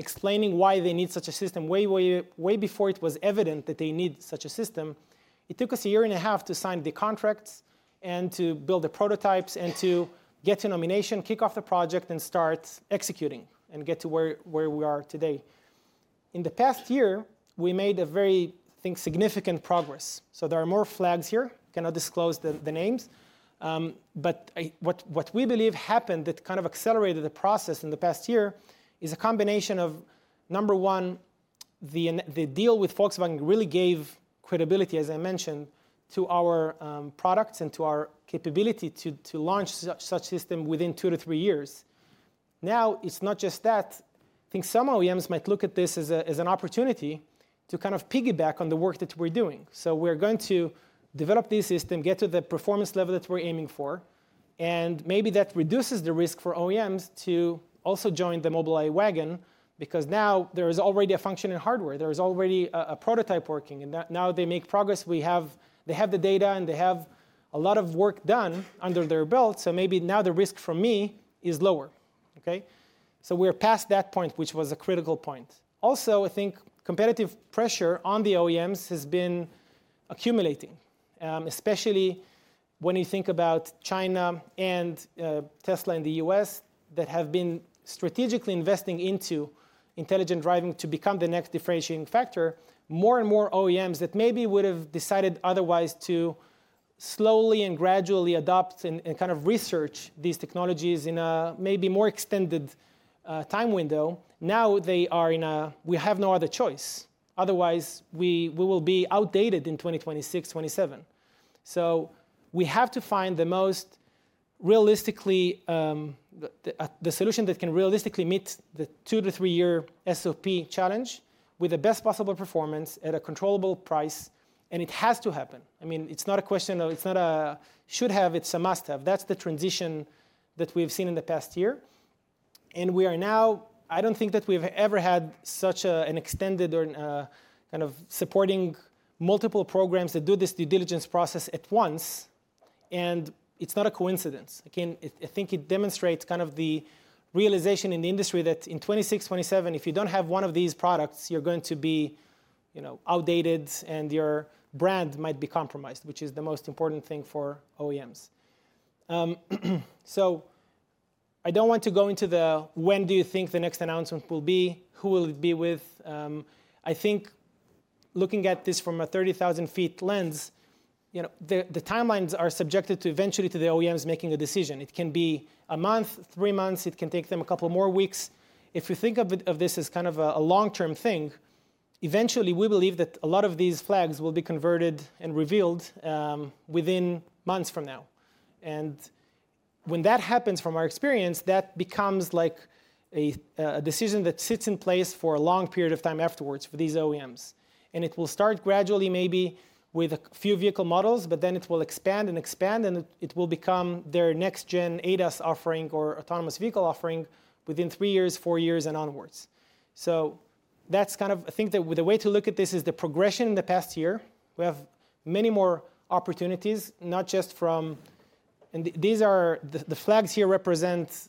D: and explaining why they need such a system way before it was evident that they need such a system, it took us a year and a half to sign the contracts and to build the prototypes and to get to nomination, kick off the project, and start executing and get to where we are today. In the past year, we made a very, I think, significant progress. There are more flags here. I cannot disclose the names. But what we believe happened that kind of accelerated the process in the past year is a combination of, number one, the deal with Volkswagen really gave credibility, as I mentioned, to our products and to our capability to launch such a system within two to three years. Now, it's not just that. I think some OEMs might look at this as an opportunity to kind of piggyback on the work that we're doing. So we're going to develop this system, get to the performance level that we're aiming for, and maybe that reduces the risk for OEMs to also join the Mobileye wagon because now there is already a function in hardware. There is already a prototype working. And now they make progress. They have the data, and they have a lot of work done under their belt. So maybe now the risk for me is lower. So we're past that point, which was a critical point. Also, I think competitive pressure on the OEMs has been accumulating, especially when you think about China and Tesla in the US that have been strategically investing into intelligent driving to become the next differentiating factor. More and more OEMs that maybe would have decided otherwise to slowly and gradually adopt and kind of research these technologies in a maybe more extended time window, now they are in a "we have no other choice." Otherwise, we will be outdated in 2026, 2027. So we have to find the most realistically the solution that can realistically meet the two- to three-year SOP challenge with the best possible performance at a controllable price. And it has to happen. I mean, it's not a question of. It's not a should have. It's a must have. That's the transition that we've seen in the past year. And we are now. I don't think that we've ever had such an extended or kind of supporting multiple programs that do this due diligence process at once. And it's not a coincidence. Again, I think it demonstrates kind of the realization in the industry that in 2026, 2027, if you don't have one of these products, you're going to be outdated, and your brand might be compromised, which is the most important thing for OEMs. So I don't want to go into the when do you think the next announcement will be, who will it be with. I think looking at this from a 30,000-foot lens, the timelines are subjected to eventually to the OEMs making a decision. It can be a month, three months. It can take them a couple more weeks. If you think of this as kind of a long-term thing, eventually, we believe that a lot of these flags will be converted and revealed within months from now. And when that happens, from our experience, that becomes like a decision that sits in place for a long period of time afterwards for these OEMs. And it will start gradually, maybe with a few vehicle models, but then it will expand and expand, and it will become their next-gen ADAS offering or autonomous vehicle offering within three years, four years, and onwards. So that's kind of, I think, the way to look at this is the progression in the past year. We have many more opportunities, not just from and these are the flags here represent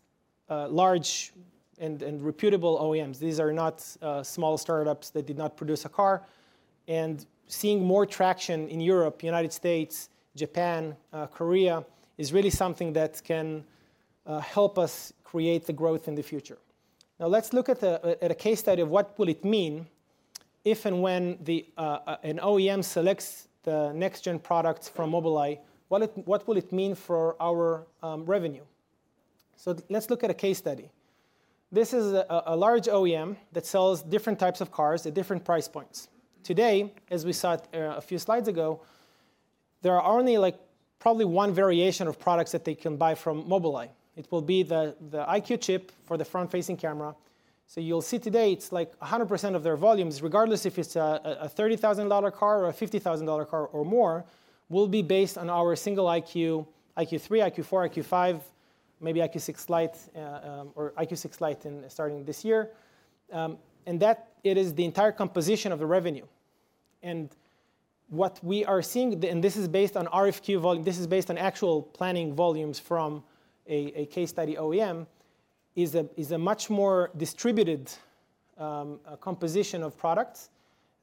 D: large and reputable OEMs. These are not small startups that did not produce a car. And seeing more traction in Europe, United States, Japan, Korea is really something that can help us create the growth in the future. Now, let's look at a case study of what will it mean if and when an OEM selects the next-gen products from Mobileye. What will it mean for our revenue? So let's look at a case study. This is a large OEM that sells different types of cars at different price points. Today, as we saw a few slides ago, there are only probably one variation of products that they can buy from Mobileye. It will be the EyeQ chip for the front-facing camera. So you'll see today it's like 100% of their volumes, regardless if it's a $30,000 car or a $50,000 car or more, will be based on our single EyeQ, EyeQ3, EyeQ4, EyeQ5, maybe Lite or EyeQ6 Lite starting this year. And that is the entire composition of the revenue. What we are seeing, and this is based on RFQ volume. This is based on actual planning volumes from a case study OEM, is a much more distributed composition of products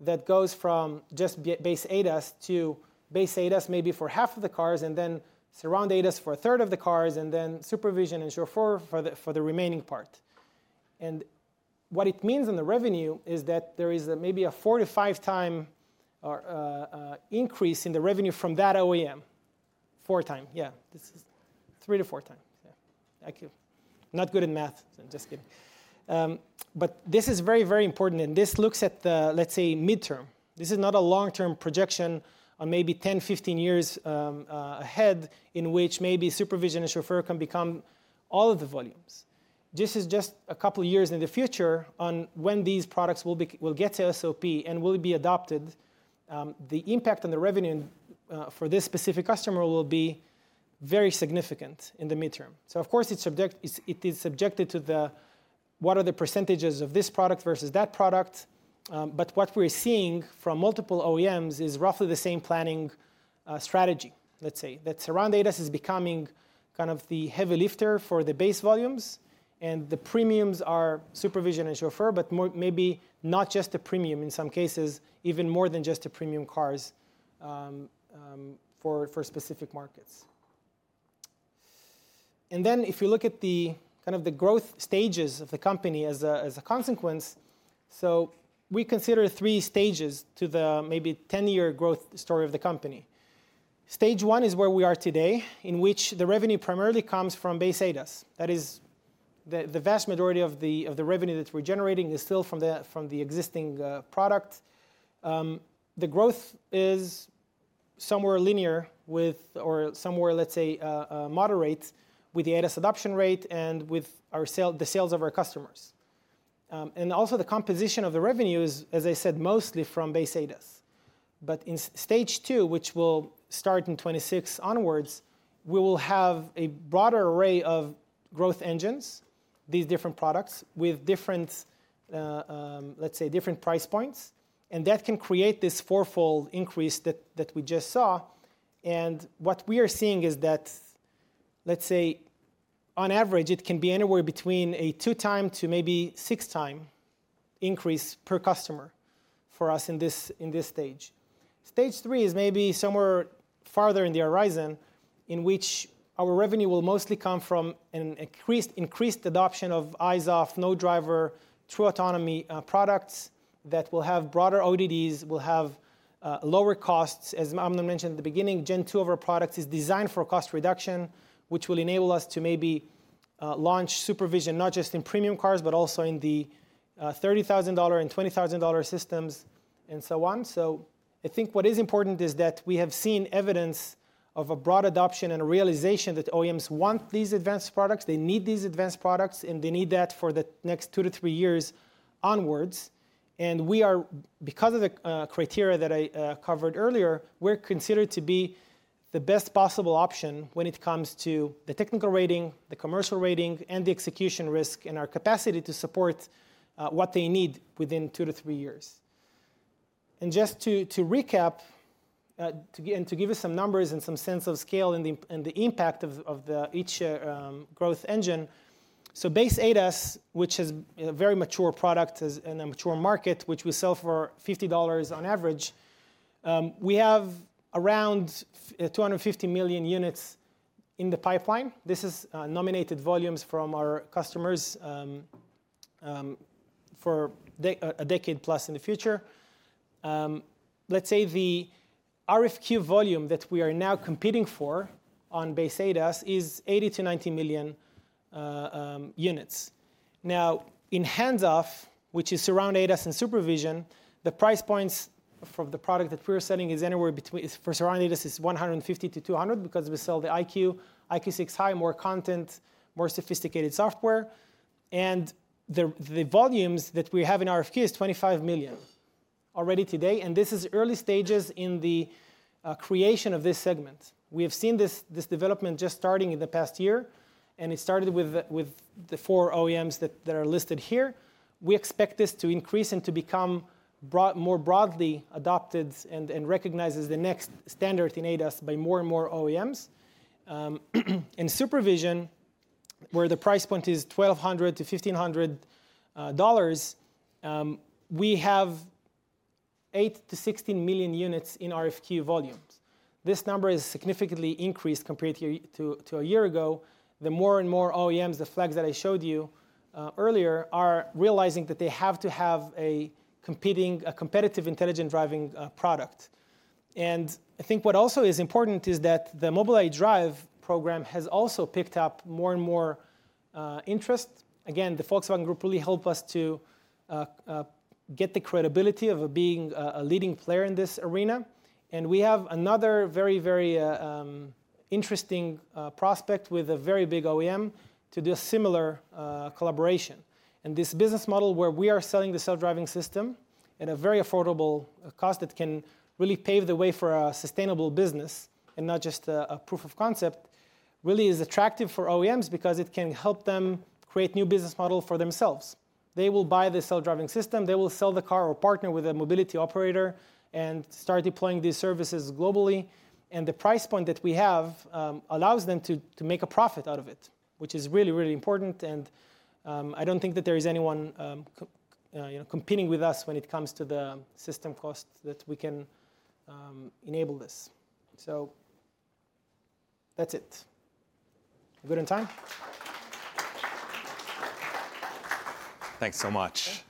D: that goes from just base ADAS to base ADAS maybe for half of the cars and then surround ADAS for a third of the cars and then SuperVision and Chauffeur for the remaining part. What it means on the revenue is that there is maybe a four- to five-time increase in the revenue from that OEM, four times. Yeah, three to four times. EyeQ. Not good at math. I'm just kidding. But this is very, very important. This looks at the, let's say, midterm. This is not a long-term projection on maybe 10, 15 years ahead in which maybe SuperVision and Chauffeur can become all of the volumes. This is just a couple of years in the future on when these products will get to SOP and will be adopted. The impact on the revenue for this specific customer will be very significant in the midterm. So, of course, it is subject to what are the percentages of this product versus that product. But what we're seeing from multiple OEMs is roughly the same planning strategy, let's say, that surround ADAS is becoming kind of the heavy lifter for the base volumes. The premiums are SuperVision and Chauffeur, but maybe not just the premium in some cases, even more than just the premium cars for specific markets. Then if you look at the kind of the growth stages of the company as a consequence, we consider three stages to the maybe 10-year growth story of the company. Stage one is where we are today, in which the revenue primarily comes from base ADAS. That is, the vast majority of the revenue that we're generating is still from the existing product. The growth is somewhere linear with or somewhere, let's say, moderate with the ADAS adoption rate and with the sales of our customers. And also, the composition of the revenue is, as I said, mostly from base ADAS. But in stage two, which will start in 2026 onwards, we will have a broader array of growth engines, these different products with different, let's say, different price points. And that can create this four-fold increase that we just saw. And what we are seeing is that, let's say, on average, it can be anywhere between a two-time to maybe six-time increase per customer for us in this stage. Stage three is maybe somewhere farther in the horizon, in which our revenue will mostly come from an increased adoption of eyes-off, no-driver, true autonomy products that will have broader ODDs, will have lower costs. As Amnon mentioned at the beginning, Gen 2 of our products is designed for cost reduction, which will enable us to maybe launch SuperVision not just in premium cars, but also in the $30,000 and $20,000 systems and so on. So I think what is important is that we have seen evidence of a broad adoption and a realization that OEMs want these advanced products. They need these advanced products, and they need that for the next two to three years onwards. We are, because of the criteria that I covered earlier, we're considered to be the best possible option when it comes to the technical rating, the commercial rating, and the execution risk and our capacity to support what they need within two to three years. Just to recap and to give you some numbers and some sense of scale and the impact of each growth engine, so base ADAS, which is a very mature product and a mature market, which we sell for $50 on average, we have around 250 million units in the pipeline. This is nominated volumes from our customers for a decade plus in the future. Let's say the RFQ volume that we are now competing for on base ADAS is 80 to 90 million units. Now, in hands-off, which is surround ADAS and SuperVision, the price points for the product that we're selling is anywhere between for surround ADAS is $150-$200 because we sell the EyeQ, EyeQ6 High, more content, more sophisticated software. And the volumes that we have in RFQ is 25 million already today. And this is early stages in the creation of this segment. We have seen this development just starting in the past year. And it started with the four OEMs that are listed here. We expect this to increase and to become more broadly adopted and recognized as the next standard in ADAS by more and more OEMs. In SuperVision, where the price point is $1,200-$1,500, we have 8-16 million units in RFQ volumes. This number is significantly increased compared to a year ago. The more and more OEMs, the flags that I showed you earlier, are realizing that they have to have a competitive intelligent driving product. And I think what also is important is that the Mobileye Drive program has also picked up more and more interest. Again, the Volkswagen Group really helped us to get the credibility of being a leading player in this arena. And we have another very, very interesting prospect with a very big OEM to do a similar collaboration. And this business model where we are selling the self-driving system at a very affordable cost that can really pave the way for a sustainable business and not just a proof of concept really is attractive for OEMs because it can help them create a new business model for themselves. They will buy the self-driving system. They will sell the car or partner with a mobility operator and start deploying these services globally. And the price point that we have allows them to make a profit out of it, which is really, really important. And I don't think that there is anyone competing with us when it comes to the system cost that we can enable this. So that's it. Good, on time?
E: Thanks so much.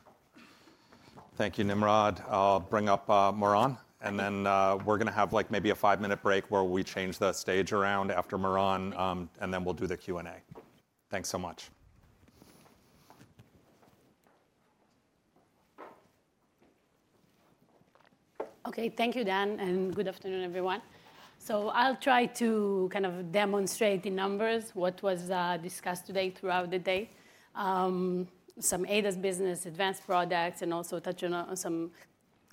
E: Thank you, Nimrod. I'll bring up Moran, and then we're going to have maybe a five-minute break where we change the stage around after Moran, and then we'll do the Q&A. Thanks so much.
F: OK, thank you, Dan. And good afternoon, everyone. So I'll try to kind of demonstrate in numbers what was discussed today throughout the day, some ADAS business advanced products, and also touch on some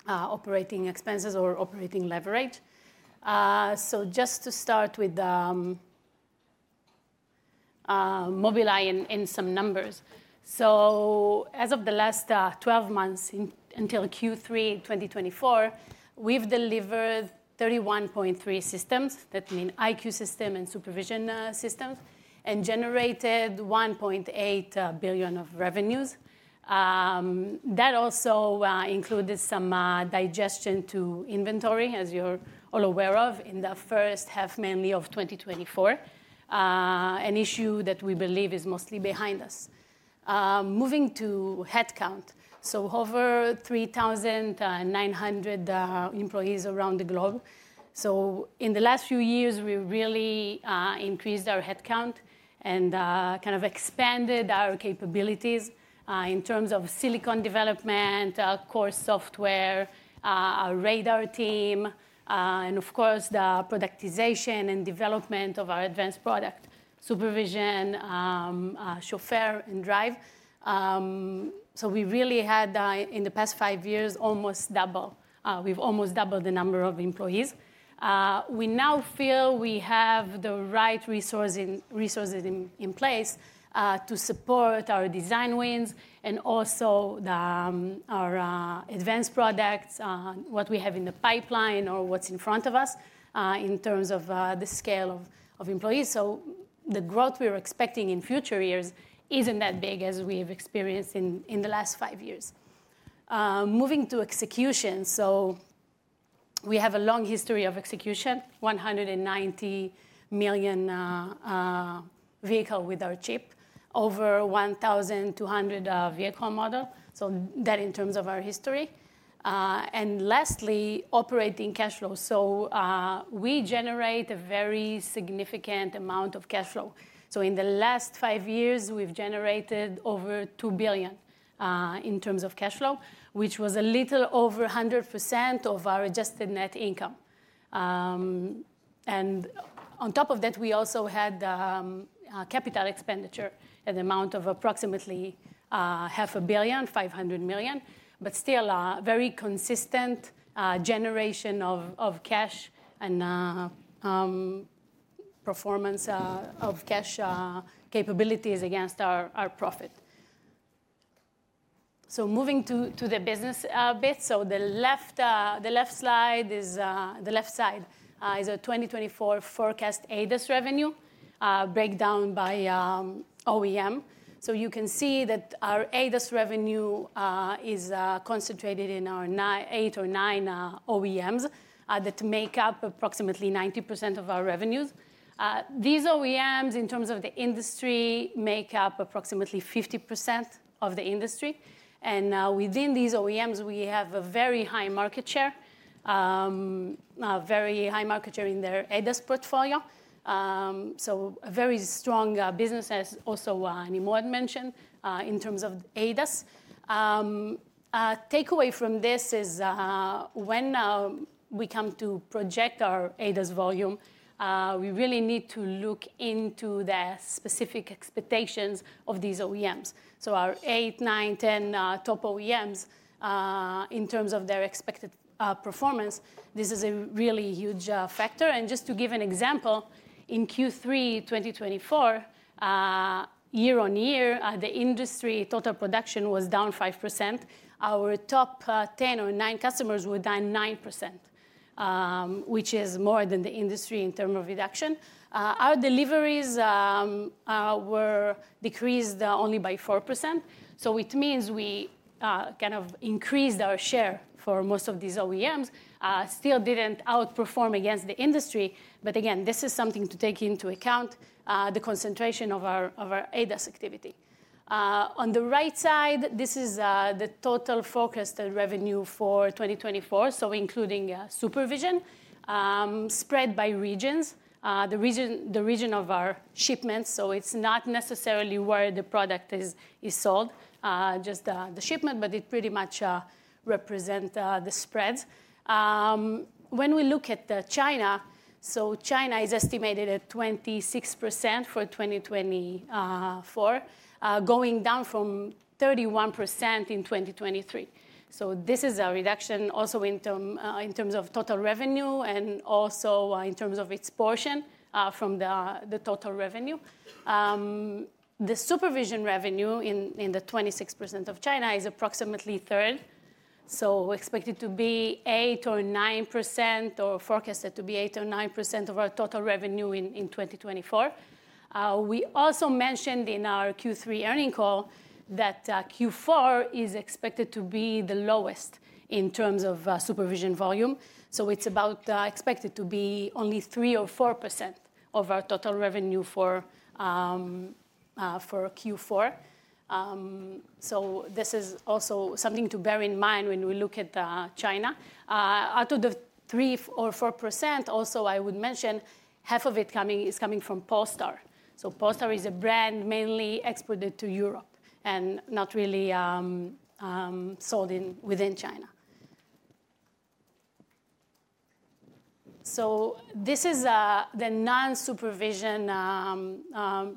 F: operating expenses or operating leverage. So just to start with Mobileye and some numbers. So as of the last 12 months until Q3 2024, we've delivered 31.3 systems. That means EyeQ system and SuperVision systems and generated $1.8 billion of revenues. That also included some digestion to inventory, as you're all aware of, in the first half mainly of 2024, an issue that we believe is mostly behind us. Moving to headcount, so over 3,900 employees around the globe. In the last few years, we really increased our headcount and kind of expanded our capabilities in terms of silicon development, core software, our radar team, and of course, the productization and development of our advanced products, SuperVision, Chauffeur, and Drive. We really had, in the past five years, almost doubled. We've almost doubled the number of employees. We now feel we have the right resources in place to support our design wins and also our advanced products, what we have in the pipeline or what's in front of us in terms of the scale of employees. The growth we're expecting in future years isn't that big as we have experienced in the last five years. Moving to execution, we have a long history of execution, 190 million vehicles with our chip, over 1,200 vehicle models. That in terms of our history. Lastly, operating cash flow. We generate a very significant amount of cash flow. In the last five years, we've generated over $2 billion in terms of cash flow, which was a little over 100% of our adjusted net income. On top of that, we also had capital expenditure at the amount of approximately $500 million, but still a very consistent generation of cash and performance of cash capabilities against our profit. Moving to the business bit, the left side is a 2024 forecast ADAS revenue breakdown by OEM. You can see that our ADAS revenue is concentrated in our eight or nine OEMs that make up approximately 90% of our revenues. These OEMs, in terms of the industry, make up approximately 50% of the industry. Within these OEMs, we have a very high market share, a very high market share in their ADAS portfolio. So a very strong business, as also Nimrod mentioned, in terms of ADAS. Takeaway from this is when we come to project our ADAS volume, we really need to look into the specific expectations of these OEMs. So our 8, 9, 10 top OEMs, in terms of their expected performance, this is a really huge factor. And just to give an example, in Q3 2024, year on year, the industry total production was down 5%. Our top 10 or 9 customers were down 9%, which is more than the industry in terms of reduction. Our deliveries were decreased only by 4%. So it means we kind of increased our share for most of these OEMs. Still didn't outperform against the industry. But again, this is something to take into account, the concentration of our ADAS activity. On the right side, this is the total focused revenue for 2024, so including supervision, spread by regions, the region of our shipments. So it's not necessarily where the product is sold, just the shipment, but it pretty much represents the spreads. When we look at China, so China is estimated at 26% for 2024, going down from 31% in 2023. So this is a reduction also in terms of total revenue and also in terms of its portion from the total revenue. The supervision revenue in the 26% of China is approximately third. So we expect it to be 8 or 9% or forecasted to be 8 or 9% of our total revenue in 2024. We also mentioned in our Q3 earnings call that Q4 is expected to be the lowest in terms of SuperVision volume. It's about expected to be only 3%-4% of our total revenue for Q4. This is also something to bear in mind when we look at China. Out of the 3%-4%, also I would mention half of it is coming from Polestar. Polestar is a brand mainly exported to Europe and not really sold within China. This is the non-SuperVision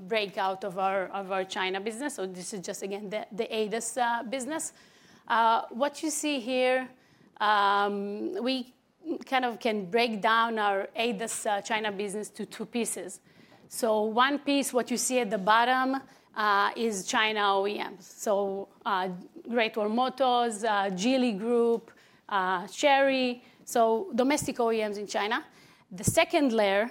F: breakout of our China business. This is just, again, the ADAS business. What you see here, we kind of can break down our ADAS China business to two pieces. One piece, what you see at the bottom, is China OEMs. Great Wall Motors, Geely Group, Chery, so domestic OEMs in China. The second layer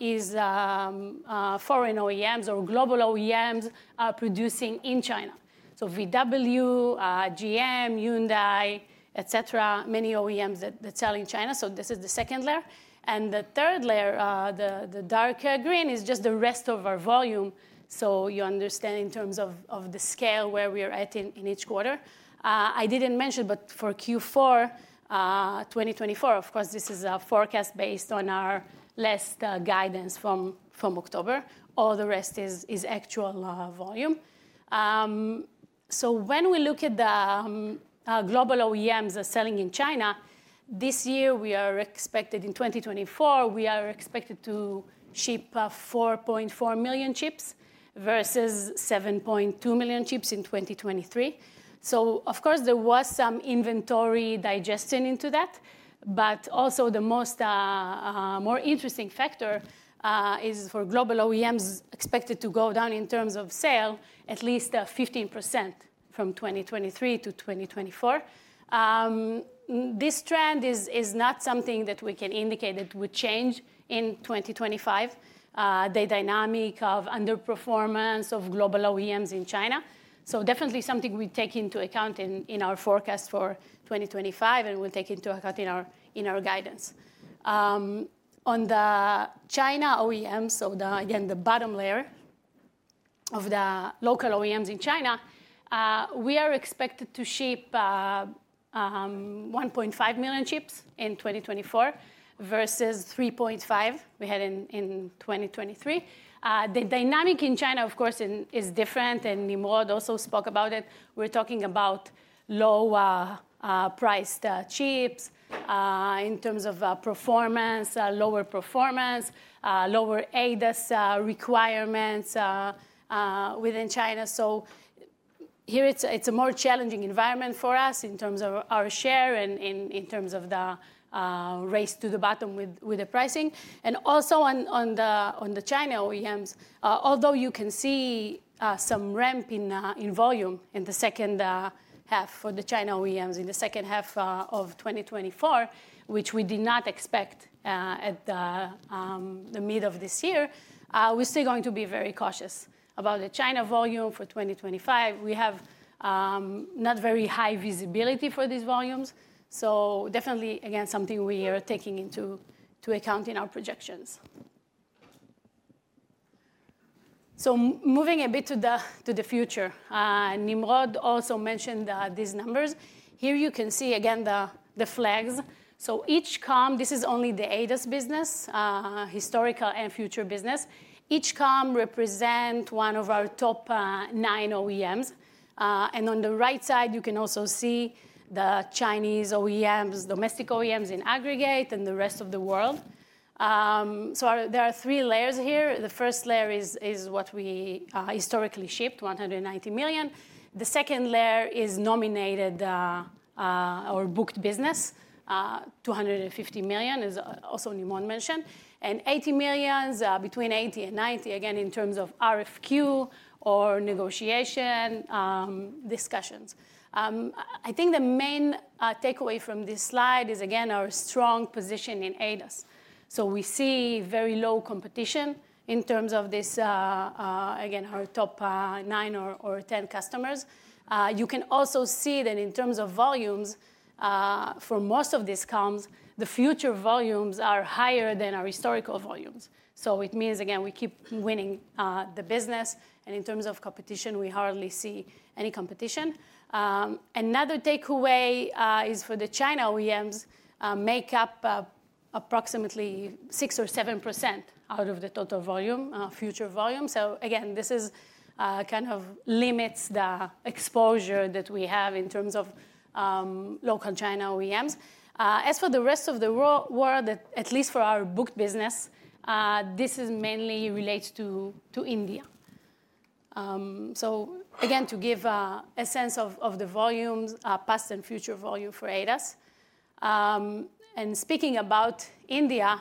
F: is foreign OEMs or global OEMs producing in China. So VW, GM, Hyundai, et cetera, many OEMs that sell in China. So this is the second layer. And the third layer, the darker green, is just the rest of our volume. So you understand in terms of the scale where we are at in each quarter. I didn't mention, but for Q4 2024, of course, this is a forecast based on our last guidance from October. All the rest is actual volume. So when we look at the global OEMs selling in China, this year, we are expected in 2024, we are expected to ship 4.4 million chips versus 7.2 million chips in 2023. So of course, there was some inventory digestion into that. But also the more interesting factor is for global OEMs expected to go down in terms of sales at least 15% from 2023 to 2024. This trend is not something that we can indicate that would change in 2025, the dynamic of underperformance of global OEMs in China. So definitely something we take into account in our forecast for 2025 and we'll take into account in our guidance. On the China OEMs, so again, the bottom layer of the local OEMs in China, we are expected to ship 1.5 million chips in 2024 versus 3.5 we had in 2023. The dynamic in China, of course, is different. And Nimrod also spoke about it. We're talking about low-priced chips in terms of performance, lower performance, lower ADAS requirements within China. So here, it's a more challenging environment for us in terms of our share and in terms of the race to the bottom with the pricing. And also on the China OEMs, although you can see some ramp in volume in the second half for the China OEMs in the second half of 2024, which we did not expect at the mid of this year, we're still going to be very cautious about the China volume for 2025. We have not very high visibility for these volumes. So definitely, again, something we are taking into account in our projections. So moving a bit to the future, Nimrod also mentioned these numbers. Here you can see, again, the flags. So each column, this is only the ADAS business, historical and future business. Each column represents one of our top nine OEMs. On the right side, you can also see the Chinese OEMs, domestic OEMs in aggregate, and the rest of the world. There are three layers here. The first layer is what we historically shipped, 190 million. The second layer is nominated or booked business, 250 million, as also Nimrod mentioned, and 80 million, between 80 and 90, again, in terms of RFQ or negotiation discussions. I think the main takeaway from this slide is, again, our strong position in ADAS. We see very low competition in terms of this, again, our top nine or 10 customers. You can also see that in terms of volumes, for most of these columns, the future volumes are higher than our historical volumes. It means, again, we keep winning the business. In terms of competition, we hardly see any competition. Another takeaway is for the China OEMs make up approximately 6% or 7% out of the total volume, future volume. Again, this kind of limits the exposure that we have in terms of local China OEMs. As for the rest of the world, at least for our booked business, this mainly relates to India. Again, to give a sense of the volumes, past and future volume for ADAS. Speaking about India,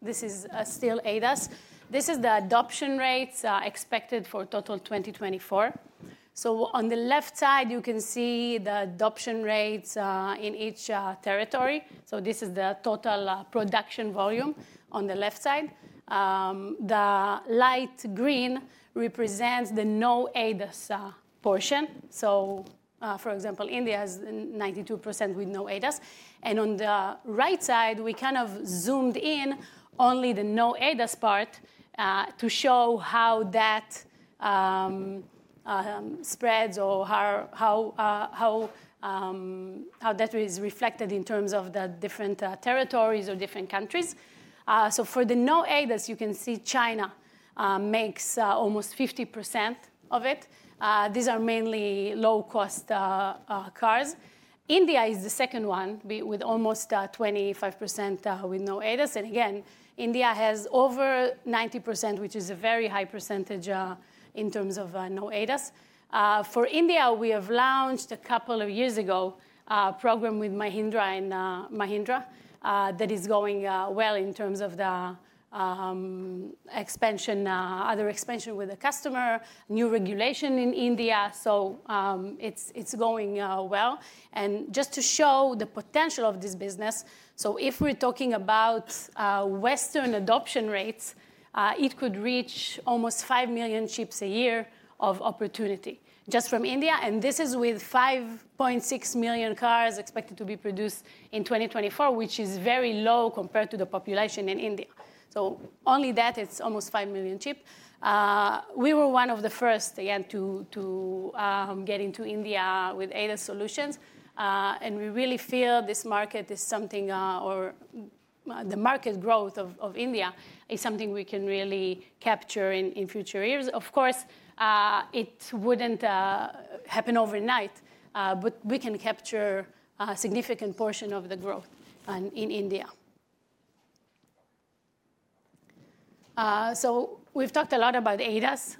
F: this is still ADAS. This is the adoption rates expected for total 2024. On the left side, you can see the adoption rates in each territory. This is the total production volume on the left side. The light green represents the no ADAS portion. For example, India has 92% with no ADAS. On the right side, we kind of zoomed in only the no ADAS part to show how that spreads or how that is reflected in terms of the different territories or different countries. So for the no ADAS, you can see China makes almost 50% of it. These are mainly low-cost cars. India is the second one with almost 25% with no ADAS. And again, India has over 90%, which is a very high percentage in terms of no ADAS. For India, we have launched a couple of years ago a program with Mahindra that is going well in terms of the expansion, other expansion with the customer, new regulation in India. So it's going well. And just to show the potential of this business, so if we're talking about Western adoption rates, it could reach almost 5 million chips a year of opportunity just from India. This is with 5.6 million cars expected to be produced in 2024, which is very low compared to the population in India. Only that, it's almost 5 million chips. We were one of the first, again, to get into India with ADAS solutions. We really feel this market is something, or the market growth of India is something we can really capture in future years. Of course, it wouldn't happen overnight, but we can capture a significant portion of the growth in India. We've talked a lot about ADAS,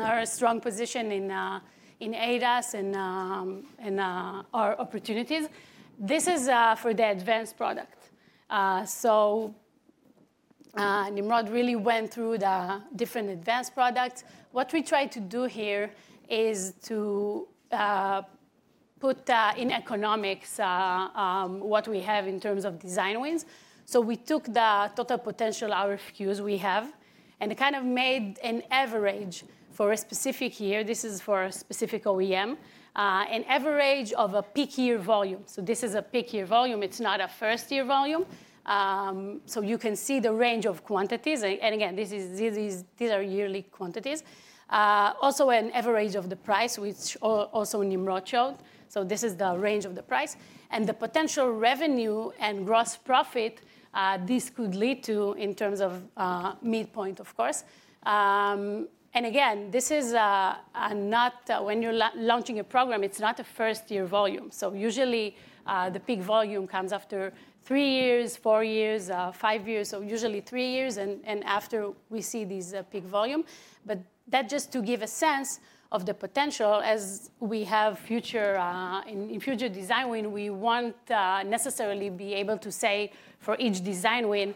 F: our strong position in ADAS and our opportunities. This is for the advanced product. Nimrod really went through the different advanced products. What we try to do here is to put in economics what we have in terms of design wins. So we took the total potential RFQs we have and kind of made an average for a specific year. This is for a specific OEM, an average of a peak year volume. So this is a peak year volume. It's not a first year volume. So you can see the range of quantities. And again, these are yearly quantities. Also an average of the price, which also Nimrod showed. So this is the range of the price. And the potential revenue and gross profit this could lead to in terms of midpoint, of course. And again, this is not when you're launching a program, it's not a first year volume. So usually the peak volume comes after three years, four years, five years, so usually three years and after we see this peak volume. But that's just to give a sense of the potential as we have in future design wins. We won't necessarily be able to say for each design win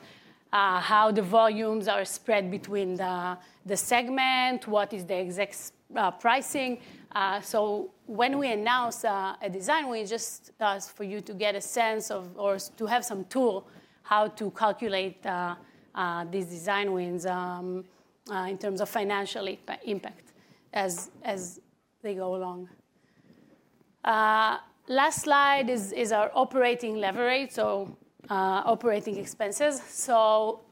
F: how the volumes are spread between the segments, what is the exact pricing. So when we announce a design win, just for you to get a sense of or to have some tool how to calculate these design wins in terms of financial impact as they go along. Last slide is our operating leverage, so operating expenses. So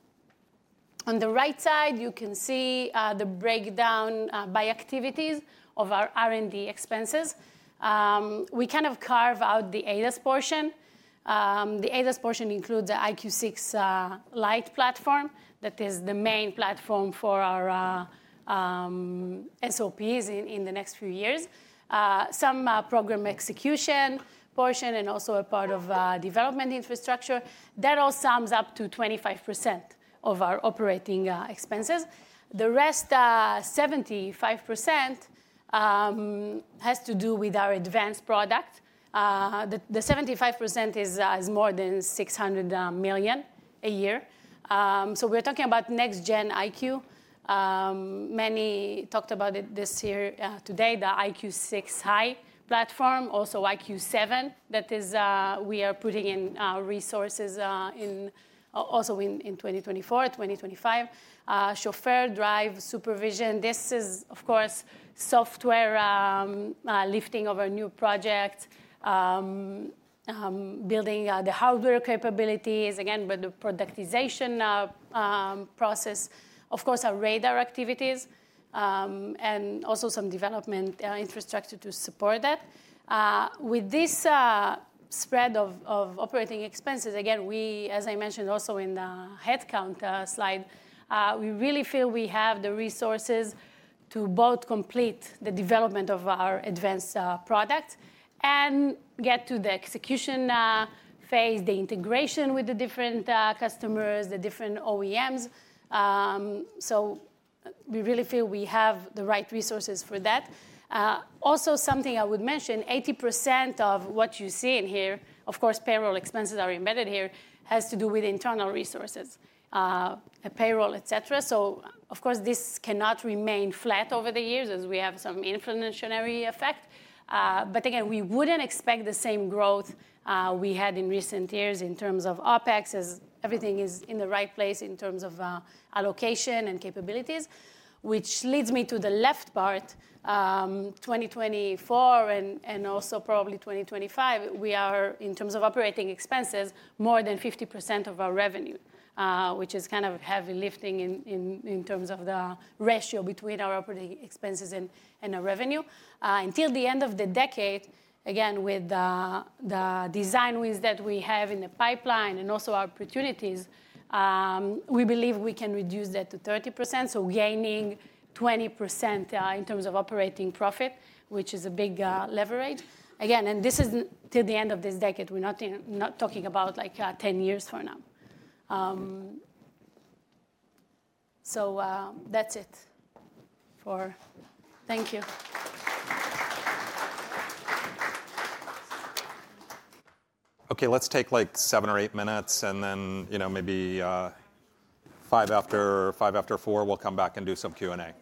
F: on the right side, you can see the breakdown by activities of our R&D expenses. We kind of carve out the ADAS portion. The ADAS portion includes the EyeQ6 Lite platform. That is the main platform for our SOPs in the next few years. Some program execution portion and also a part of development infrastructure. That all sums up to 25% of our operating expenses. The rest, 75%, has to do with our advanced product. The 75% is more than $600 million a year. So we're talking about next-gen EyeQ. Many talked about it this year today, the EyeQ6 High platform, also EyeQ7 that we are putting in resources in also in 2024, 2025. Chauffeur Drive SuperVision. This is, of course, software lifting of our new project, building the hardware capabilities, again, with the productization process. Of course, our radar activities and also some development infrastructure to support that. With this spread of operating expenses, again, we, as I mentioned also in the headcount slide, we really feel we have the resources to both complete the development of our advanced product and get to the execution phase, the integration with the different customers, the different OEMs. We really feel we have the right resources for that. Also something I would mention, 80% of what you see in here, of course, payroll expenses are embedded here, has to do with internal resources, payroll, et cetera. So of course, this cannot remain flat over the years as we have some inflationary effect. But again, we wouldn't expect the same growth we had in recent years in terms of OpEx as everything is in the right place in terms of allocation and capabilities, which leads me to the left part, 2024 and also probably 2025. We are, in terms of operating expenses, more than 50% of our revenue, which is kind of heavy lifting in terms of the ratio between our operating expenses and our revenue. Until the end of the decade, again, with the design wins that we have in the pipeline and also our opportunities, we believe we can reduce that to 30%. So gaining 20% in terms of operating profit, which is a big leverage. Again, and this is till the end of this decade. We're not talking about like 10 years from now. So that's it. Thank you.
A: Okay, let's take like seven or eight minutes and then maybe five after four. We'll come back and do some Q&A.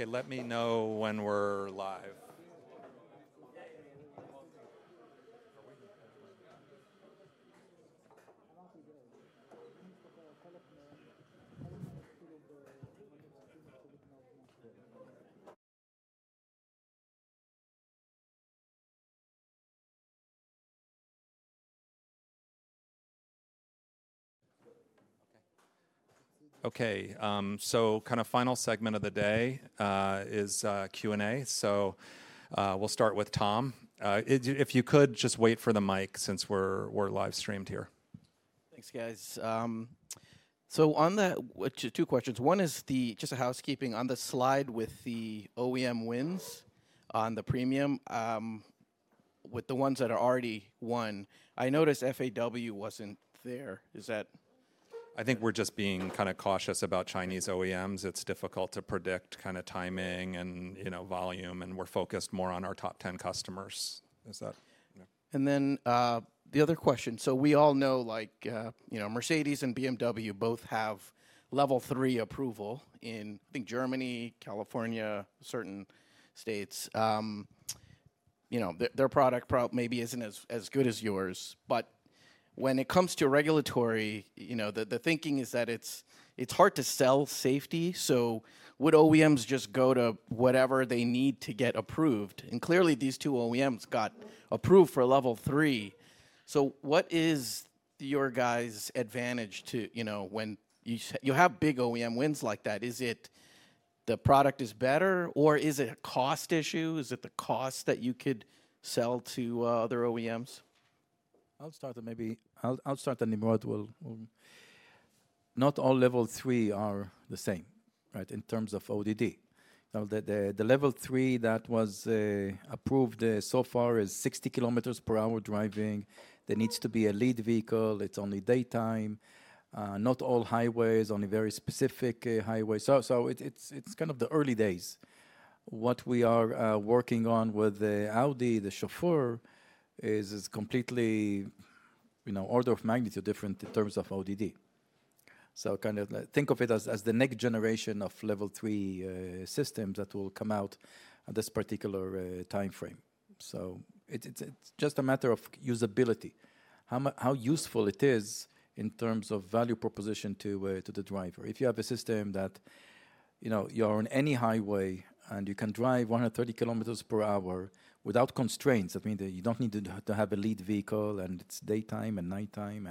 A: Okay, let me know when we're live. Okay, so kind of final segment of the day is Q&A. So we'll start with Tom. If you could, just wait for the mic since we're live streamed here.
G: Thanks, guys. So on that, two questions. One is just a housekeeping on the slide with the OEM wins on the premium with the ones that are already won. I noticed FAW wasn't there. Is that?
A: I think we're just being kind of cautious about Chinese OEMs. It's difficult to predict kind of timing and volume, and we're focused more on our top 10 customers.
G: And then the other question. So we all know, like, Mercedes-Benz and BMW both have Level 3 approval in Germany, California, certain states. Their product maybe isn't as good as yours. But when it comes to regulatory, the thinking is that it's hard to sell safety. So would OEMs just go to whatever they need to get approved? And clearly, these two OEMs got approved for Level 3. So what is your guys' advantage when you have big OEM wins like that? Is it the product is better or is it a cost issue? Is it the cost that you could sell to other OEMs?
B: Not all Level 3 are the same in terms of ODD. The Level 3 that was approved so far is 60 km per hour driving. There needs to be a lead vehicle. It's only daytime. Not all highways, only very specific highways. So it's kind of the early days. What we are working on with Audi, the Chauffeur, is completely order of magnitude different in terms of ODD. So kind of think of it as the next generation of Level 3 systems that will come out at this particular time frame. So it's just a matter of usability. How useful it is in terms of value proposition to the driver. If you have a system that you are on any highway and you can drive 130 kilometers per hour without constraints, I mean, you don't need to have a lead vehicle and it's daytime and nighttime,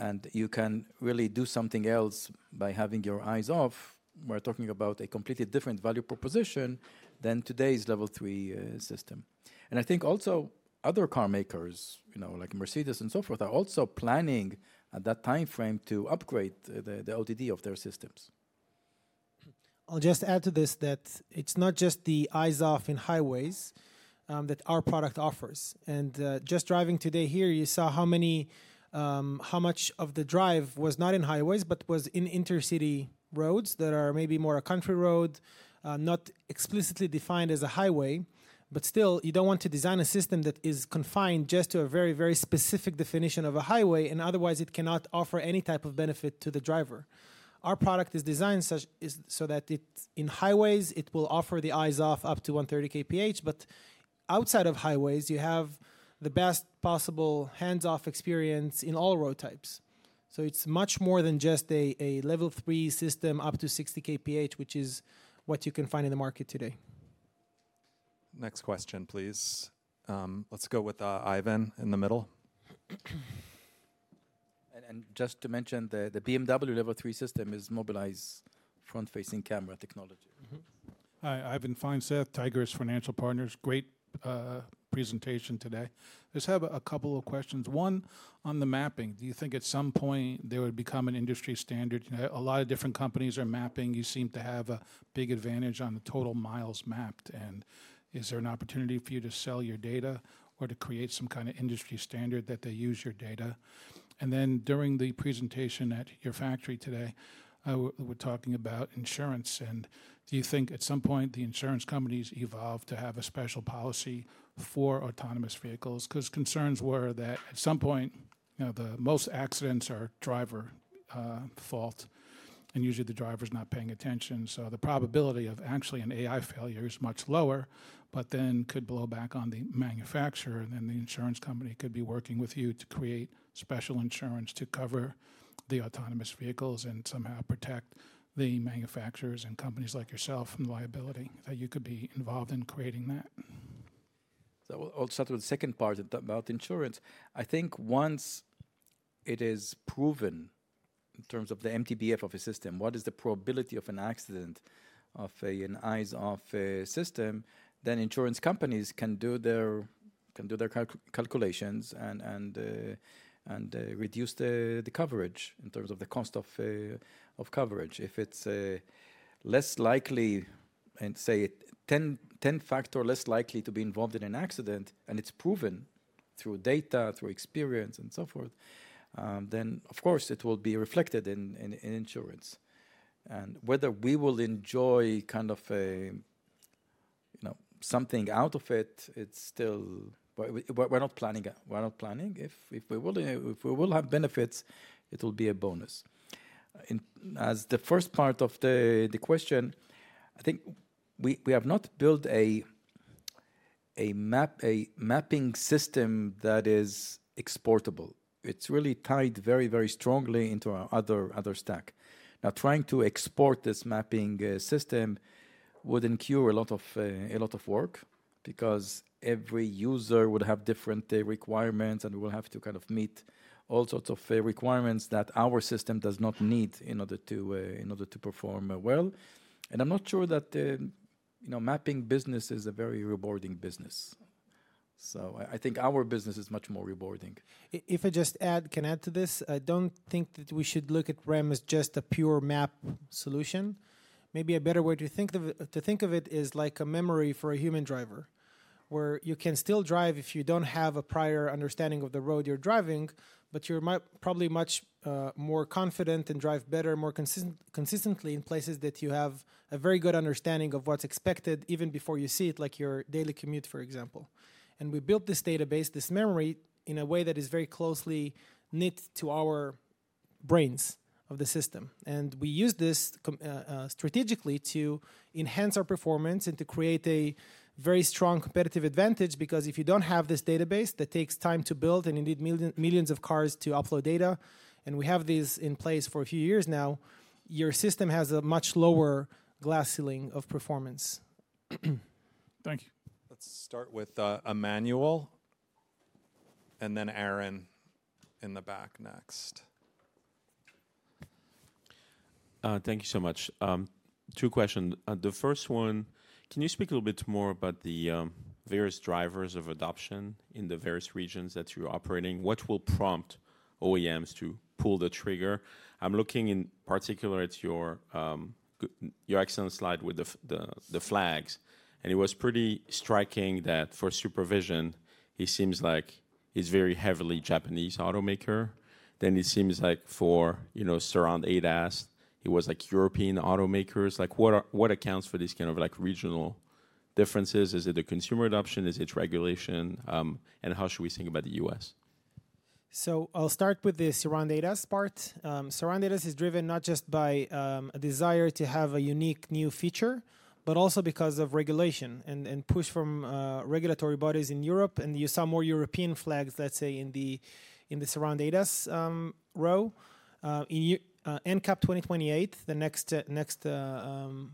B: and you can really do something else by having your eyes off, we're talking about a completely different value proposition than today's level 3 system. I think also other car makers like Mercedes and so forth are also planning at that time frame to upgrade the ODD of their systems.
D: I'll just add to this that it's not just the eyes off in highways that our product offers, and just driving today here, you saw how much of the drive was not in highways, but was in intercity roads that are maybe more a country road, not explicitly defined as a highway, but still you don't want to design a system that is confined just to a very, very specific definition of a highway, and otherwise it cannot offer any type of benefit to the driver. Our product is designed so that in highways, it will offer the eyes off up to 130 kph, but outside of highways, you have the best possible hands-off experience in all road types. So it's much more than just a level 3 system up to 60 kph, which is what you can find in the market today.
A: Next question, please. Let's go with Ivan in the middle.
B: Just to mention, the BMW Level 3 system is Mobileye's front-facing camera technology.
H: Hi, Ivan Feinseth, Tigress Financial Partners. Great presentation today. Just have a couple of questions. One, on the mapping, do you think at some point there would become an industry standard? A lot of different companies are mapping. You seem to have a big advantage on the total miles mapped. And is there an opportunity for you to sell your data or to create some kind of industry standard that they use your data? And then during the presentation at your factory today, we're talking about insurance. And do you think at some point the insurance companies evolve to have a special policy for autonomous vehicles? Because concerns were that at some point, the most accidents are driver fault, and usually the driver's not paying attention. So the probability of actually an AI failure is much lower, but then could blow back on the manufacturer, and then the insurance company could be working with you to create special insurance to cover the autonomous vehicles and somehow protect the manufacturers and companies like yourself from liability. You could be involved in creating that.
B: So I'll start with the second part about insurance. I think once it is proven in terms of the MTBF of a system, what is the probability of an accident of an eyes-off system, then insurance companies can do their calculations and reduce the coverage in terms of the cost of coverage. If it's less likely, and say 10-factor less likely to be involved in an accident, and it's proven through data, through experience, and so forth, then of course it will be reflected in insurance. And whether we will enjoy kind of something out of it, we're not planning. If we will have benefits, it will be a bonus. As the first part of the question, I think we have not built a mapping system that is exportable. It's really tied very, very strongly into our other stack. Now, trying to export this mapping system would incur a lot of work because every user would have different requirements, and we will have to kind of meet all sorts of requirements that our system does not need in order to perform well. And I'm not sure that mapping business is a very rewarding business. So I think our business is much more rewarding.
D: If I just can add to this, I don't think that we should look at REM as just a pure map solution. Maybe a better way to think of it is like a memory for a human driver, where you can still drive if you don't have a prior understanding of the road you're driving, but you're probably much more confident and drive better, more consistently in places that you have a very good understanding of what's expected even before you see it, like your daily commute, for example. And we built this database, this memory in a way that is very closely knit to our brains of the system. We use this strategically to enhance our performance and to create a very strong competitive advantage because if you don't have this database that takes time to build and you need millions of cars to upload data, and we have these in place for a few years now, your system has a much lower glass ceiling of performance.
H: Thank you.
A: Let's start with Emmanuel and then Aaron in the back next.
G: Thank you so much. Two questions. The first one, can you speak a little bit more about the various drivers of adoption in the various regions that you're operating? What will prompt OEMs to pull the trigger? I'm looking in particular at your excellent slide with the flags, and it was pretty striking that for SuperVision, it seems like it's very heavily Japanese automaker, then it seems like for surround ADAS, it was like European automakers. What accounts for this kind of regional differences? Is it the consumer adoption? Is it regulation? And how should we think about the U.S.?
D: So I'll start with the surround ADAS part. Surround ADAS is driven not just by a desire to have a unique new feature, but also because of regulation and push from regulatory bodies in Europe. And you saw more European flags, let's say, in the surround ADAS row. NCAP 2028, the next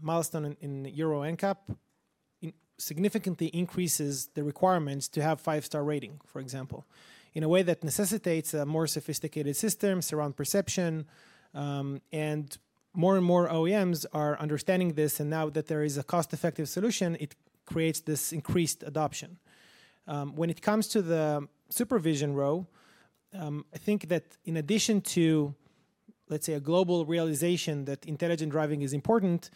D: milestone in Euro NCAP, significantly increases the requirements to have five-star rating, for example, in a way that necessitates a more sophisticated system, surround perception. And more and more OEMs are understanding this. And now that there is a cost-effective solution, it creates this increased adoption. When it comes to the supervision row, I think that in addition to, let's say, a global realization that intelligent driving is important,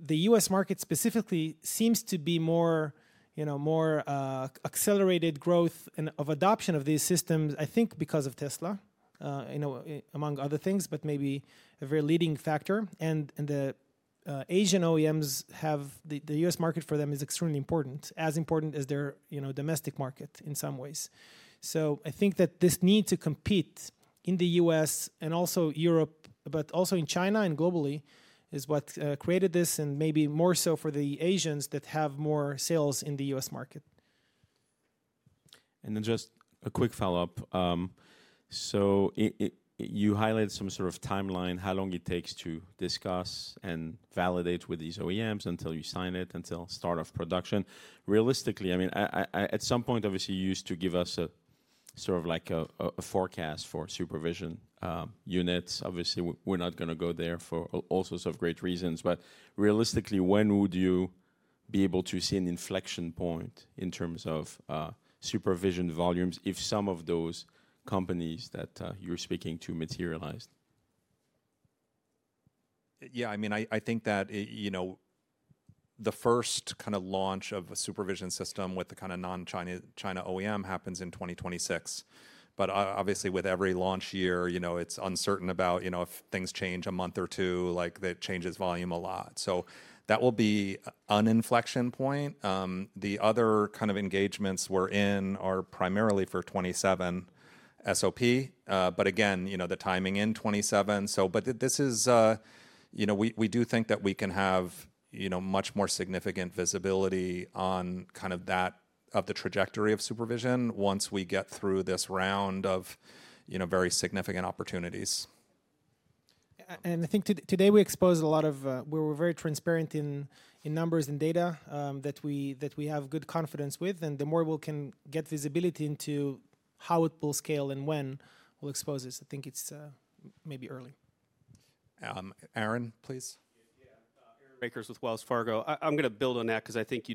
D: the U.S. market specifically seems to be more accelerated growth of adoption of these systems, I think because of Tesla, among other things, but maybe a very leading factor. And the Asian OEMs, the U.S. market for them is extremely important, as important as their domestic market in some ways. So I think that this need to compete in the U.S. and also Europe, but also in China and globally, is what created this and maybe more so for the Asians that have more sales in the U.S. market.
G: And then just a quick follow-up. So you highlighted some sort of timeline, how long it takes to discuss and validate with these OEMs until you sign it, until start of production. Realistically, I mean, at some point, obviously, you used to give us sort of like a forecast for SuperVision units. Obviously, we're not going to go there for all sorts of great reasons. But realistically, when would you be able to see an inflection point in terms of SuperVision volumes if some of those companies that you're speaking to materialized?
A: Yeah, I mean, I think that the first kind of launch of a supervision system with the kind of non-China OEM happens in 2026. But obviously, with every launch year, it's uncertain about if things change a month or two, like that changes volume a lot. So that will be an inflection point. The other kind of engagements we're in are primarily for 2027 SOP. But again, the timing in 2027. But we do think that we can have much more significant visibility on kind of that of the trajectory of supervision once we get through this round of very significant opportunities.
D: And I think today we exposed a lot of. We're very transparent in numbers and data that we have good confidence with. And the more we can get visibility into how it will scale and when we'll expose this, I think it's maybe early.
A: Aaron, please.
I: Yeah, Aaron Rakers with Wells Fargo. I'm going to build on that because I think you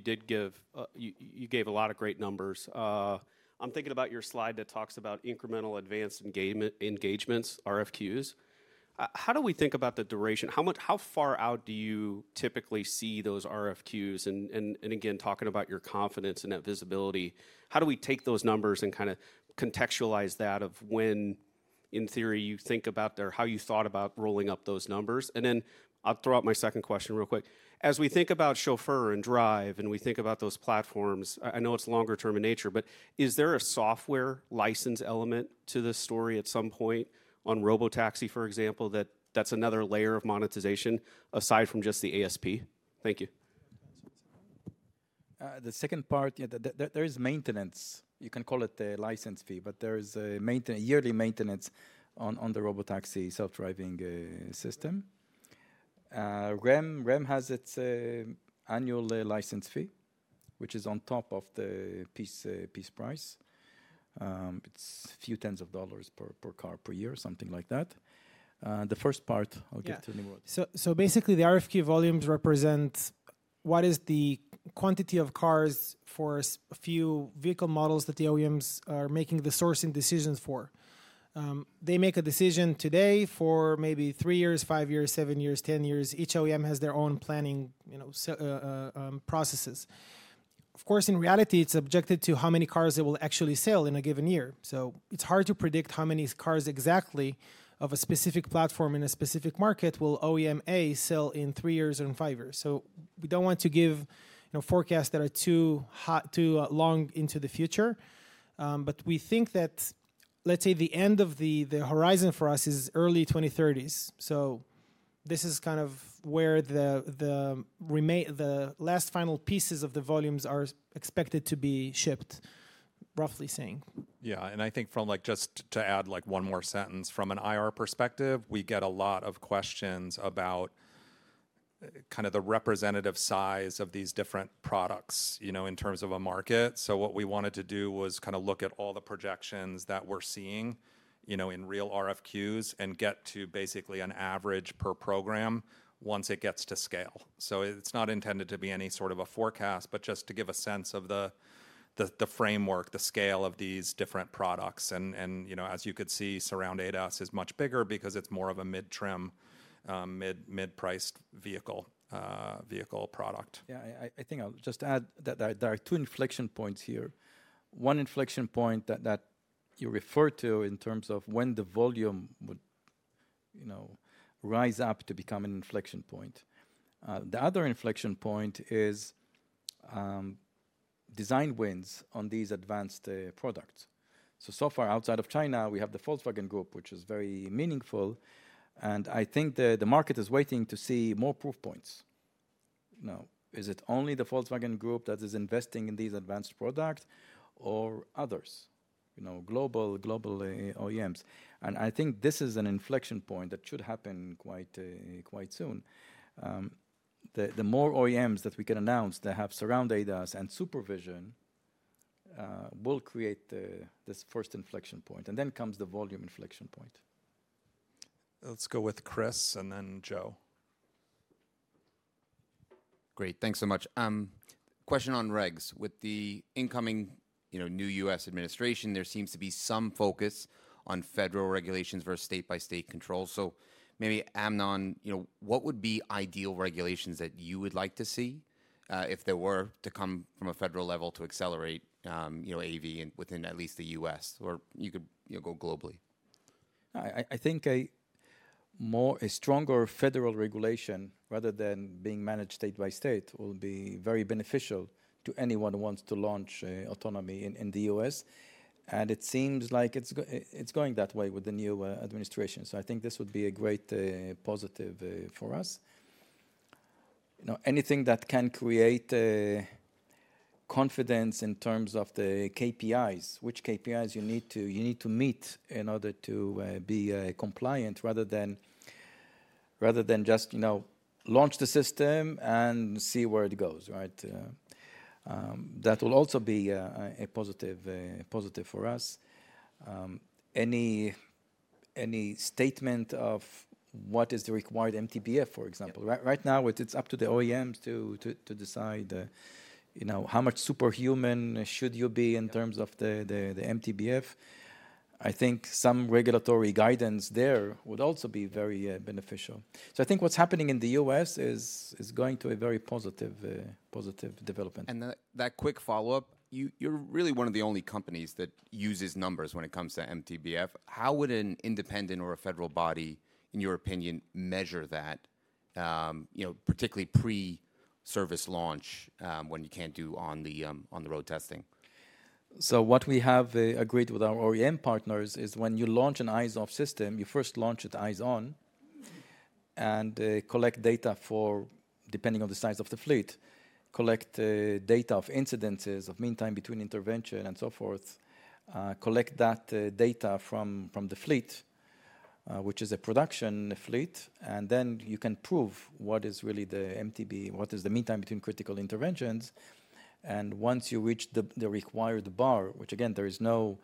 I: gave a lot of great numbers. I'm thinking about your slide that talks about incremental advanced engagements, RFQs. How do we think about the duration? How far out do you typically see those RFQs? And again, talking about your confidence in that visibility, how do we take those numbers and kind of contextualize that of when, in theory, you think about or how you thought about rolling up those numbers? And then I'll throw out my second question real quick. As we think about chauffeur and drive and we think about those platforms, I know it's longer-term in nature, but is there a software license element to this story at some point on robotaxi, for example, that that's another layer of monetization aside from just the ASP? Thank you.
B: The second part, there is maintenance. You can call it a license fee, but there is a yearly maintenance on the robotaxi self-driving system. REM has its annual license fee, which is on top of the piece price. It's a few tens of dollars per car per year, something like that. The first part, I'll get to Nimrod.
D: So basically, the RFQ volumes represent what is the quantity of cars for a few vehicle models that the OEMs are making the sourcing decisions for. They make a decision today for maybe three years, five years, seven years, 10 years. Each OEM has their own planning processes. Of course, in reality, it's subjected to how many cars they will actually sell in a given year. So it's hard to predict how many cars exactly of a specific platform in a specific market will OEM A sell in three years or in five years. So we don't want to give forecasts that are too long into the future. But we think that, let's say, the end of the horizon for us is early 2030s. So this is kind of where the last final pieces of the volumes are expected to be shipped, roughly saying.
A: Yeah, and I think from just to add one more sentence, from an IR perspective, we get a lot of questions about kind of the representative size of these different products in terms of a market. So what we wanted to do was kind of look at all the projections that we're seeing in real RFQs and get to basically an average per program once it gets to scale. So it's not intended to be any sort of a forecast, but just to give a sense of the framework, the scale of these different products. And as you could see, surround ADAS is much bigger because it's more of a mid-trim, mid-priced vehicle product.
B: Yeah, I think I'll just add that there are two inflection points here. One inflection point that you refer to in terms of when the volume would rise up to become an inflection point. The other inflection point is design wins on these advanced products. So far, outside of China, we have the Volkswagen Group, which is very meaningful. And I think the market is waiting to see more proof points. Now, is it only the Volkswagen Group that is investing in these advanced products or others, global OEMs? And I think this is an inflection point that should happen quite soon. The more OEMs that we can announce that have surround ADAS and supervision will create this first inflection point. And then comes the volume inflection point.
A: Let's go with Chris and then Joe.
G: Great. Thanks so much. Question on regs. With the incoming new U.S. administration, there seems to be some focus on federal regulations versus state-by-state control. So maybe Amnon, what would be ideal regulations that you would like to see if there were to come from a federal level to accelerate AV within at least the U.S., or you could go globally?
B: I think a stronger federal regulation rather than being managed state-by-state will be very beneficial to anyone who wants to launch autonomy in the U.S. And it seems like it's going that way with the new administration. So I think this would be a great positive for us. Anything that can create confidence in terms of the KPIs, which KPIs you need to meet in order to be compliant rather than just launch the system and see where it goes, right? That will also be a positive for us. Any statement of what is the required MTBF, for example. Right now, it's up to the OEMs to decide how much superhuman should you be in terms of the MTBF. I think some regulatory guidance there would also be very beneficial. So I think what's happening in the U.S. is going to be a very positive development.
G: And that quick follow-up, you're really one of the only companies that uses numbers when it comes to MTBF. How would an independent or a federal body, in your opinion, measure that, particularly pre-service launch when you can't do on-the-road testing?
B: So what we have agreed with our OEM partners is when you launch an eyes-off system, you first launch it eyes-on and collect data for, depending on the size of the fleet, collect data of incidents, of mean time between intervention and so forth, collect that data from the fleet, which is a production fleet. And then you can prove what is really the MTBI, what is the mean time between critical interventions. And once you reach the required bar, which again, there is no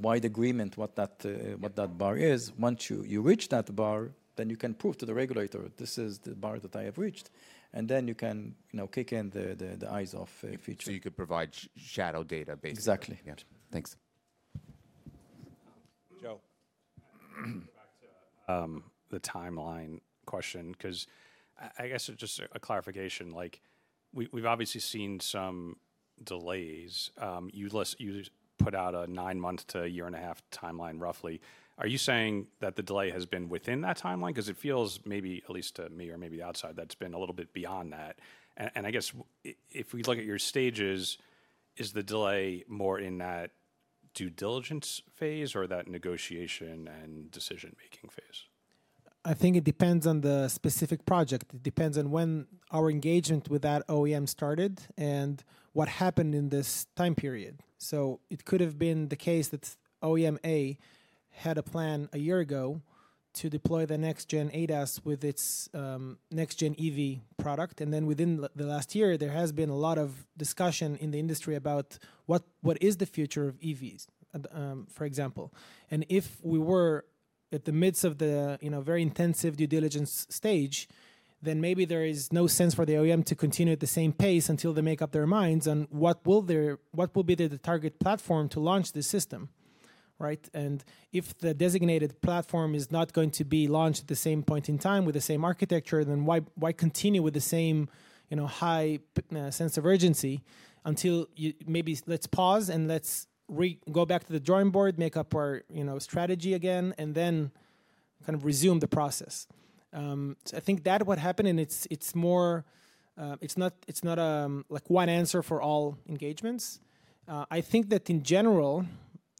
B: wide agreement what that bar is, once you reach that bar, then you can prove to the regulator, this is the bar that I have reached. And then you can kick in the eyes-off feature.
G: So you could provide shadow data, basically.
B: Exactly.
G: Yep.
B: Thanks.
A: Back to the timeline question because I guess just a clarification. We've obviously seen some delays. You put out a nine-month to a year-and-a-half timeline, roughly. Are you saying that the delay has been within that timeline? Because it feels maybe at least to me or maybe outside that it's been a little bit beyond that, and I guess if we look at your stages, is the delay more in that due diligence phase or that negotiation and decision-making phase?
D: I think it depends on the specific project. It depends on when our engagement with that OEM started and what happened in this time period. So it could have been the case that OEM A had a plan a year ago to deploy the next-gen ADAS with its next-gen EV product. And then within the last year, there has been a lot of discussion in the industry about what is the future of EVs, for example. And if we were at the midst of the very intensive due diligence stage, then maybe there is no sense for the OEM to continue at the same pace until they make up their minds on what will be the target platform to launch this system, right? And if the designated platform is not going to be launched at the same point in time with the same architecture, then why continue with the same high sense of urgency until maybe let's pause and let's go back to the drawing board, make up our strategy again, and then kind of resume the process. So I think that what happened, and it's not like one answer for all engagements. I think that in general,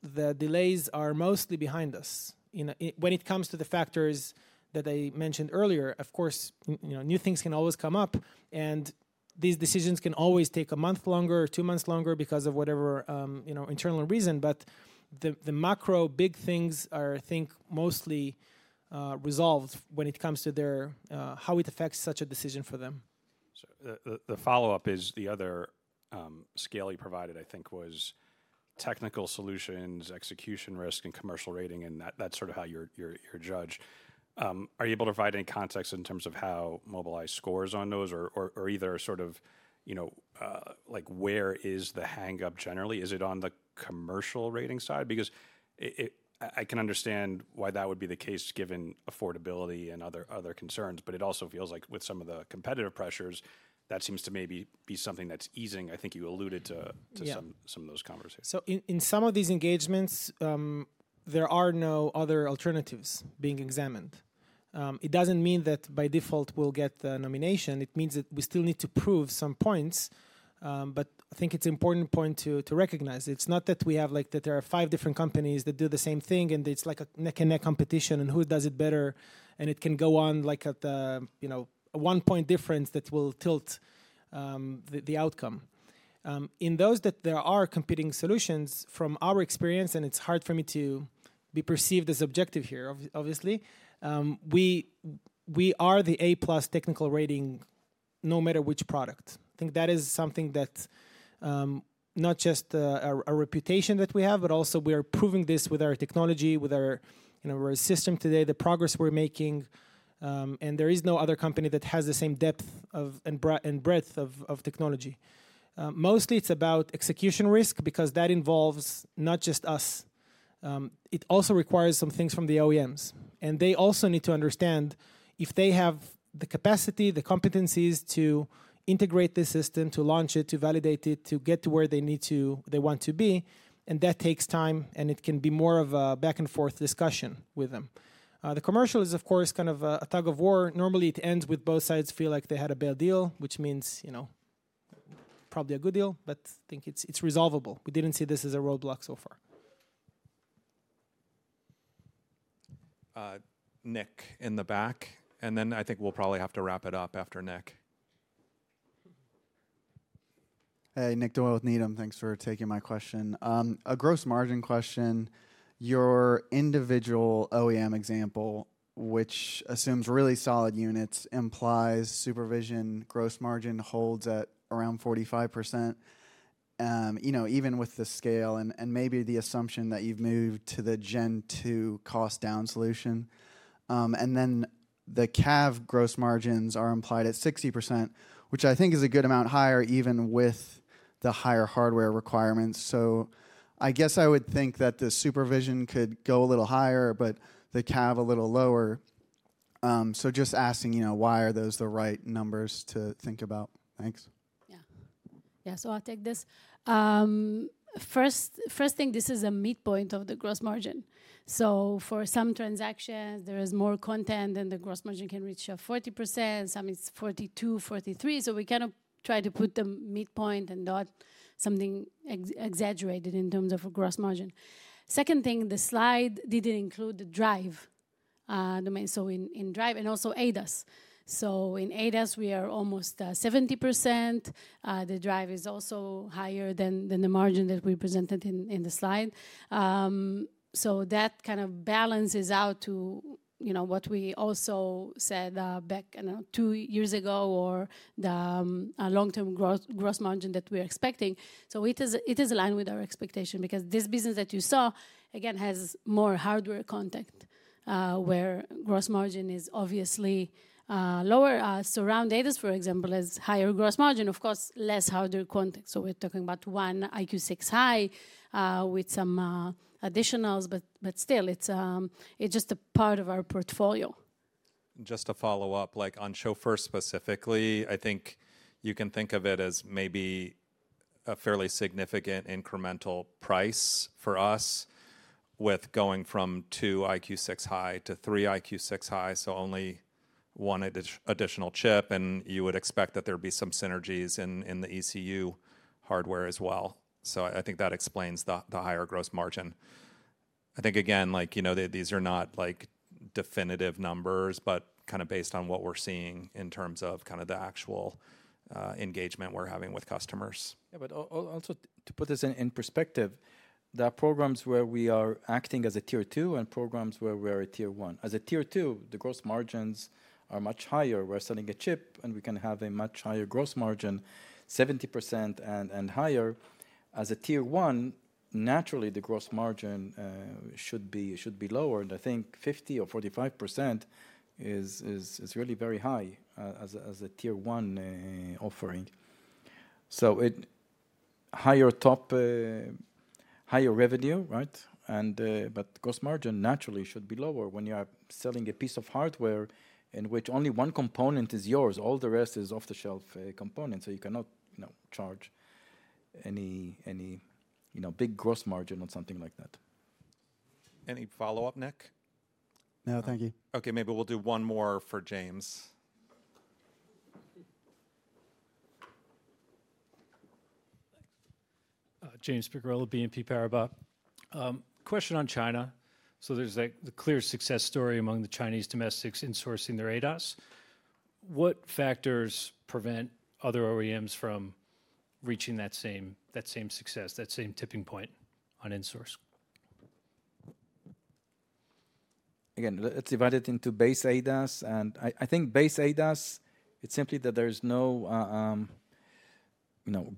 D: the delays are mostly behind us. When it comes to the factors that I mentioned earlier, of course, new things can always come up. And these decisions can always take a month longer or two months longer because of whatever internal reason. But the macro big things are, I think, mostly resolved when it comes to how it affects such a decision for them.
A: The follow-up is the other scale you provided, I think, was technical solutions, execution risk, and commercial rating, and that's sort of how you're judged. Are you able to provide any context in terms of how Mobileye scores on those or either sort of where is the hang-up generally? Is it on the commercial rating side? Because I can understand why that would be the case given affordability and other concerns. But it also feels like with some of the competitive pressures, that seems to maybe be something that's easing. I think you alluded to some of those conversations.
D: So in some of these engagements, there are no other alternatives being examined. It doesn't mean that by default we'll get the nomination. It means that we still need to prove some points. But I think it's an important point to recognize. It's not that we have like that there are five different companies that do the same thing and it's like a neck-and-neck competition and who does it better. And it can go on like a one-point difference that will tilt the outcome. In those that there are competing solutions, from our experience, and it's hard for me to be perceived as objective here, obviously, we are the A-plus technical rating no matter which product. I think that is something that not just a reputation that we have, but also we are proving this with our technology, with our system today, the progress we're making. And there is no other company that has the same depth and breadth of technology. Mostly, it's about execution risk because that involves not just us. It also requires some things from the OEMs. And they also need to understand if they have the capacity, the competencies to integrate this system, to launch it, to validate it, to get to where they want to be. And that takes time, and it can be more of a back-and-forth discussion with them. The commercial is, of course, kind of a tug-of-war. Normally, it ends with both sides feel like they had a bad deal, which means probably a good deal, but I think it's resolvable. We didn't see this as a roadblock so far.
A: Nick in the back, and then I think we'll probably have to wrap it up after Nick.
J: Hey, Nick Doyle with Needham. Thanks for taking my question. A gross margin question. Your individual OEM example, which assumes really solid units, implies supervision gross margin holds at around 45%, even with the scale and maybe the assumption that you've moved to the Gen 2 cost-down solution. And then the CAV gross margins are implied at 60%, which I think is a good amount higher even with the higher hardware requirements. So I guess I would think that the supervision could go a little higher, but the CAV a little lower. So just asking, why are those the right numbers to think about? Thanks.
F: Yeah. Yeah, so I'll take this. First thing, this is a midpoint of the gross margin. So for some transactions, there is more content than the gross margin can reach of 40%. Some it's 42%-43%. So we kind of try to put the midpoint and not something exaggerated in terms of a gross margin. Second thing, the slide didn't include the drive domain. So in drive and also ADAS. So in ADAS, we are almost 70%. The drive is also higher than the margin that we presented in the slide. So that kind of balances out to what we also said back two years ago or the long-term gross margin that we are expecting. So it is aligned with our expectation because this business that you saw, again, has more hardware content where gross margin is obviously lower. Surround ADAS, for example, has higher gross margin, of course, less hardware content. So we're talking about one EyeQ6 High with some additionals. But still, it's just a part of our portfolio.
A: Just to follow up, like on SuperVision specifically, I think you can think of it as maybe a fairly significant incremental price for us with going from two EyeQ6 High to three EyeQ6 High. So only one additional chip, and you would expect that there would be some synergies in the ECU hardware as well, so I think that explains the higher gross margin. I think, again, these are not definitive numbers, but kind of based on what we're seeing in terms of kind of the actual engagement we're having with customers.
B: Yeah, but also to put this in perspective, there are programs where we are acting as a Tier 2 and programs where we are a Tier 1. As a Tier 2, the gross margins are much higher. We're selling a chip, and we can have a much higher gross margin, 70% and higher. As a Tier 1, naturally, the gross margin should be lower. And I think 50% or 45% is really very high as a Tier 1 offering. So higher revenue, right? But gross margin naturally should be lower when you're selling a piece of hardware in which only one component is yours. All the rest is off-the-shelf components. So you cannot charge any big gross margin on something like that.
A: Any follow-up, Nick?
J: No, thank you.
A: Okay, maybe we'll do one more for James.
K: James Picariello, BNP Paribas. Question on China. So there's the clear success story among the Chinese domestics in sourcing their ADAS. What factors prevent other OEMs from reaching that same success, that same tipping point on in-source?
B: Again, let's divide it into base ADAS. And I think base ADAS, it's simply that there's no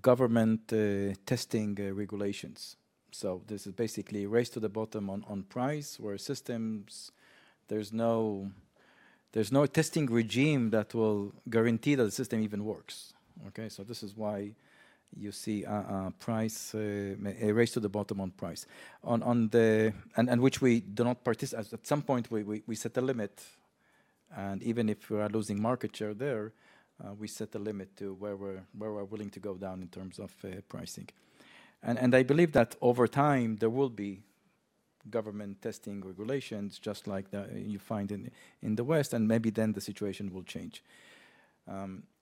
B: government testing regulations. So this is basically a race to the bottom on price where systems, there's no testing regime that will guarantee that the system even works. Okay? So this is why you see a race to the bottom on price, and which we do not participate. At some point, we set a limit. And even if we are losing market share there, we set a limit to where we're willing to go down in terms of pricing. And I believe that over time, there will be government testing regulations just like you find in the West. And maybe then the situation will change.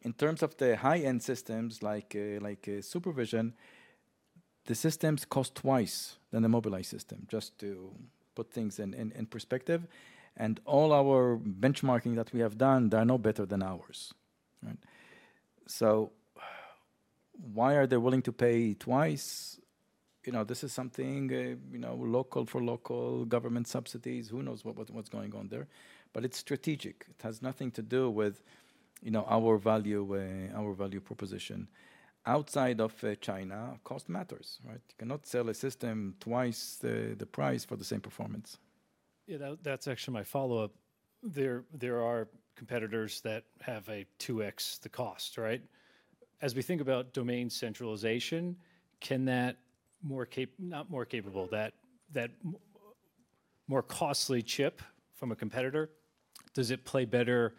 B: In terms of the high-end systems like supervision, the systems cost twice than the Mobileye system, just to put things in perspective. And all our benchmarking that we have done, they're no better than ours. So why are they willing to pay twice? This is something local for local government subsidies. Who knows what's going on there? But it's strategic. It has nothing to do with our value proposition. Outside of China, cost matters, right? You cannot sell a system twice the price for the same performance.
K: Yeah, that's actually my follow-up. There are competitors that have a 2x the cost, right? As we think about domain centralization, can that more capable, that more costly chip from a competitor, does it play better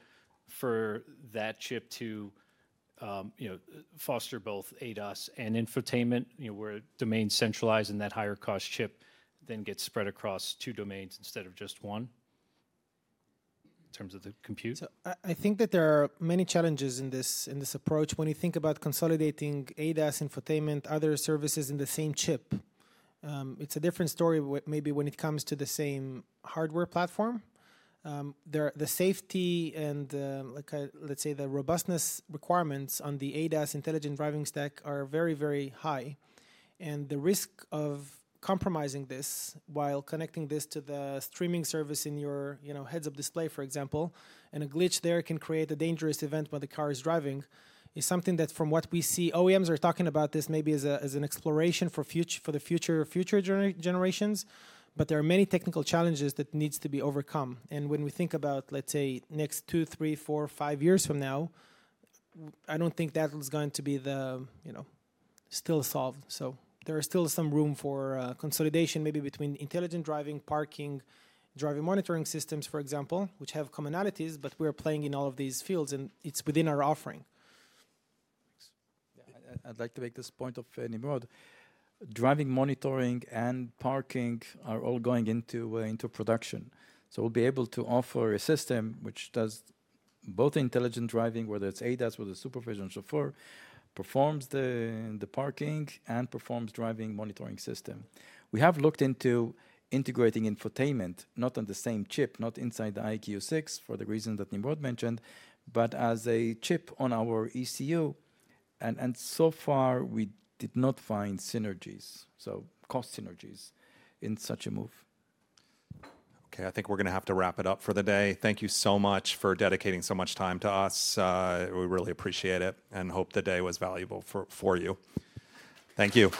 K: for that chip to foster both ADAS and infotainment where domain centralized and that higher cost chip then gets spread across two domains instead of just one in terms of the compute?
D: So I think that there are many challenges in this approach when you think about consolidating ADAS, infotainment, other services in the same chip. It's a different story maybe when it comes to the same hardware platform. The safety and, let's say, the robustness requirements on the ADAS intelligent driving stack are very, very high. And the risk of compromising this while connecting this to the streaming service in your heads-up display, for example, and a glitch there can create a dangerous event when the car is driving is something that, from what we see, OEMs are talking about this maybe as an exploration for the future generations. But there are many technical challenges that need to be overcome. And when we think about, let's say, next two, three, four, five years from now, I don't think that's going to be still solved. There is still some room for consolidation maybe between intelligent driving, parking, driving monitoring systems, for example, which have commonalities, but we are playing in all of these fields, and it's within our offering.
B: I'd like to make this point of Nimrod. Driver monitoring and parking are all going into production. So we'll be able to offer a system which does both intelligent driving, whether it's ADAS, whether it's SuperVision so far, performs the parking and performs driver monitoring system. We have looked into integrating infotainment, not on the same chip, not inside the EyeQ6 for the reason that Nimrod mentioned, but as a chip on our ECU, and so far, we did not find synergies, so cost synergies in such a move.
A: Okay, I think we're going to have to wrap it up for the day. Thank you so much for dedicating so much time to us. We really appreciate it and hope the day was valuable for you. Thank you.